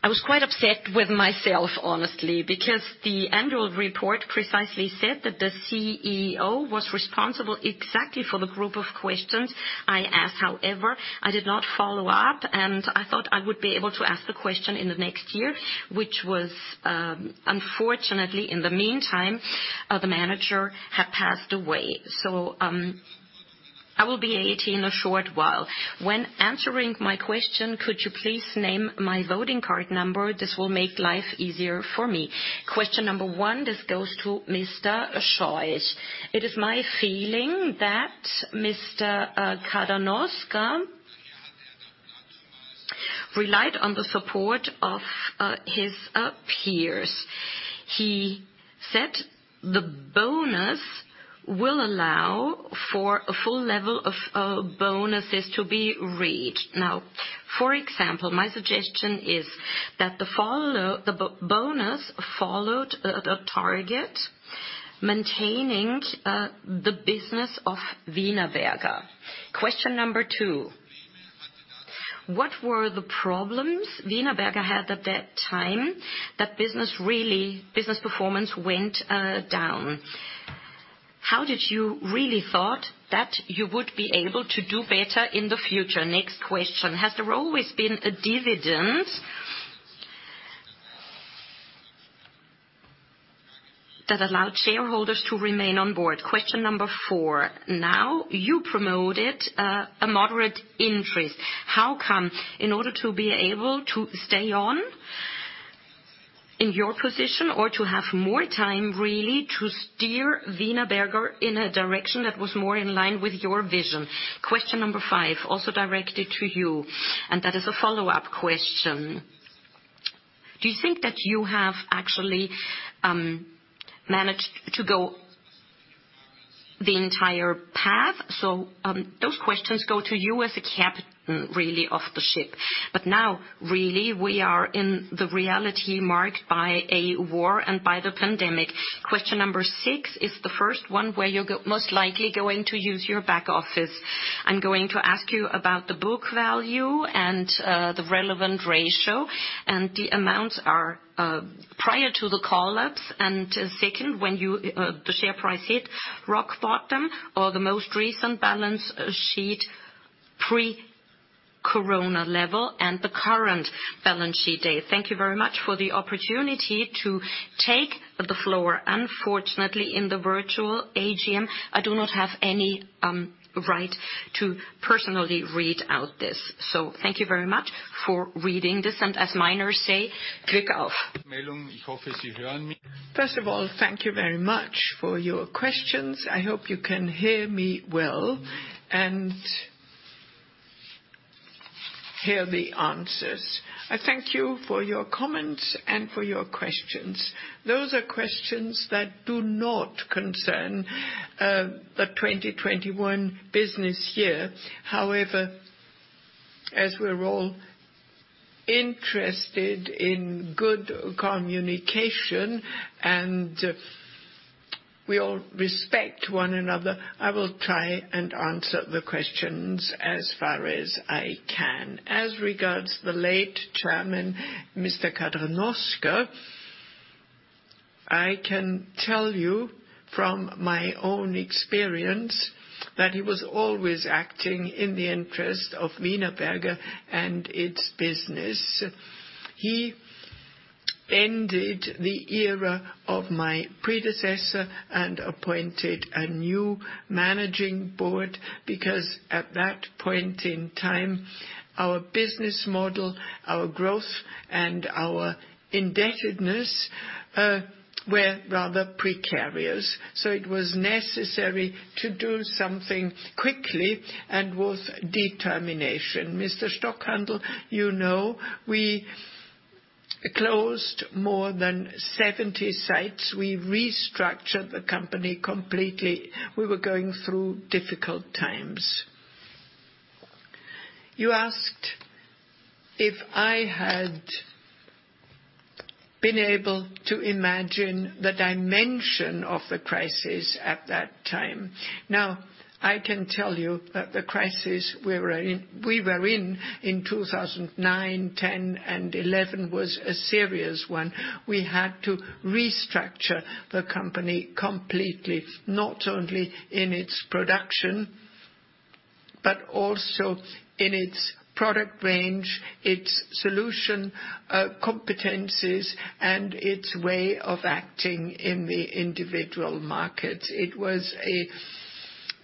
I was quite upset with myself, honestly, because the annual report precisely said that the CEO was responsible exactly for the group of questions I asked. However, I did not follow up, and I thought I would be able to ask the question in the next year, which was, unfortunately, in the meantime, the manager had passed away. I will be 80 in a short while. When answering my question, could you please name my voting card number? This will make life easier for me. Question one, this goes to Mr. Scheuch. It is my feeling that Mr. Kardenoska relied on the support of his peers. He said the bonus will allow for a full level of bonuses to be reached. Now, for example, my suggestion is that the bonus followed the target maintaining the business of Wienerberger. Question two, what were the problems Wienerberger had at that time that business performance went down? How did you really think that you would be able to do better in the future? Next question. Has there always been a dividend that allowed shareholders to remain on board? Question number four. Now, you promoted a moderate increase. How come? In order to be able to stay on in your position or to have more time really to steer Wienerberger in a direction that was more in line with your vision. Question number five, also directed to you, and that is a follow-up question. Do you think that you have actually managed to go the entire path? So those questions go to you as a captain really of the ship. But now really we are in the reality marked by a war and by the pandemic. Question number six is the first one where you're most likely going to use your back office. I'm going to ask you about the book value and, the relevant ratio, and the amounts are, prior to the collapse. Second, when you, the share price hit rock bottom or the most recent balance sheet pre-corona level and the current balance sheet date. Thank you very much for the opportunity to take the floor. Unfortunately, in the virtual AGM, I do not have any right to personally read out this. Thank you very much for reading this. As miners say, Glück auf. First of all, thank you very much for your questions. I hope you can hear me well and hear the answers. I thank you for your comments and for your questions. Those are questions that do not concern the 2021 business year. However, as we're all interested in good communication and we all respect one another, I will try and answer the questions as far as I can. As regards the late chairman, Mr. Kardenoska, I can tell you from my own experience that he was always acting in the interest of Wienerberger and its business. He ended the era of my predecessor and appointed a new managing board because at that point in time, our business model, our growth, and our indebtedness were rather precarious. It was necessary to do something quickly and with determination. Mr. Stockhandel, you know we closed more than 70 sites. We restructured the company completely. We were going through difficult times. You asked if I had been able to imagine the dimension of the crisis at that time. Now, I can tell you that the crisis we were in in 2009, 2010, and 2011 was a serious one. We had to restructure the company completely, not only in its production, but also in its product range, its solution, competencies, and its way of acting in the individual markets. It was a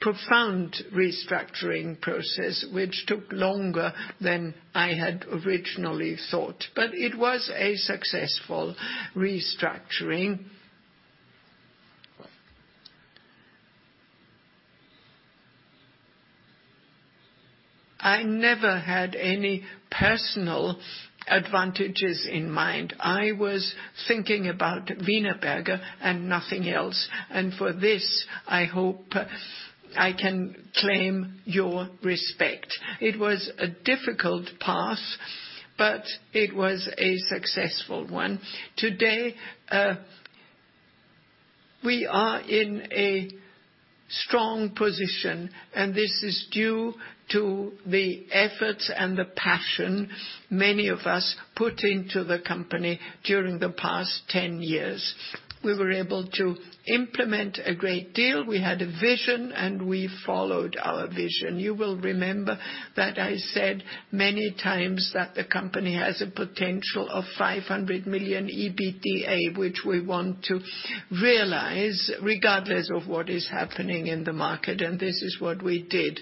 profound restructuring process which took longer than I had originally thought. It was a successful restructuring. I never had any personal advantages in mind. I was thinking about Wienerberger and nothing else, and for this, I hope I can claim your respect. It was a difficult path, it was a successful one. Today, we are in a strong position, and this is due to the efforts and the passion many of us put into the company during the past 10 years. We were able to implement a great deal. We had a vision, and we followed our vision. You will remember that I said many times that the company has a potential of 500 million EBITDA, which we want to realize regardless of what is happening in the market, and this is what we did.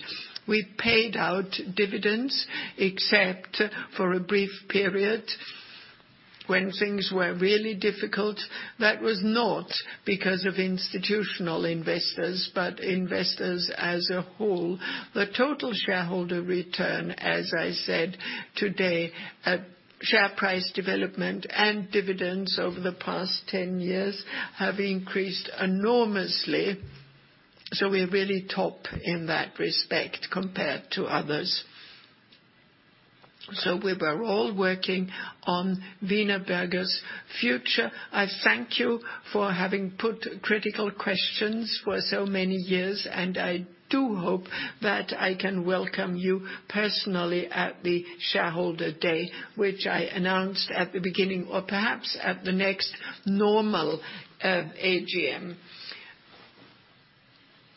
We paid out dividends except for a brief period when things were really difficult. That was not because of institutional investors, but investors as a whole. The total shareholder return, as I said today, share price development and dividends over the past 10 years have increased enormously. We're really top in that respect compared to others. We were all working on Wienerberger's future. I thank you for having put critical questions for so many years, and I do hope that I can welcome you personally at the shareholder day, which I announced at the beginning, or perhaps at the next normal AGM.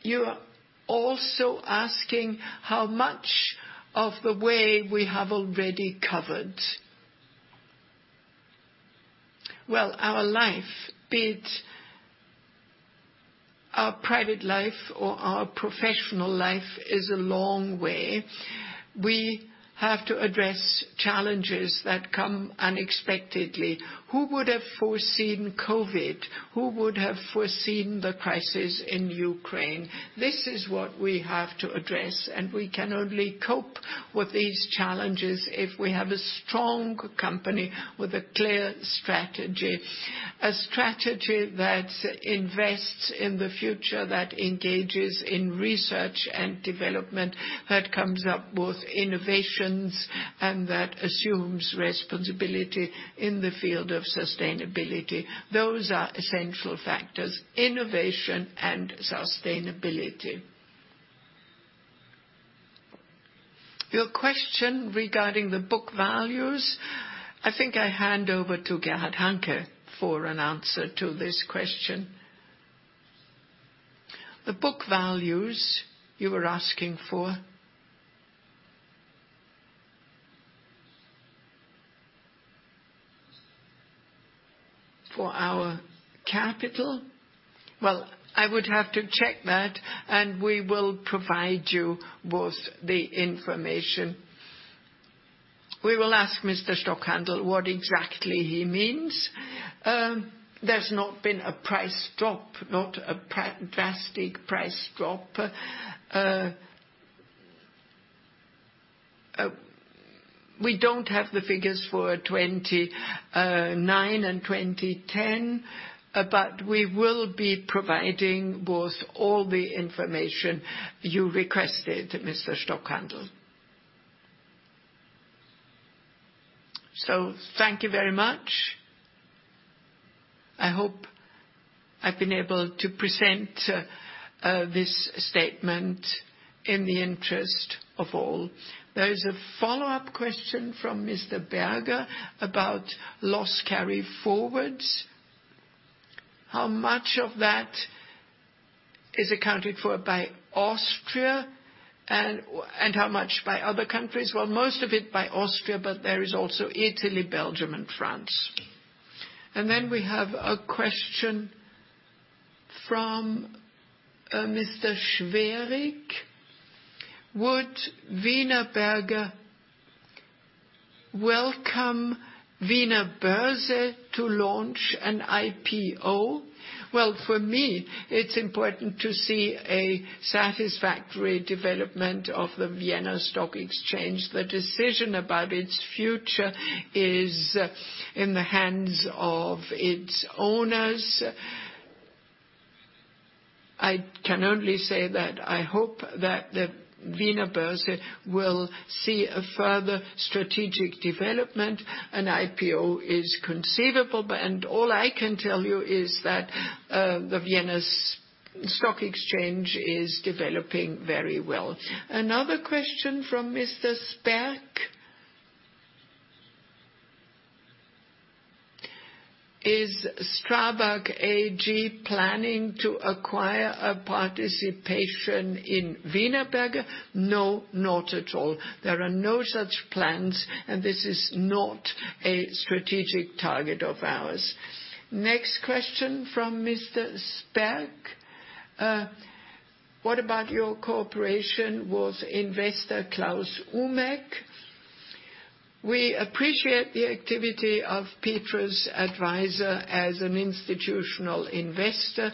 You're also asking how much of the way we have already covered. Well, our life, be it our private life or our professional life, is a long way. We have to address challenges that come unexpectedly. Who would have foreseen COVID? Who would have foreseen the crisis in Ukraine? This is what we have to address, and we can only cope with these challenges if we have a strong company with a clear strategy. A strategy that invests in the future, that engages in research and development, that comes up with innovations, and that assumes responsibility in the field of sustainability. Those are essential factors: innovation and sustainability. Your question regarding the book values, I think I hand over to Gerhard Hanke for an answer to this question. The book values you were asking for. For our capital? Well, I would have to check that, and we will provide you with the information. We will ask Mr. Stockhandel what exactly he means. There's not been a price drop, not a drastic price drop. We don't have the figures for 2009 and 2010, but we will be providing with all the information you requested, Mr. Stockhandel. Thank you very much. I hope I've been able to present this statement in the interest of all. There is a follow-up question from Mr. Berger about loss carry-forwards. How much of that is accounted for by Austria and how much by other countries? Well, most of it by Austria, but there is also Italy, Belgium, and France. We have a question from Mr. Schwering. Would Wienerberger welcome Wiener Börse to launch an IPO? Well, for me, it's important to see a satisfactory development of the Vienna Stock Exchange. The decision about its future is in the hands of its owners. I can only say that I hope that the Wiener Börse will see a further strategic development. An IPO is conceivable. The Vienna Stock Exchange is developing very well. Another question from Mr. Sperk. Is STRABAG AG planning to acquire a participation in Wienerberger? No, not at all. There are no such plans, and this is not a strategic target of ours. Next question from Mr. Sperk. What about your cooperation with investor Klaus Umek? We appreciate the activity of Petrus Advisers as an institutional investor.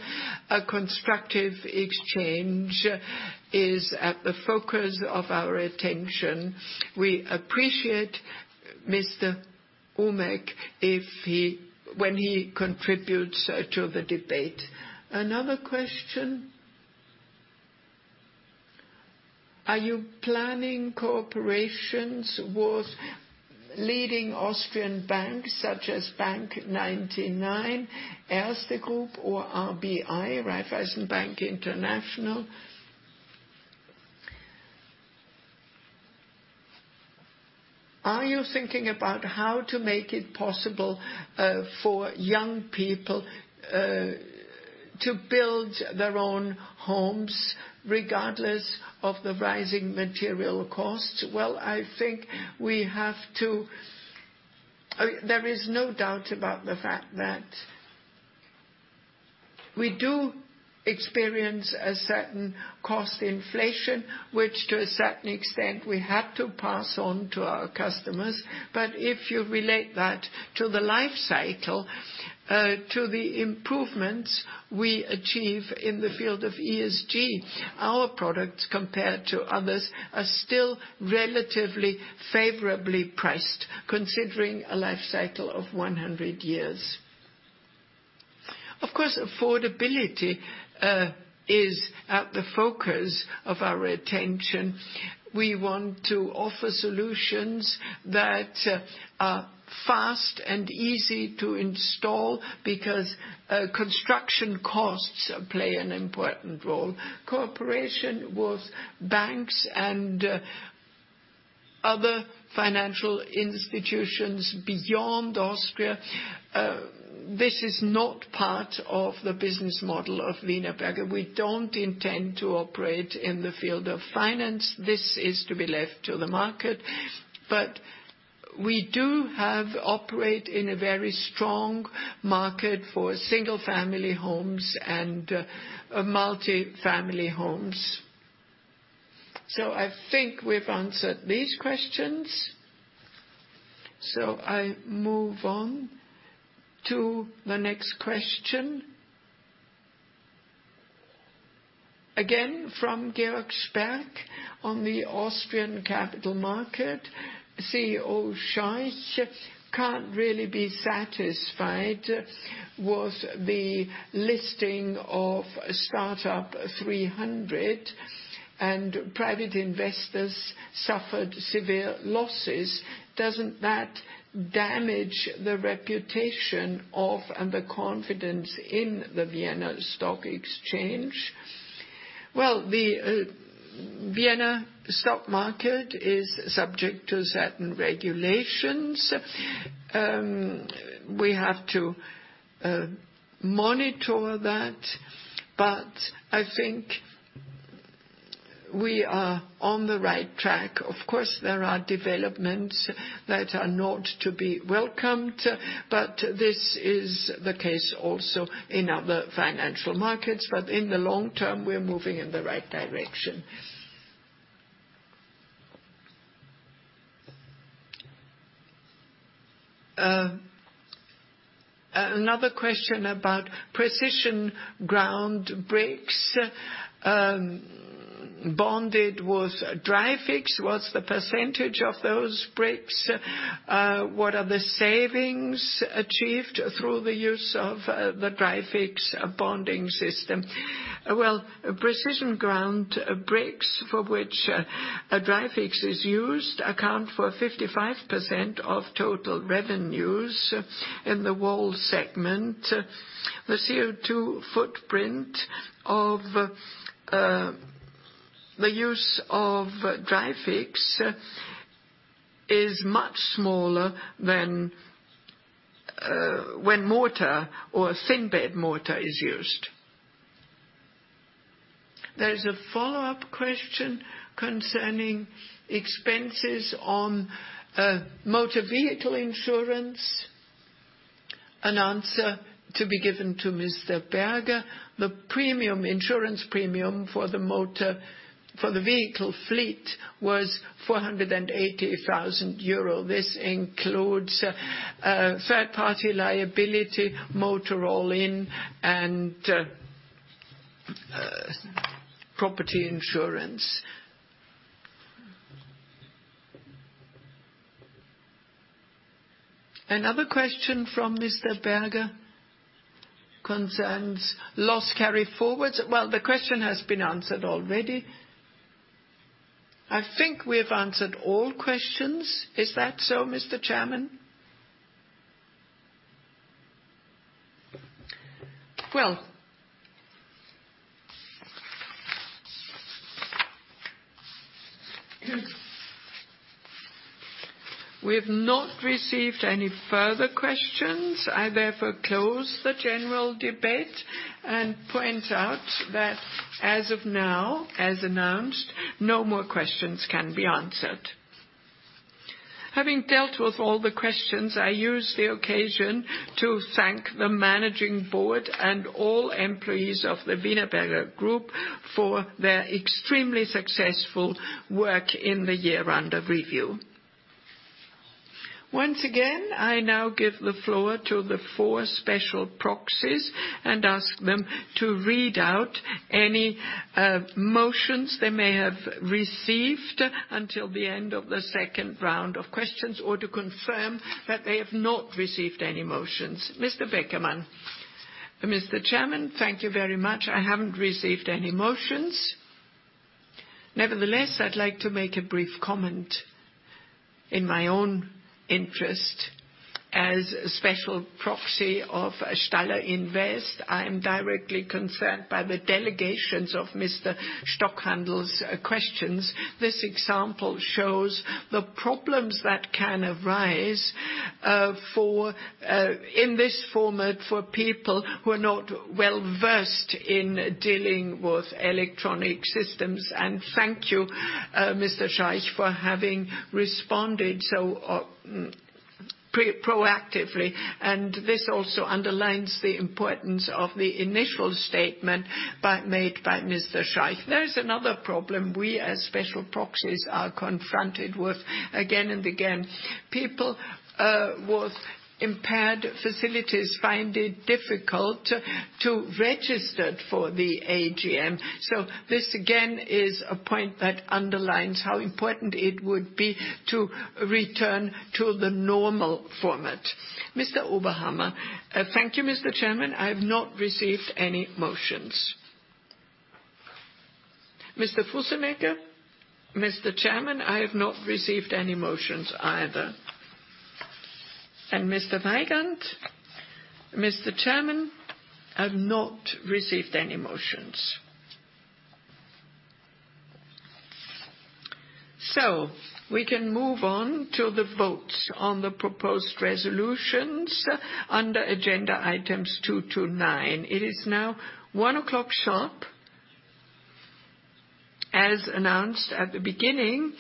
A constructive exchange is at the focus of our attention. We appreciate Mr. Umek if he when he contributes to the debate. Another question. Are you planning cooperations with leading Austrian banks, such as bank99, Erste Group, or RBI, Raiffeisen Bank International? Are you thinking about how to make it possible for young people to build their own homes regardless of the rising material costs? There is no doubt about the fact that we do experience a certain cost inflation, which to a certain extent we had to pass on to our customers. If you relate that to the life cycle, to the improvements we achieve in the field of ESG, our products, compared to others, are still relatively favorably priced considering a life cycle of 100 years. Of course, affordability is at the focus of our attention. We want to offer solutions that are fast and easy to install because construction costs play an important role. Cooperation with banks and other financial institutions beyond Austria, this is not part of the business model of Wienerberger. We don't intend to operate in the field of finance. This is to be left to the market. We do operate in a very strong market for single-family homes and multi-family homes. I think we've answered these questions. I move on to the next question. Again, from Georg Sperk on the Austrian capital market. CEO Scheuch can't really be satisfied with the listing of startup300 and private investors suffered severe losses. Doesn't that damage the reputation of and the confidence in the Vienna Stock Exchange? Well, the Vienna Stock Exchange is subject to certain regulations. We have to monitor that, but I think we are on the right track. Of course, there are developments that are not to be welcomed, but this is the case also in other financial markets. In the long term, we're moving in the right direction. Another question about precision ground bricks, bonded with Dryfix. What's the percentage of those bricks? What are the savings achieved through the use of the Dryfix bonding system? Well, precision ground bricks, for which Dryfix is used, account for 55% of total revenues in the wall segment. The CO2 footprint of the use of Dryfix is much smaller than when mortar or thin-bed mortar is used. There's a follow-up question concerning expenses on motor vehicle insurance. An answer to be given to Mr. Berger. The premium, insurance premium for the motor, for the vehicle fleet was 480 thousand euro. This includes third-party liability, motor all-in, and property insurance. Another question from Mr. Berger concerns loss carry-forwards. Well, the question has been answered already. I think we have answered all questions. Is that so, Mr. Chairman? Well. We've not received any further questions. I therefore close the general debate and point out that as of now, as announced, no more questions can be answered. Having dealt with all the questions, I use the occasion to thank the managing board and all employees of the Wienerberger Group for their extremely successful work in the year under review. Once again, I now give the floor to the four special proxies and ask them to read out any motions they may have received until the end of the second round of questions, or to confirm that they have not received any motions. Mr. Beckermann. Mr. Chairman, thank you very much. I haven't received any motions. Nevertheless, I'd like to make a brief comment in my own interest. As a special proxy of Staller Invest, I am directly concerned by the delegations of Mr. Stockhandel's questions. This example shows the problems that can arise, for, in this format for people who are not well-versed in dealing with electronic systems. Thank you, Mr. Scheuch, for having responded so proactively. This also underlines the importance of the initial statement made by Mr. Scheuch. There is another problem we, as special proxies, are confronted with again and again. People with impaired faculties find it difficult to register for the AGM. This again is a point that underlines how important it would be to return to the normal format. Mr. Oberhammer. Thank you, Mr. Chairman. I have not received any motions. Mr. Fussenegger. Mr. Chairman, I have not received any motions either. Mr. Weigand. Mr. Chairman, I've not received any motions. We can move on to the votes on the proposed resolutions under agenda items two to nine. It is now 1:00 P.M. sharp. As announced at the beginning,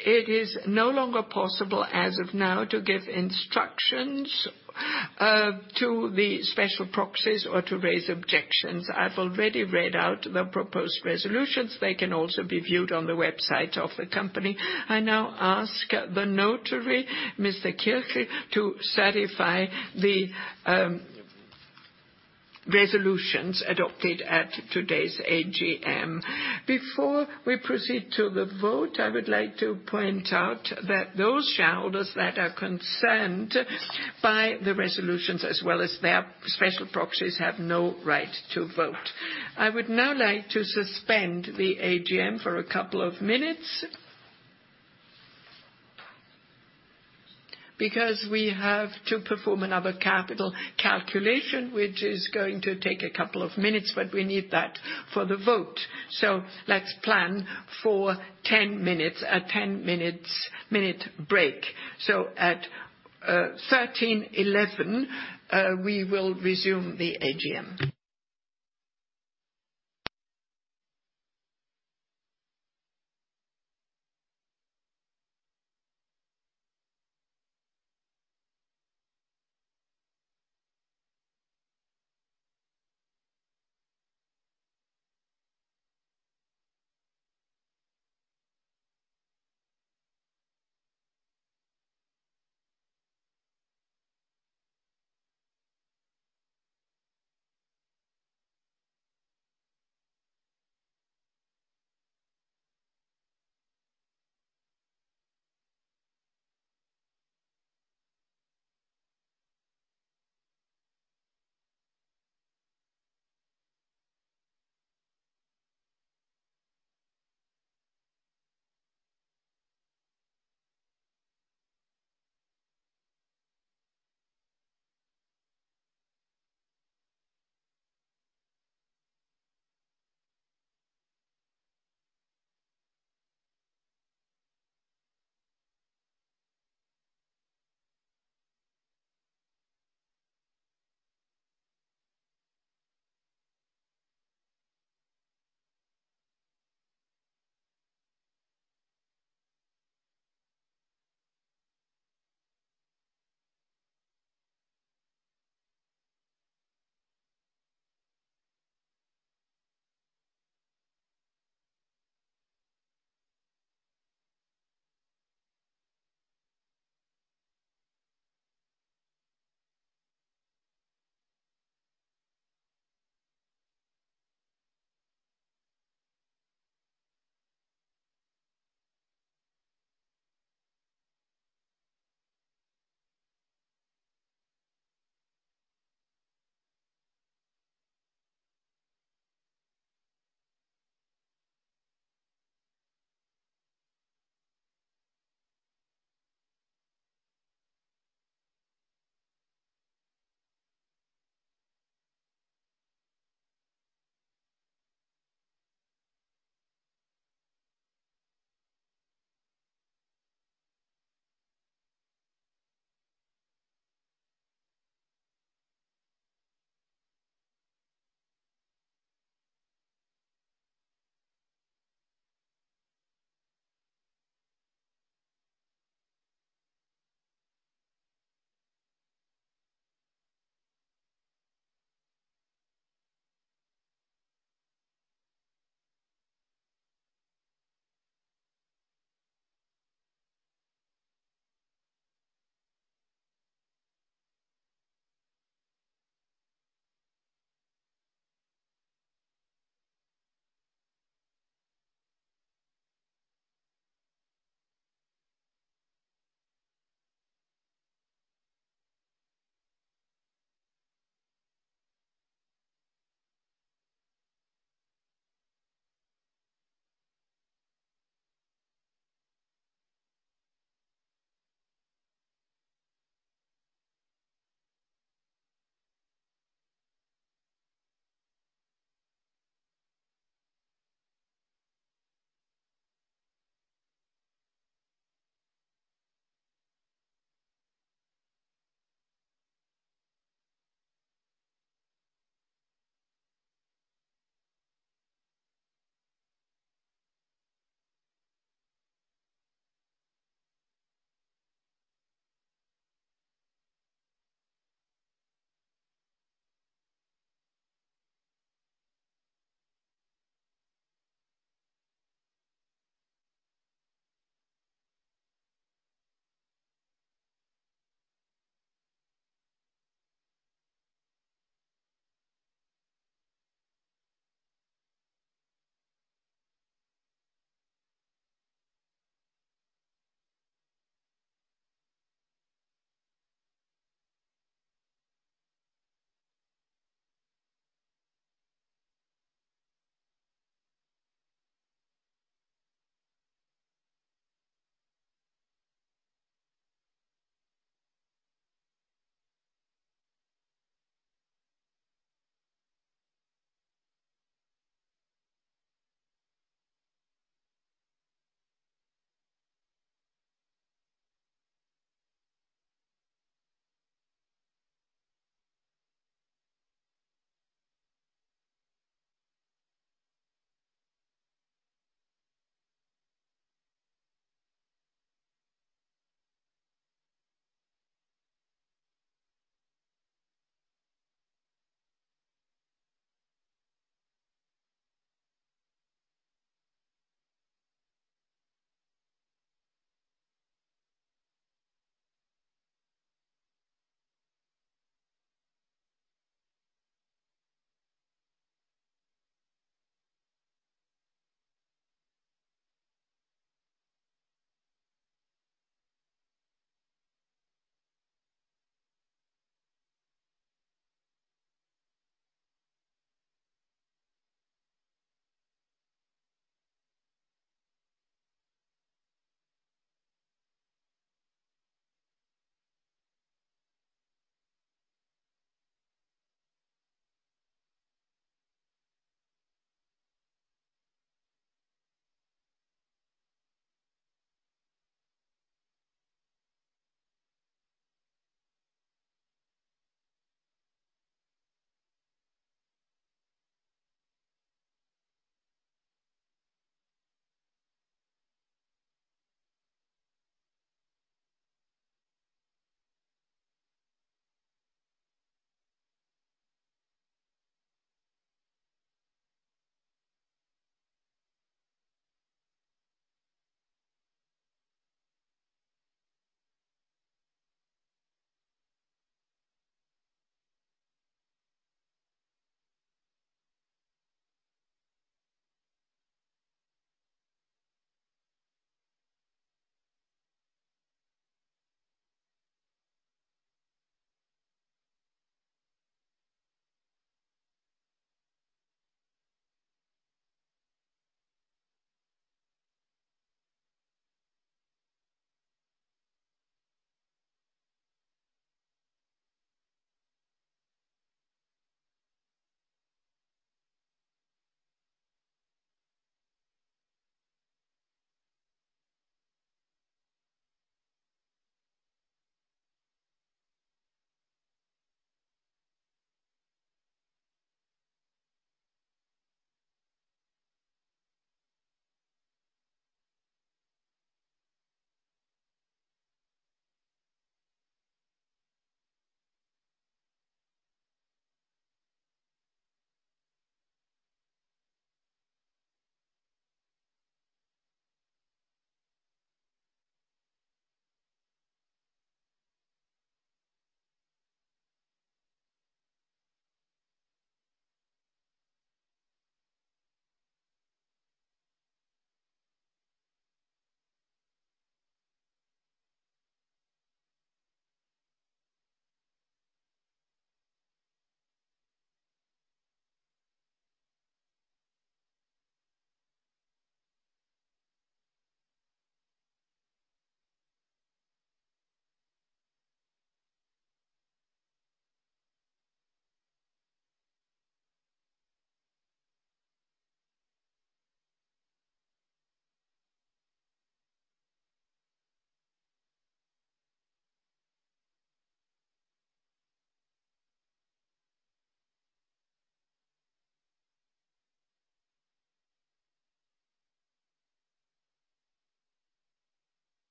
it is no longer possible as of now to give instructions to the special proxies or to raise objections. I've already read out the proposed resolutions. They can also be viewed on the website of the company. I now ask the notary, Mr. Kirchknopf, to certify the resolutions adopted at today's AGM. Before we proceed to the vote, I would like to point out that those shareholders that are concerned by the resolutions as well as their special proxies have no right to vote. I would now like to suspend the AGM for a couple of minutes. Because we have to perform another capital calculation, which is going to take a couple of minutes, but we need that for the vote. Let's plan for 10 minutes, a 10-minute break. At 1:11 P.M., we will resume the AGM.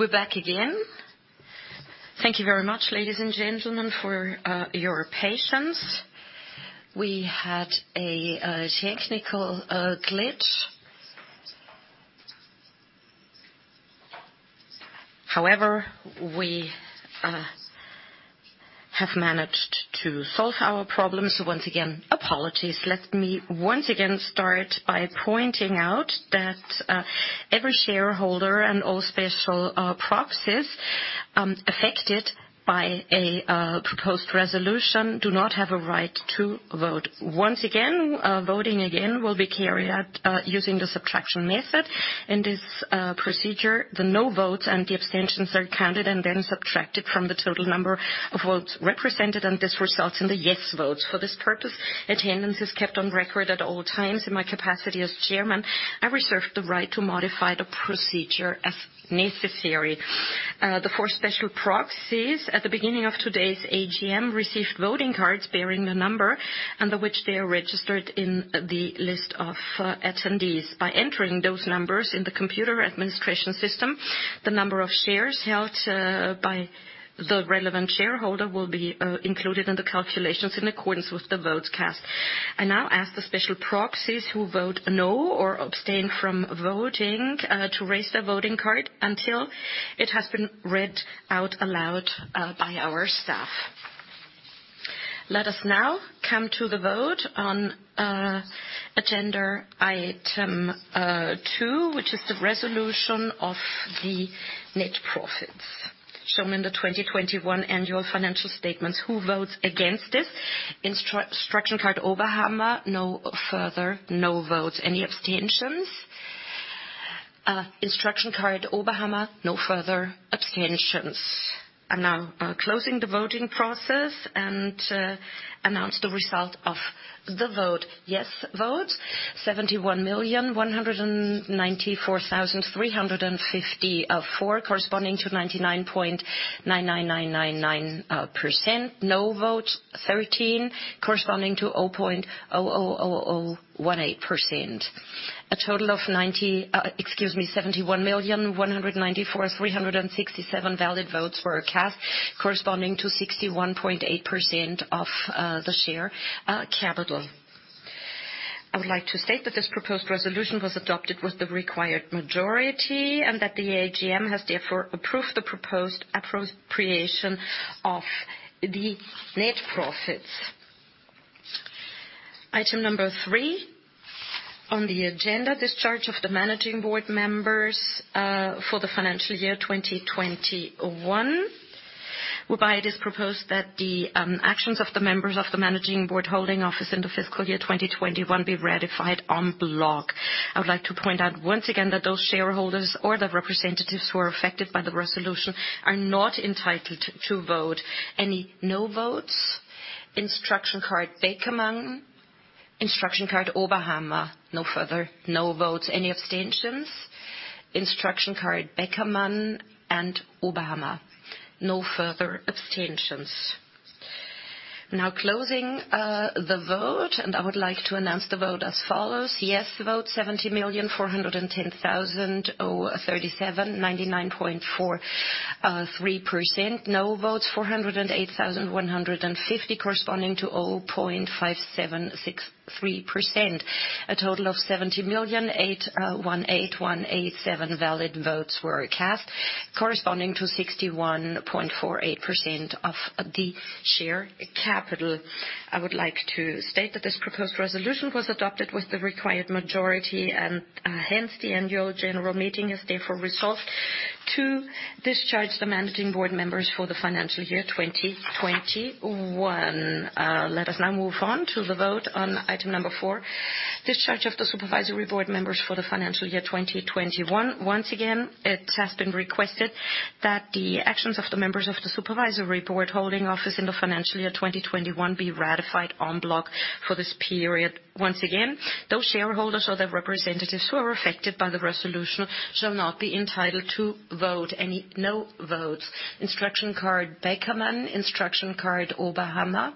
We're back again. Thank you very much, ladies and gentlemen, for your patience. We had a technical glitch. However, we have managed to solve our problems. Once again, apologies. Let me once again start by pointing out that every shareholder and all special proxies affected by a proposed resolution do not have a right to vote. Once again, voting again will be carried out using the subtraction method. In this procedure, the no votes and the abstentions are counted and then subtracted from the total number of votes represented, and this results in the yes votes. For this purpose, attendance is kept on record at all times. In my capacity as chairman, I reserve the right to modify the procedure as necessary. The four special proxies at the beginning of today's AGM received voting cards bearing the number under which they are registered in the list of attendees. By entering those numbers in the computer administration system, the number of shares held by the relevant shareholder will be included in the calculations in accordance with the votes cast. I now ask the special proxies who vote no or abstain from voting to raise their voting card until it has been read out aloud by our staff. Let us now come to the vote on agenda Item 2, which is the resolution of the net profits shown in the 2021 annual financial statements. Who votes against this? Instruction card Oberhammer. No further no votes. Any abstentions? Instruction card Oberhammer. No further abstentions. I'm now closing the voting process and announce the result of the vote. Yes votes 71,194,354 corresponding to 99.99999%. No votes 13 corresponding to 0.0000018%. A total of 71,194,367 valid votes were cast corresponding to 61.8% of the share capital. I would like to state that this proposed resolution was adopted with the required majority and that the AGM has therefore approved the proposed appropriation of the net profits. Item number three on the agenda, discharge of the managing board members, for the financial year 2021, whereby it is proposed that the actions of the members of the managing board holding office in the fiscal year 2021 be ratified en bloc. I would like to point out once again that those shareholders or the representatives who are affected by the resolution are not entitled to vote. Any no votes? Instruction card Beckermann. Instruction card Oberhammer. No further no votes. Any abstentions? Instruction card Beckermann and Oberhammer. No further abstentions. I'm now closing the vote, and I would like to announce the vote as follows: Yes votes 70,410,037, 99.43%. No votes 408,150 corresponding to 0.5763%. A total of 70,818,187 valid votes were cast corresponding to 61.48% of the share capital. I would like to state that this proposed resolution was adopted with the required majority and, hence, the annual general meeting is therefore resolved to discharge the managing board members for the financial year 2021. Let us now move on to the vote on Item 4, discharge of the supervisory board members for the financial year 2021. Once again, it has been requested that the actions of the members of the supervisory board holding office in the financial year 2021 be ratified en bloc for this period. Once again, those shareholders or their representatives who are affected by the resolution shall not be entitled to vote. Any no votes? Instruction card Beckermann. Instruction card Oberhammer.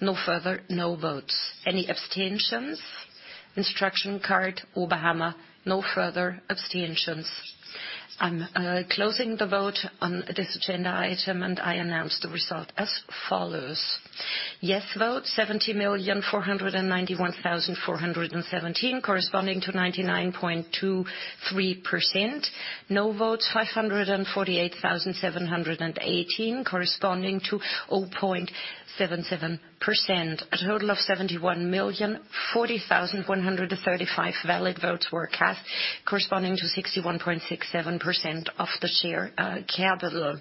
No further no votes. Any abstentions? Instruction card Oberhammer. No further abstentions. I'm closing the vote on this agenda item, and I announce the result as follows: yes vote 70,491,417, corresponding to 99.23%. No votes 548,718, corresponding to 0.77%. A total of 71,040,135 valid votes were cast, corresponding to 61.67% of the share capital.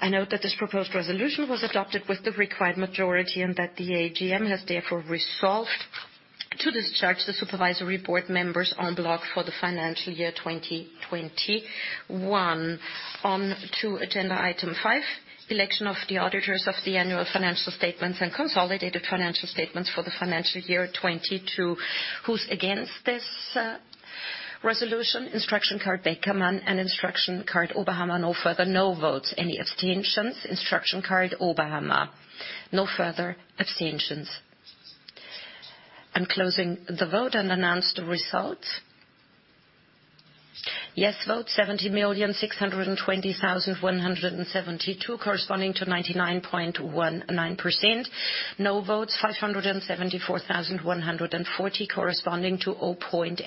I note that this proposed resolution was adopted with the required majority and that the AGM has therefore resolved to discharge the supervisory board members en bloc for the financial year 2021. On to agenda item five, election of the auditors of the annual financial statements and consolidated financial statements for the financial year 2022. Who's against this resolution? Instruction card Beckermann and instruction card Oberhammer. No further no votes. Any abstentions? Instruction card Oberhammer. No further abstentions. I'm closing the vote and announce the results. Yes vote 70,620,172, corresponding to 99.19%. No votes 574,140, corresponding to 0.8%.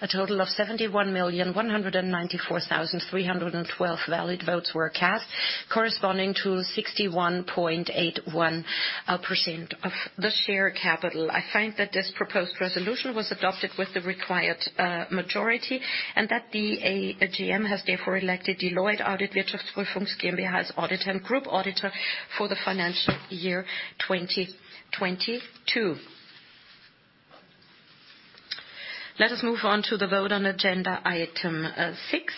A total of 71,194,312 valid votes were cast, corresponding to 61.81% of the share capital. I find that this proposed resolution was adopted with the required majority and that the AGM has therefore elected Deloitte Audit Wirtschaftsprüfungs GmbH's auditor and group auditor for the financial year 2022. Let us move on to the vote on agenda item six: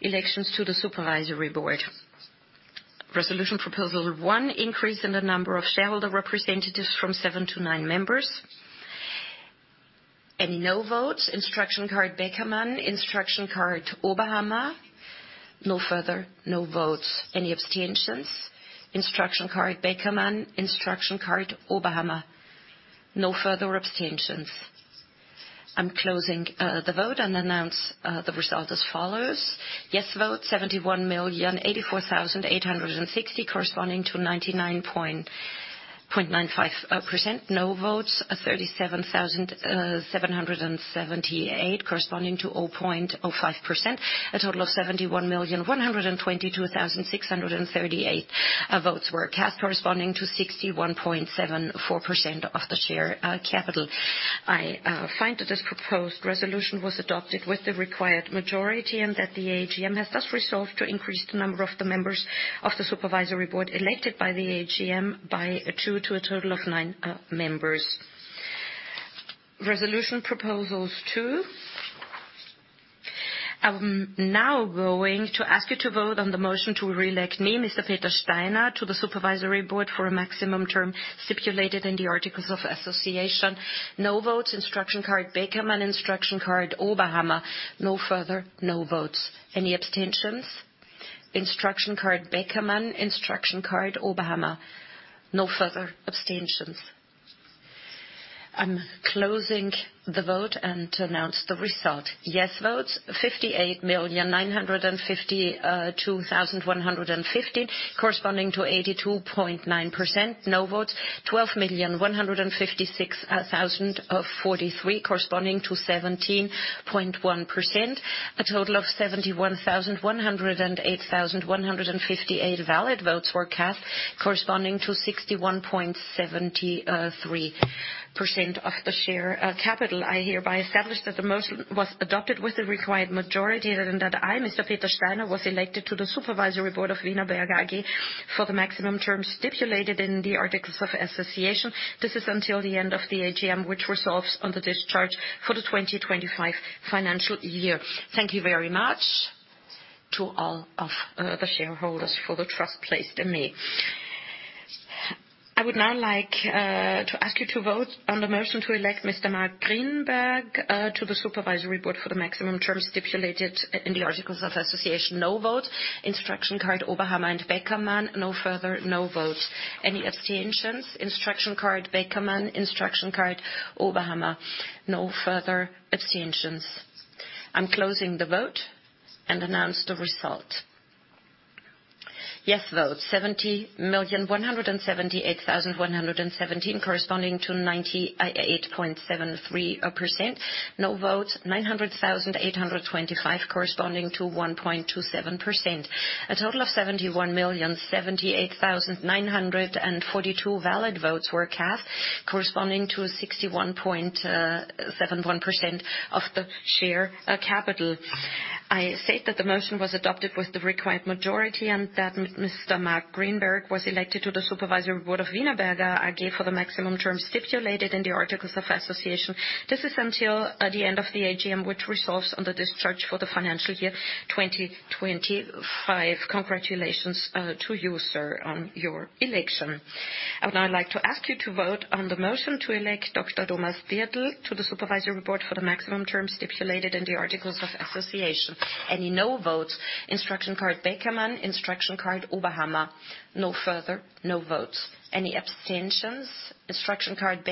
elections to the supervisory board. Resolution proposal one, increase in the number of shareholder representatives from seven to nine members. Any no votes? Instruction card Beckermann, instruction card Oberhammer. No further no votes. Any abstentions? Instruction card Beckermann, instruction card Oberhammer. No further abstentions. I'm closing the vote and announce the result as follows: yes vote 71,084,860, corresponding to 99.95%. No votes 37,778, corresponding to 0.05%. A total of 71,122,638 votes were cast, corresponding to 61.74% of the share capital. I find that this proposed resolution was adopted with the required majority and that the AGM has thus resolved to increase the number of the members of the supervisory board elected by the AGM by two to a total of nine members. Resolution proposals two. I'm now going to ask you to vote on the motion to reelect me, Mr. Peter Steiner, to the supervisory board for a maximum term stipulated in the articles of association. No votes. Instruction card Beckermann, instruction card Oberhammer. No further no votes. Any abstentions? Instruction card Beckermann, instruction card Oberhammer. No further abstentions. I'm closing the vote and announce the result. Yes votes 58,952,150, corresponding to 82.9%. No votes 12,156,043, corresponding to 17.1%. A total of 71,108,158 valid votes were cast, corresponding to 61.73% of the share capital. I hereby establish that the motion was adopted with the required majority and that I, Mr. Peter Steiner, was elected to the supervisory board of Wienerberger AG for the maximum term stipulated in the articles of association. This is until the end of the AGM, which resolves on the discharge for the 2025 financial year. Thank you very much to all of the shareholders for the trust placed in me. I would now like to ask you to vote on the motion to elect Mr. Marc Grynberg to the supervisory board for the maximum term stipulated in the articles of association. No vote. Instruction card Oberhammer and Beckermann. No further no votes. Any abstentions? Instruction card Beckermann, instruction card Oberhammer. No further abstentions. I'm closing the vote and announce the result. Yes vote 70,178,117, corresponding to 98.73%. No votes 900,825, corresponding to 1.27%. A total of 71,078,942 valid votes were cast, corresponding to 61.71% of the share capital. I state that the motion was adopted with the required majority and that Mr. Marc Grynberg was elected to the supervisory board of Wienerberger AG for the maximum term stipulated in the articles of association. This is until the end of the AGM, which resolves on the discharge for the financial year 2025. Congratulations to you, sir, on your election. I would now like to ask you to vote on the motion to elect Dr. Thomas Birtel to the supervisory board for the maximum term stipulated in the articles of association. Any no votes? Instruction card Beckermann, instruction card Oberhammer. No further no votes. Any abstentions? Instruction card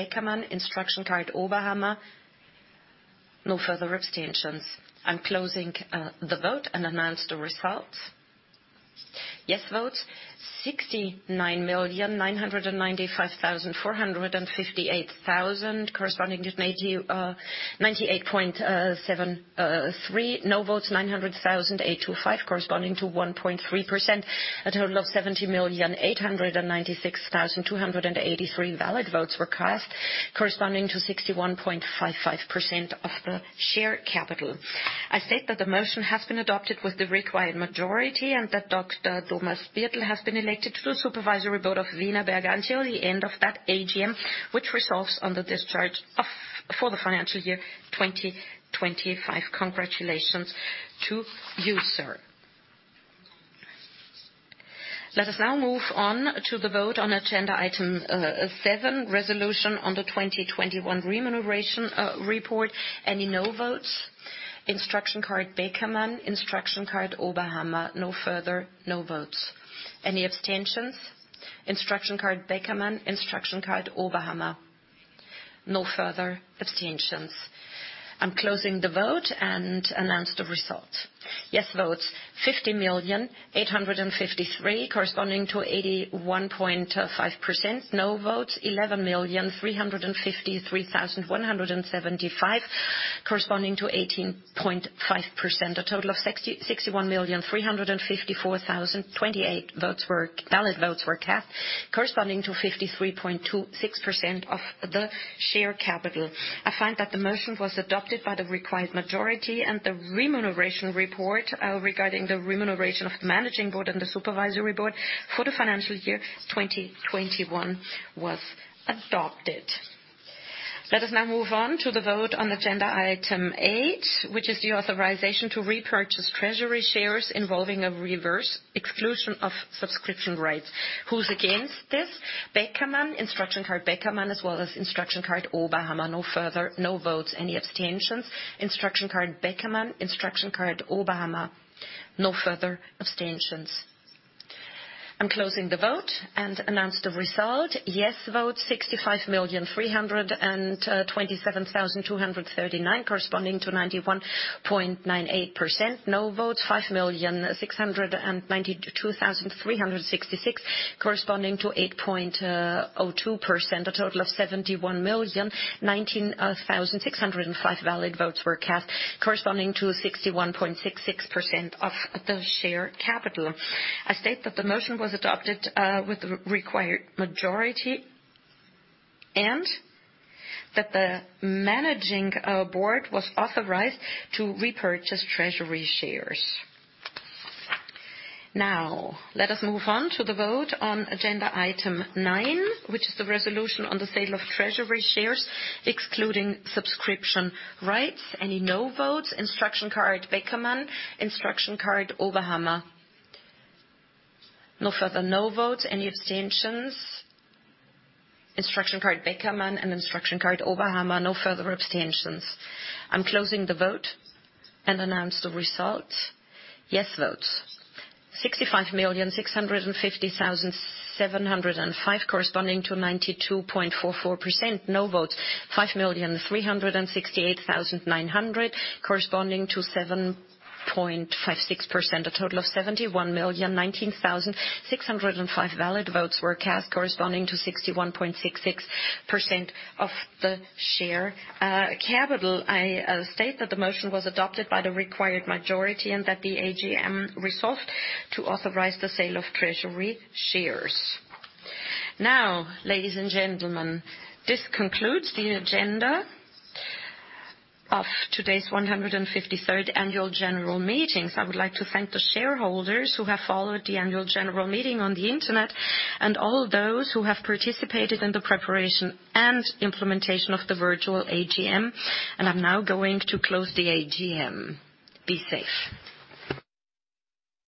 Beckermann, instruction card Oberhammer. No further abstentions. I'm closing the vote and announce the result. regarding the remuneration of Managing Board and the Supervisory Board for the financial year 2021 was adopted. Let us now move on to the vote on agenda Item 8, which is the authorization to repurchase treasury shares involving a reverse exclusion of subscription rights. Who's against this? Beckermann, instruction card Beckermann as well as instruction card Oberhammer. No further no votes. Any abstentions? Instruction card Beckermann, instruction card Oberhammer. No further abstentions. I'm closing the vote and announce the result. Yes vote 65,327,239, corresponding to 91.98%. No votes 5,692,366, corresponding to 8.02%. A total of 71,019,605 valid votes were cast, corresponding to 61.66% of the share capital. I state that the motion was adopted with the required majority and that the Managing Board was authorized to repurchase treasury shares. Now let us move on to the vote on agenda item nine, which is the resolution on the sale of treasury shares excluding subscription rights. Any no votes? Instruction card Beckermann, instruction card Oberhammer. No further no votes. Any abstentions? Instruction card Beckermann and instruction card Oberhammer. No further abstentions. I'm closing the vote and announce the results. Yes votes 65,650,705, corresponding to 92.44%. No votes 5,368,900, corresponding to 7.56%. A total of 71,019,605 valid votes were cast, corresponding to 61.66% of the share capital. I state that the motion was adopted by the required majority and that the AGM resolved to authorize the sale of treasury shares. Now, ladies and gentlemen, this concludes the agenda of today's 153rd annual general meetings. I would like to thank the shareholders who have followed the annual general meeting on the Internet and all those who have participated in the preparation and implementation of the virtual AGM, and I'm now going to close the AGM. Be safe.